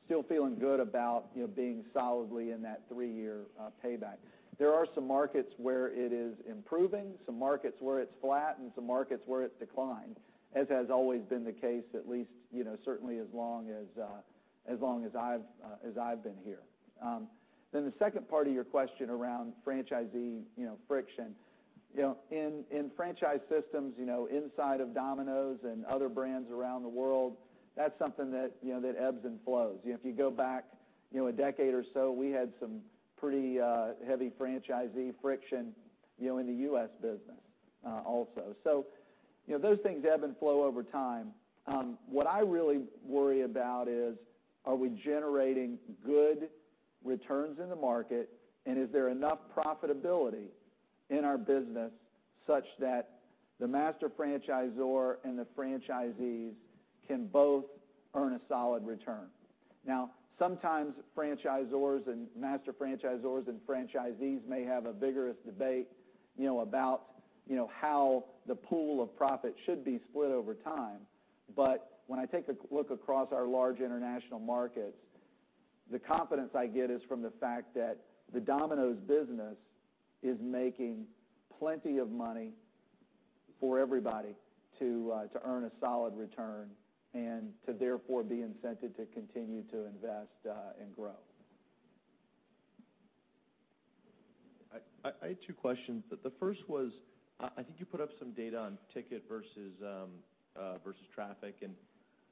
Still feeling good about being solidly in that three-year payback. There are some markets where it is improving, some markets where it's flat, and some markets where it's declined, as has always been the case, at least certainly as long as I've been here. The second part of your question around franchisee friction. In franchise systems, inside of Domino's and other brands around the world, that's something that ebbs and flows. If you go back a decade or so, we had some pretty heavy franchisee friction in the U.S. business also. Those things ebb and flow over time. What I really worry about is, are we generating good returns in the market, and is there enough profitability in our business such that the master franchisor and the franchisees can both earn a solid return? Sometimes franchisors and master franchisors and franchisees may have a vigorous debate about how the pool of profit should be split over time. When I take a look across our large international markets, the confidence I get is from the fact that the Domino's business is making plenty of money for everybody to earn a solid return and to therefore be incented to continue to invest and grow. I had two questions. The first was, I think you put up some data on ticket versus traffic, and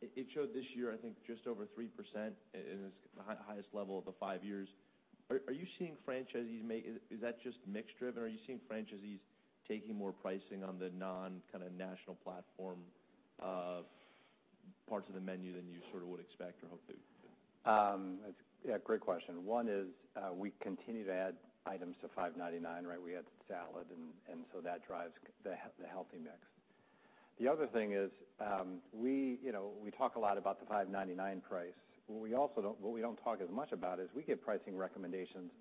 it showed this year, I think just over 3% in its highest level of the five years. Are you seeing franchisees Is that just mix-driven? Are you seeing franchisees taking more pricing on the non-national platform parts of the menu than you sort of would expect or hope to? Yeah, great question. One is we continue to add items to $5.99, right? We add salad, That drives the healthy mix. The other thing is we talk a lot about the $5.99 price. What we don't talk as much about is we give pricing recommendations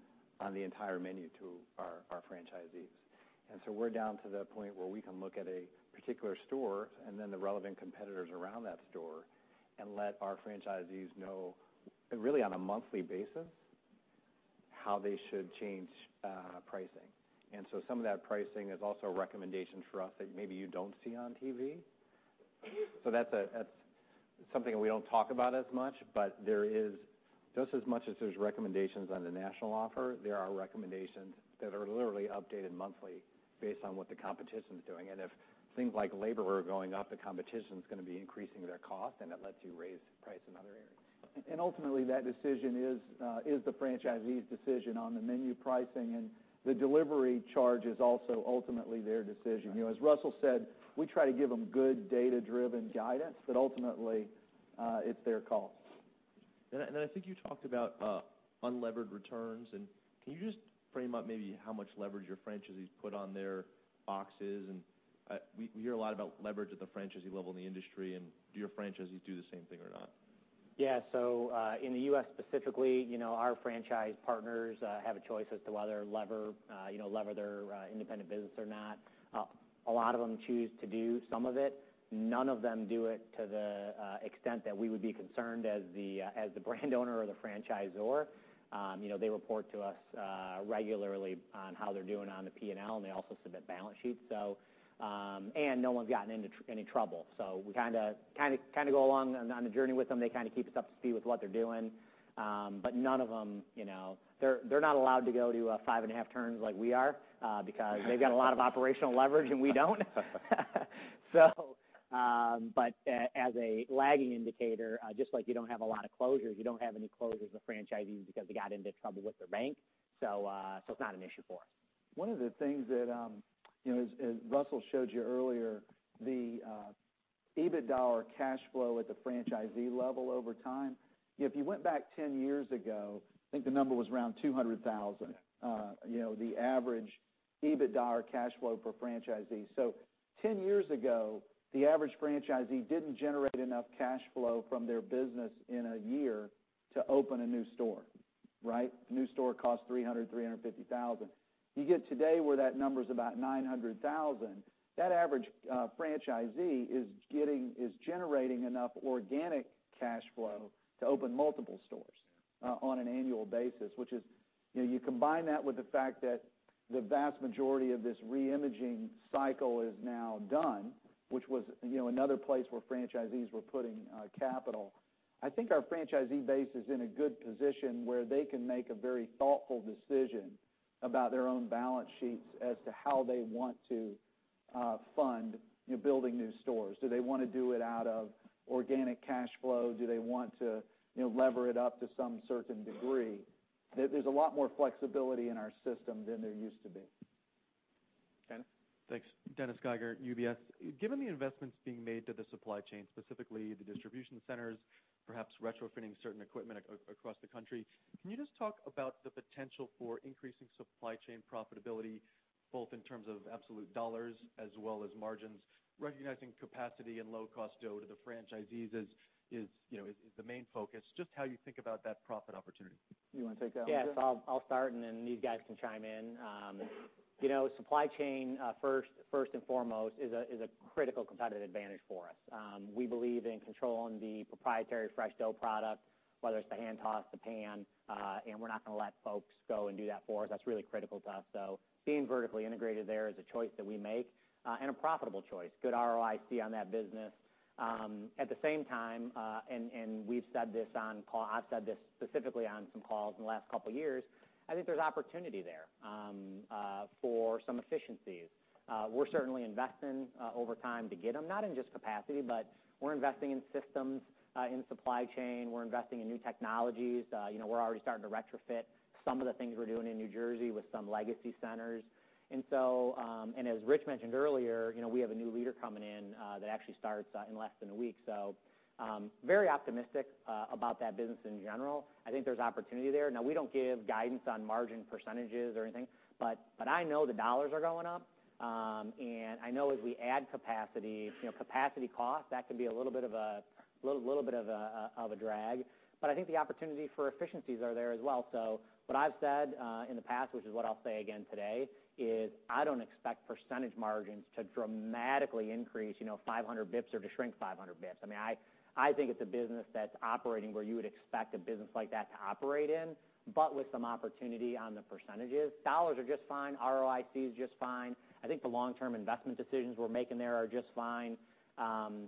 on the entire menu to our franchisees. We're down to the point where we can look at a particular store The relevant competitors around that store and let our franchisees know, really on a monthly basis, how they should change pricing. Some of that pricing is also a recommendation for us that maybe you don't see on TV. That's something that we don't talk about as much, There is just as much as there's recommendations on the national offer, there are recommendations that are literally updated monthly based on what the competition's doing. If things like labor are going up, the competition's going to be increasing their cost, It lets you raise price in other areas. Ultimately, that decision is the franchisee's decision on the menu pricing, The delivery charge is also ultimately their decision. As Russell said, we try to give them good data-driven guidance, Ultimately, it's their call. I think you talked about unlevered returns. Can you just frame up maybe how much leverage your franchisees put on their boxes? We hear a lot about leverage at the franchisee level in the industry, do your franchisees do the same thing or not? In the U.S. specifically, our franchise partners have a choice as to whether lever their independent business or not. A lot of them choose to do some of it. None of them do it to the extent that we would be concerned as the brand owner or the franchisor. They report to us regularly on how they're doing on the P&L, and they also submit balance sheets. No one's gotten into any trouble. We kind of go along on the journey with them. They kind of keep us up to speed with what they're doing. They're not allowed to go to five and a half turns like we are, because they've got a lot of operational leverage, and we don't. As a lagging indicator, just like you don't have a lot of closures, you don't have any closures of franchisees because they got into trouble with their bank. It's not an issue for us. One of the things that, as Russell showed you earlier, the EBITDA or cash flow at the franchisee level over time. If you went back 10 years ago, I think the number was around $200,000, the average EBITDA or cash flow per franchisee. 10 years ago, the average franchisee didn't generate enough cash flow from their business in a year to open a new store. Right? New store costs $300,000, $350,000. You get today where that number's about $900,000. That average franchisee is generating enough organic cash flow to open multiple stores on an annual basis. You combine that with the fact that the vast majority of this re-imaging cycle is now done, which was another place where franchisees were putting capital. I think our franchisee base is in a good position where they can make a very thoughtful decision about their own balance sheets as to how they want to fund building new stores. Do they want to do it out of organic cash flow? Do they want to lever it up to some certain degree? There's a lot more flexibility in our system than there used to be. Dennis? Thanks. Dennis Geiger, UBS. Given the investments being made to the supply chain, specifically the distribution centers, perhaps retrofitting certain equipment across the country, can you just talk about the potential for increasing supply chain profitability, both in terms of absolute dollars as well as margins? Recognizing capacity and low cost dough to the franchisees is the main focus. Just how you think about that profit opportunity. You want to take that one, Jeff? Yes, I'll start, and then these guys can chime in. Supply chain, first and foremost, is a critical competitive advantage for us. We believe in controlling the proprietary fresh dough product, whether it's the hand-tossed, the pan, and we're not going to let folks go and do that for us. That's really critical to us. Being vertically integrated there is a choice that we make, and a profitable choice. Good ROIC on that business. At the same time, and I've said this specifically on some calls in the last couple of years, I think there's opportunity there for some efficiencies. We're certainly investing over time to get them, not in just capacity, but we're investing in systems, in supply chain. We're investing in new technologies. We're already starting to retrofit some of the things we're doing in New Jersey with some legacy centers. As Ritch mentioned earlier, we have a new leader coming in that actually starts in less than a week. Very optimistic about that business in general. I think there's opportunity there. Now we don't give guidance on margin percentages or anything, but I know the dollars are going up. I know as we add capacity cost, that can be a little bit of a drag, but I think the opportunity for efficiencies are there as well. What I've said in the past, which is what I'll say again today, is I don't expect percentage margins to dramatically increase 500 basis points or to shrink 500 basis points. I think it's a business that's operating where you would expect a business like that to operate in, but with some opportunity on the percentages. Dollars are just fine. ROIC is just fine. I think the long-term investment decisions we're making there are just fine. I'm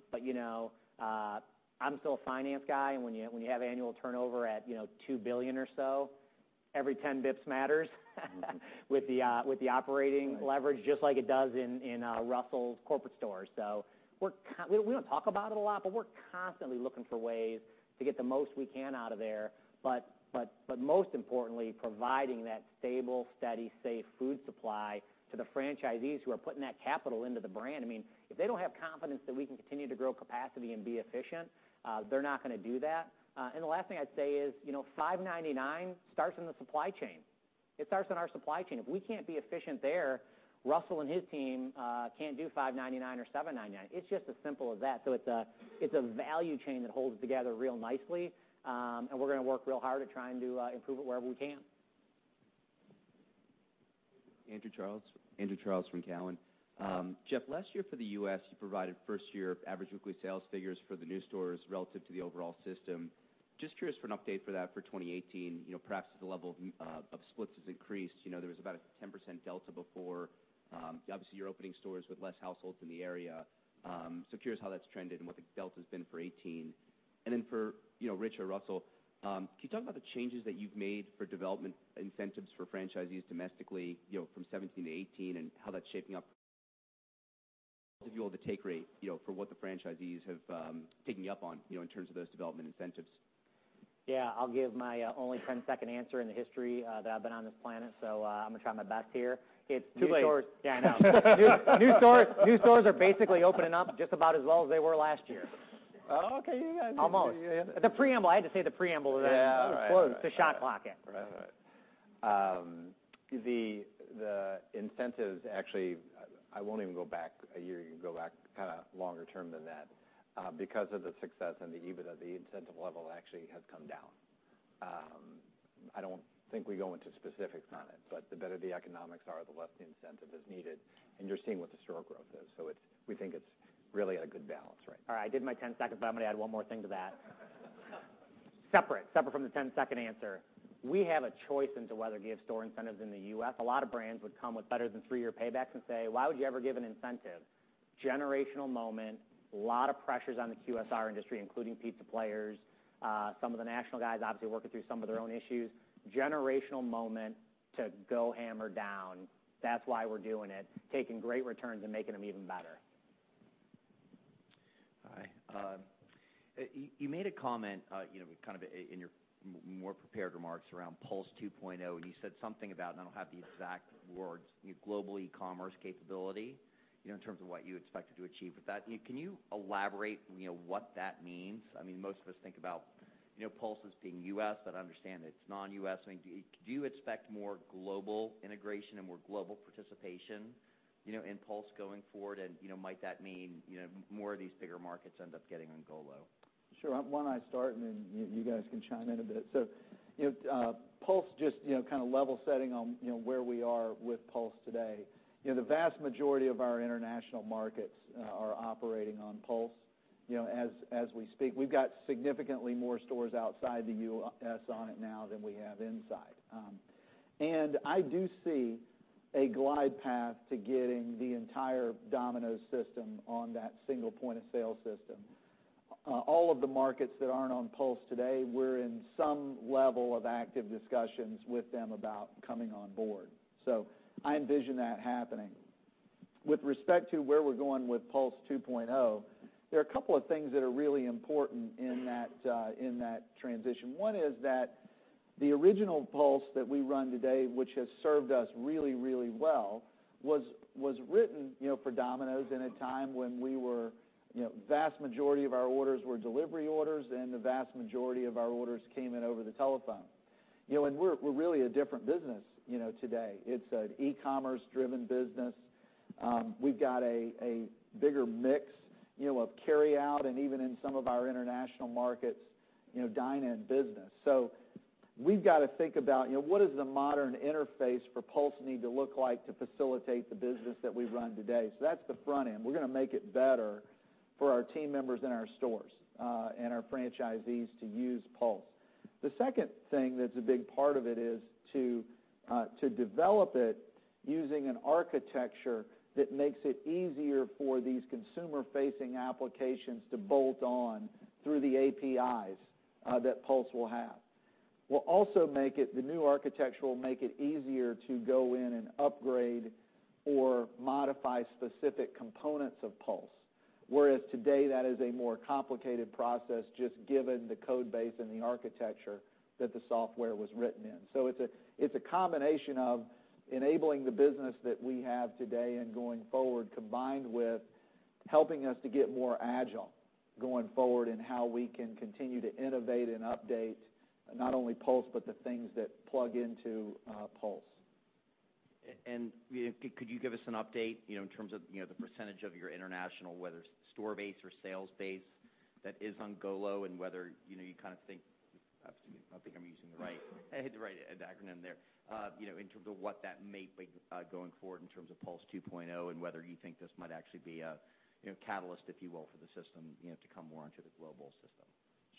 still a finance guy, and when you have annual turnover at $2 billion or so, every 10 basis points matters with the operating leverage, just like it does in Russell's corporate stores. We don't talk about it a lot, but we're constantly looking for ways to get the most we can out of there. Most importantly, providing that stable, steady, safe food supply to the franchisees who are putting that capital into the brand. If they don't have confidence that we can continue to grow capacity and be efficient, they're not going to do that. The last thing I'd say is, $5.99 starts in the supply chain. It starts in our supply chain. If we can't be efficient there, Russell and his team can't do $5.99 or $7.99. It's just as simple as that. It's a value chain that holds together real nicely, and we're going to work real hard at trying to improve it wherever we can. Andrew Charles from Cowen. Jeff, last year for the U.S., you provided first-year average weekly sales figures for the new stores relative to the overall system. Just curious for an update for that for 2018. Perhaps the level of splits has increased. There was about a 10% delta before. Obviously, you're opening stores with less households in the area. Curious how that's trended and what the delta's been for 2018. Then for Ritch or Russell, can you talk about the changes that you've made for development incentives for franchisees domestically from 2017 to 2018 and how that's shaping up the take rate for what the franchisees have taken you up on in terms of those development incentives? Yeah, I'll give my only 10-second answer in the history that I've been on this planet. I'm going to try my best here. Too late. Yeah, I know. New stores are basically opening up just about as well as they were last year. Oh, okay. Almost. The preamble. I had to say the preamble. Yeah. All right. To the shot clock it. Right. The incentives, actually, I won't even go back a year. You can go back longer term than that. Because of the success and the EBITDA, the incentive level actually has come down. I don't think we go into specifics on it, but the better the economics are, the less the incentive is needed. You're seeing what the store growth is, so we think it's really at a good balance right now. All right. I did my 10 seconds. I'm going to add one more thing to that. Separate from the 10-second answer. We have a choice into whether to give store incentives in the U.S. A lot of brands would come with better than three-year paybacks and say, "Why would you ever give an incentive?" Generational moment, lot of pressures on the QSR industry, including pizza players. Some of the national guys obviously working through some of their own issues. Generational moment to go hammer down. That's why we're doing it, taking great returns and making them even better. You made a comment in your more prepared remarks around Pulse 2.0. You said something about, and I don't have the exact words, global e-commerce capability in terms of what you expected to achieve with that. Can you elaborate what that means? Most of us think about Pulse as being U.S. I understand that it's non-U.S. Do you expect more global integration and more global participation in Pulse going forward? Might that mean more of these bigger markets end up getting on GOLO? Sure. Why don't I start. You guys can chime in a bit. Pulse, just kind of level setting on where we are with Pulse today. The vast majority of our international markets are operating on Pulse as we speak. We've got significantly more stores outside the U.S. on it now than we have inside. I do see a glide path to getting the entire Domino's system on that single point-of-sale system. All of the markets that aren't on Pulse today, we're in some level of active discussions with them about coming on board. I envision that happening. With respect to where we're going with Pulse 2.0, there are a couple of things that are really important in that transition. One is that the original Pulse that we run today, which has served us really well, was written for Domino's in a time when the vast majority of our orders were delivery orders. The vast majority of our orders came in over the telephone. We're really a different business today. It's an e-commerce driven business. We've got a bigger mix of carry-out and even in some of our international markets, dine-in business. We've got to think about what does the modern interface for Pulse need to look like to facilitate the business that we run today. That's the front end. We're going to make it better for our team members in our stores, and our franchisees to use Pulse. The second thing that's a big part of it is to develop it using an architecture that makes it easier for these consumer-facing applications to bolt on through the APIs that Pulse will have. The new architecture will make it easier to go in and upgrade or modify specific components of Pulse. Whereas today, that is a more complicated process just given the code base and the architecture that the software was written in. It's a combination of enabling the business that we have today and going forward, combined with helping us to get more agile going forward in how we can continue to innovate and update not only Pulse, but the things that plug into Pulse. Could you give us an update in terms of the percentage of your international, whether store base or sales base that is on GOLO and whether you think I don't think I'm using the right acronym there. In terms of what that may be going forward in terms of Pulse 2.0 and whether you think this might actually be a catalyst, if you will, for the system to come more onto the global system.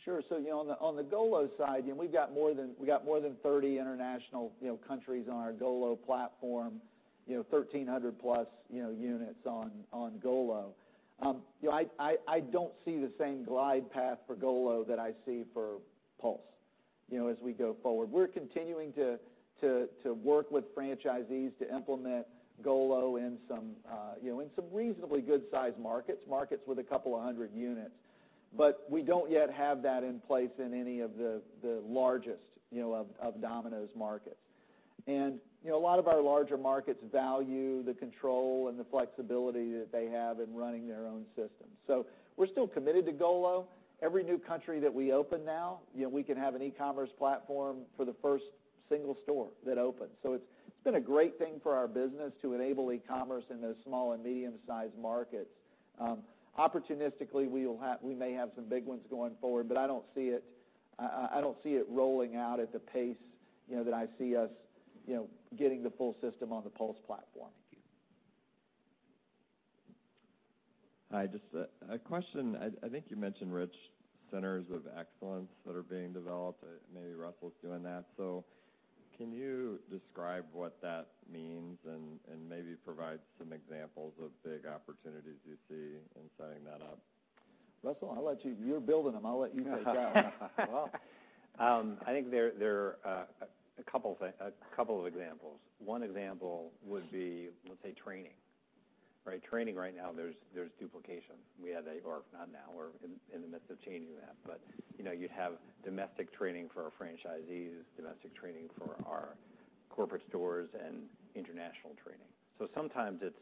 Sure. On the GOLO side, we've got more than 30 international countries on our GOLO platform, 1,300+ units on GOLO. I don't see the same glide path for GOLO that I see for Pulse as we go forward. We're continuing to work with franchisees to implement GOLO in some reasonably good-sized markets with a couple of hundred units. We don't yet have that in place in any of the largest of Domino's markets. A lot of our larger markets value the control and the flexibility that they have in running their own systems. We're still committed to GOLO. Every new country that we open now, we can have an e-commerce platform for the first single store that opens. It's been a great thing for our business to enable e-commerce in those small and medium-sized markets. Opportunistically, we may have some big ones going forward, I don't see it rolling out at the pace that I see us getting the full system on the Pulse platform. Thank you. Hi, just a question. I think you mentioned, Ritch, centers of excellence that are being developed. Maybe Russell's doing that. Can you describe what that means and maybe provide some examples of big opportunities you see in setting that up? Russell, you're building them. I'll let you take a shot. I think there are a couple of examples. One example would be, let's say, training, right? Training right now, there's duplication. Not now, we're in the midst of changing that. You'd have domestic training for our franchisees, domestic training for our corporate stores, and international training. Sometimes it's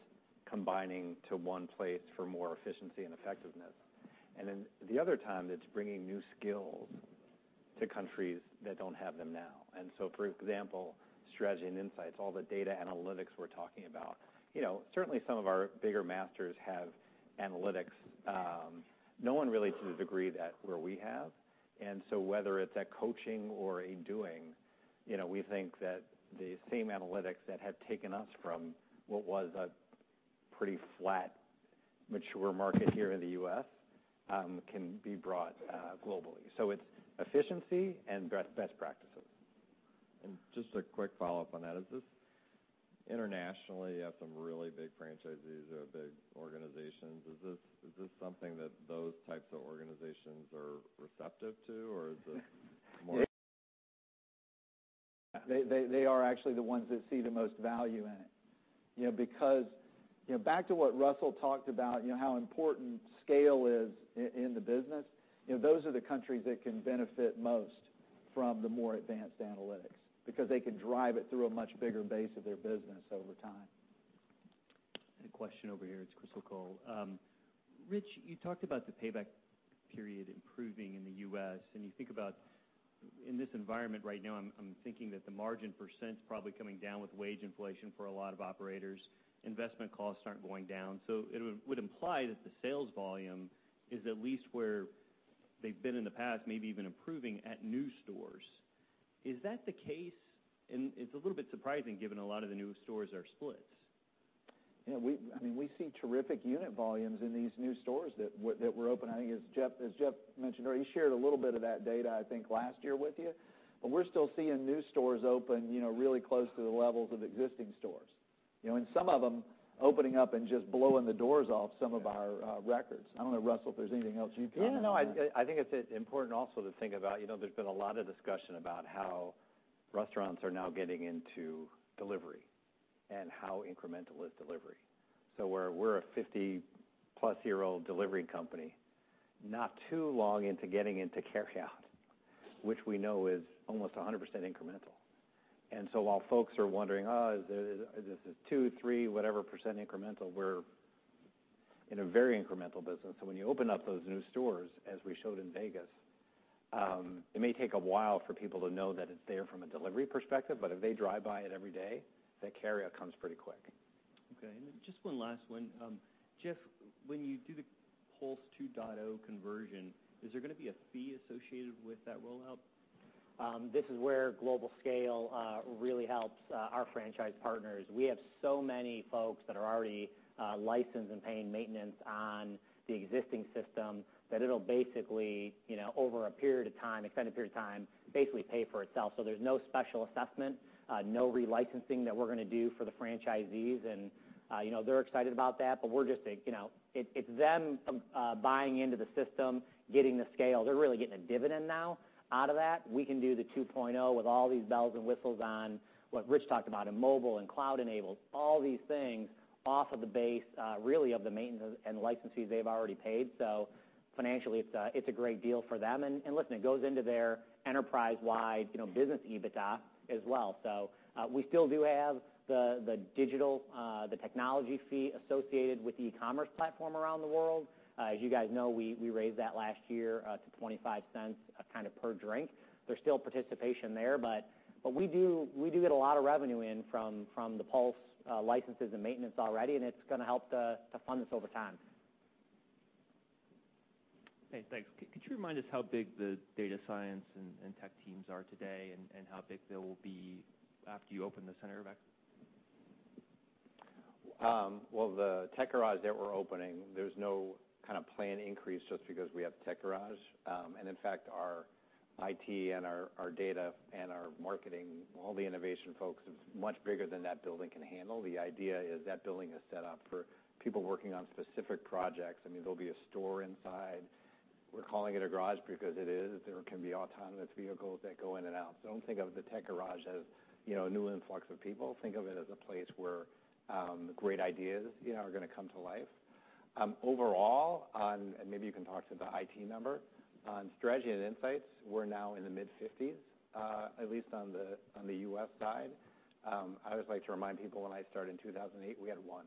combining to one place for more efficiency and effectiveness. The other time, it's bringing new skills to countries that don't have them now. For example, strategy and insights, all the data analytics we're talking about. Certainly, some of our bigger masters have analytics. No one really to the degree that where we have. Whether it's a coaching or a doing, we think that the same analytics that have taken us from what was a pretty flat, mature market here in the U.S. can be brought globally. It's efficiency and best practices. Just a quick follow-up on that. Is this internationally at some really big franchisees or big organizations? Is this something that those types of organizations are receptive to, or is this more? They are actually the ones that see the most value in it. Back to what Russell talked about, how important scale is in the business, those are the countries that can benefit most from the more advanced analytics, because they can drive it through a much bigger base of their business over time. A question over here. It's Chris O'Cull. Ritch, you talked about the payback period improving in the U.S., and you think about, in this environment right now, I'm thinking that the margin percent's probably coming down with wage inflation for a lot of operators. Investment costs aren't going down. It would imply that the sales volume is at least where they've been in the past, maybe even improving at new stores. Is that the case? It's a little bit surprising given a lot of the new stores are splits. We see terrific unit volumes in these new stores that were open. I think, as Jeff mentioned earlier, he shared a little bit of that data, I think, last year with you. We're still seeing new stores open really close to the levels of existing stores. Some of them opening up and just blowing the doors off some of our records. I don't know, Russell, if there's anything else you'd add. Yeah, no, I think it's important also to think about, there's been a lot of discussion about how restaurants are now getting into delivery and how incremental is delivery. We're a 50+ year-old delivery company, not too long into getting into carryout, which we know is almost 100% incremental. While folks are wondering, "Oh, is this a 2%, 3%, whatever, percent incremental?" We're in a very incremental business. When you open up those new stores, as we showed in Vegas, it may take a while for people to know that it's there from a delivery perspective, but if they drive by it every day, that carryout comes pretty quick. Okay, just one last one. Jeff, when you do the Pulse 2.0 conversion, is there going to be a fee associated with that rollout? This is where global scale really helps our franchise partners. We have so many folks that are already licensed and paying maintenance on the existing system that it'll basically, over a period of time, extended period of time, basically pay for itself. There's no special assessment, no re-licensing that we're going to do for the franchisees, and they're excited about that. It's them buying into the system, getting the scale. They're really getting a dividend now out of that. We can do the 2.0 with all these bells and whistles on what Ritch talked about in mobile and cloud enabled, all these things off of the base, really of the maintenance and licenses they've already paid. Financially, it's a great deal for them. Listen, it goes into their enterprise-wide business EBITDA as well. We still do have the digital, the technology fee associated with the e-commerce platform around the world. As you guys know, we raised that last year to $0.25 per drink. There's still participation there. We do get a lot of revenue in from the Pulse licenses and maintenance already, and it's going to help to fund this over time. Okay, thanks. Could you remind us how big the data science and tech teams are today and how big they will be after you open the center back? Well, the Tech Garage that we're opening, there's no kind of planned increase just because we have Tech Garage. In fact, our IT and our data, and our marketing, all the innovation folks, it's much bigger than that building can handle. The idea is that building is set up for people working on specific projects. There'll be a store inside. We're calling it a garage because it is. There can be autonomous vehicles that go in and out. Don't think of the Tech Garage as a new influx of people. Think of it as a place where great ideas are going to come to life. Overall, maybe you can talk to the IT number. On strategy and insights, we're now in the mid 50s, at least on the U.S. side. I always like to remind people when I started in 2008, we had one.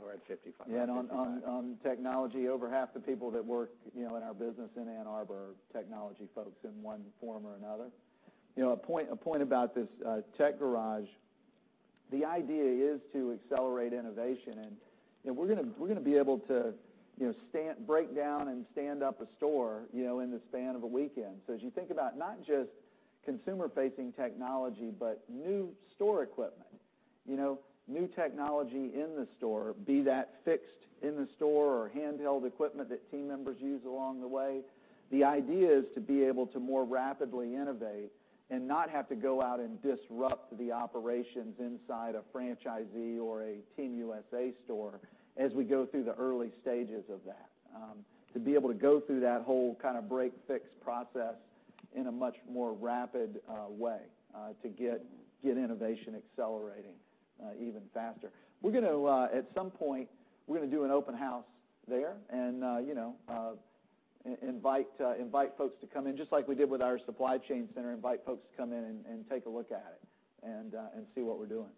We're at 55. Yeah, on technology, over half the people that work in our business in Ann Arbor are technology folks in one form or another. A point about this Tech Garage, the idea is to accelerate innovation, we're going to be able to break down and stand up a store in the span of a weekend. As you think about not just consumer-facing technology, but new store equipment. New technology in the store, be that fixed in the store or handheld equipment that team members use along the way. The idea is to be able to more rapidly innovate and not have to go out and disrupt the operations inside a franchisee or a Team USA store as we go through the early stages of that. To be able to go through that whole break, fix process in a much more rapid way to get innovation accelerating even faster. At some point, we're going to do an open house there and invite folks to come in, just like we did with our supply chain center, invite folks to come in and take a look at it, and see what we're doing.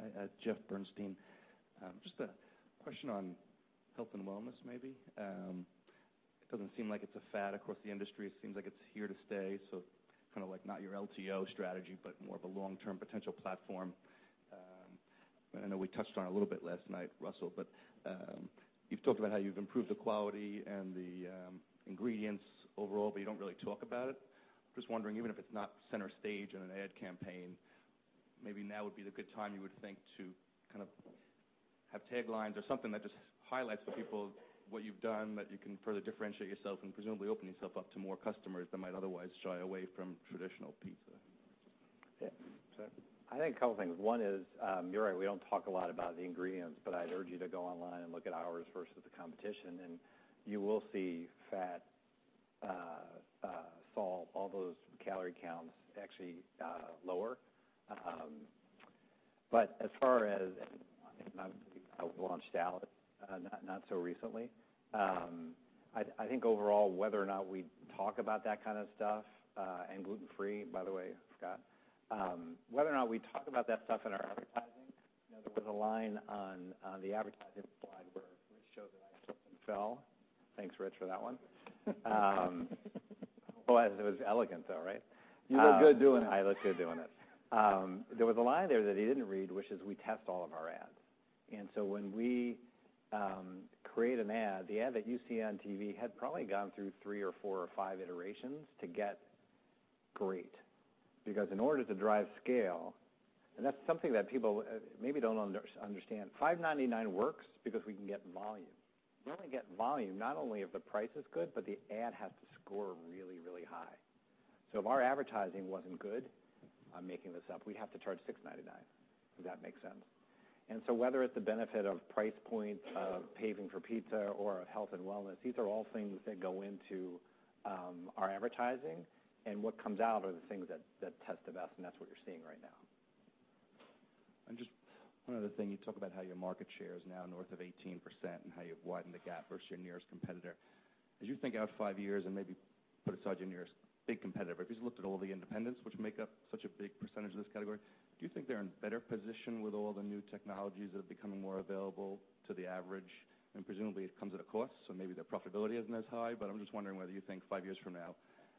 Hi. Jeff Bernstein. Just a question on health and wellness, maybe. It doesn't seem like it's a fad across the industry. It seems like it's here to stay. Not your LTO strategy, but more of a long-term potential platform. I know we touched on it a little bit last night, Russell, but you've talked about how you've improved the quality and the ingredients overall, but you don't really talk about it. I'm just wondering, even if it's not center stage in an ad campaign, maybe now would be the good time you would think to have taglines or something that just highlights for people what you've done, that you can further differentiate yourself and presumably open yourself up to more customers that might otherwise shy away from traditional pizza? Yeah. I think a couple of things. One is, you're right, we don't talk a lot about the ingredients, but I'd urge you to go online and look at ours versus the competition, and you will see fat, salt, all those calorie counts actually lower. But as far as launched out, not so recently. I think overall, whether or not we talk about that kind of stuff, and gluten-free, by the way, Jeff. Whether or not we talk about that stuff in our advertising, there was a line on the advertising slide where Ritch showed that I tripped and fell. Thanks, Ritch, for that one. Oh, it was elegant though, right? You looked good doing it. I looked good doing it. There was a line there that he didn't read, which is we test all of our ads. When we create an ad, the ad that you see on TV had probably gone through three or four or five iterations to get great. In order to drive scale, and that's something that people maybe don't understand. $5.99 works because we can get volume. We only get volume not only if the price is good, but the ad has to score really, really high. If our advertising wasn't good, I'm making this up, we'd have to charge $6.99. Does that make sense? Whether it's the benefit of price point, of Paving for Pizza or of health and wellness, these are all things that go into our advertising. What comes out are the things that test the best, and that's what you're seeing right now. Just one other thing. You talk about how your market share is now north of 18% and how you have widened the gap versus your nearest competitor. As you think out five years and maybe put aside your nearest big competitor, if you just looked at all the independents, which make up such a big percentage of this category, do you think they are in a better position with all the new technologies that are becoming more available to the average? Presumably, it comes at a cost, so maybe their profitability isn't as high. I am just wondering whether you think five years from now,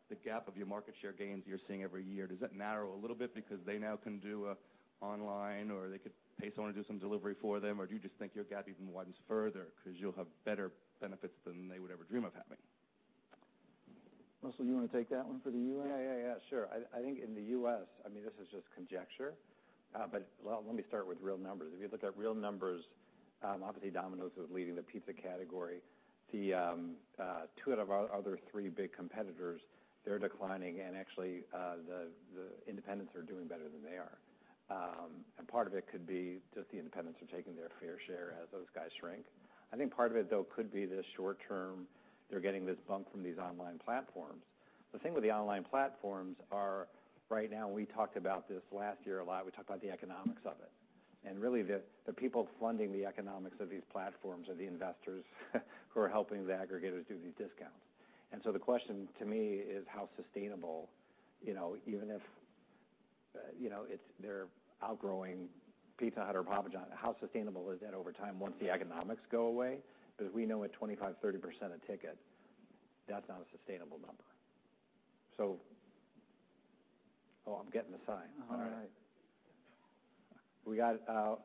the gap of your market share gains you are seeing every year, does that narrow a little bit because they now can do online or they could pay someone to do some delivery for them? Do you just think your gap even widens further because you will have better benefits than they would ever dream of having? Russell, you want to take that one for the U.S.? Yeah, sure. I think in the U.S., this is just conjecture, but let me start with real numbers. If you look at real numbers, obviously Domino's is leading the pizza category. The two out of our other three big competitors, they are declining, and actually, the independents are doing better than they are. Part of it could be just the independents are taking their fair share as those guys shrink. I think part of it, though, could be the short term, they are getting this bump from these online platforms. The thing with the online platforms are right now, we talked about this last year a lot, we talked about the economics of it. Really, the people funding the economics of these platforms are the investors who are helping the aggregators do these discounts. The question to me is how sustainable, even if they are outgrowing Pizza Hut or Papa John's, how sustainable is that over time once the economics go away? We know at 25%, 30% a ticket, that is not a sustainable number. Oh, I'm getting the sign. All right. We got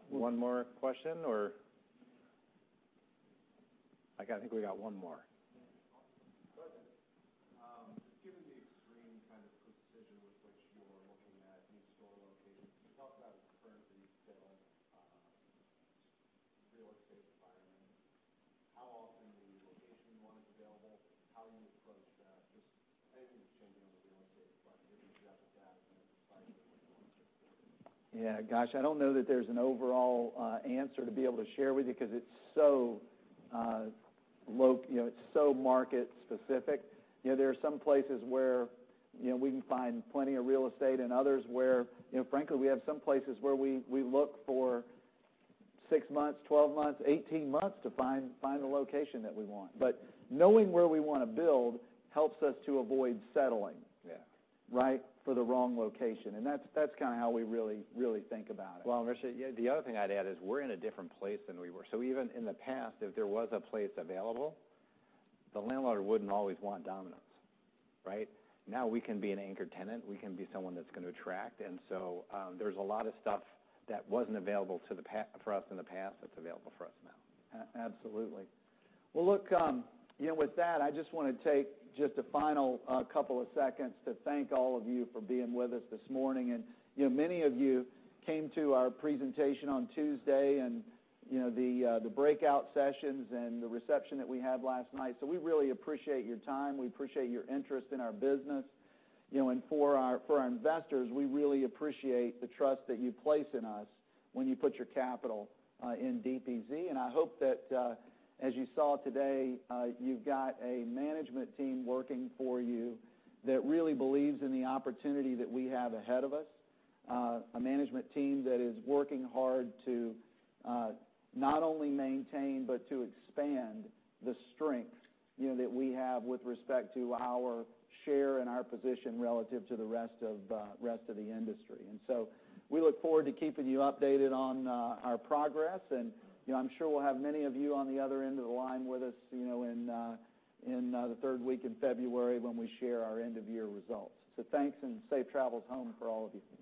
one more question or I think we got one more. Given the extreme kind of precision with which you're looking at new store locations, can you talk about the current retail real estate environment? How often the location you want is available, how you approach that? Just anything that's changing in the real estate. Yeah. Gosh, I don't know that there's an overall answer to be able to share with you because it's so market specific. There are some places where we can find plenty of real estate and others where, frankly, we have some places where we look for six months, 12 months, 18 months to find a location that we want. Knowing where we want to build helps us to avoid settling for the wrong location. That's kind of how we really think about it. Well, Ritch, the other thing I'd add is we're in a different place than we were. Even in the past, if there was a place available, the landlord wouldn't always want Domino's, right? Now we can be an anchor tenant. We can be someone that's going to attract. There's a lot of stuff that wasn't available for us in the past that's available for us now. Absolutely. Well, look, with that, I just want to take just a final couple of seconds to thank all of you for being with us this morning. Many of you came to our presentation on Tuesday and the breakout sessions and the reception that we had last night. We really appreciate your time. We appreciate your interest in our business. For our investors, we really appreciate the trust that you place in us when you put your capital in DPZ. I hope that, as you saw today, you've got a management team working for you that really believes in the opportunity that we have ahead of us. A management team that is working hard to not only maintain but to expand the strength that we have with respect to our share and our position relative to the rest of the industry. We look forward to keeping you updated on our progress. I'm sure we'll have many of you on the other end of the line with us in the third week in February when we share our end-of-year results. Thanks and safe travels home for all of you.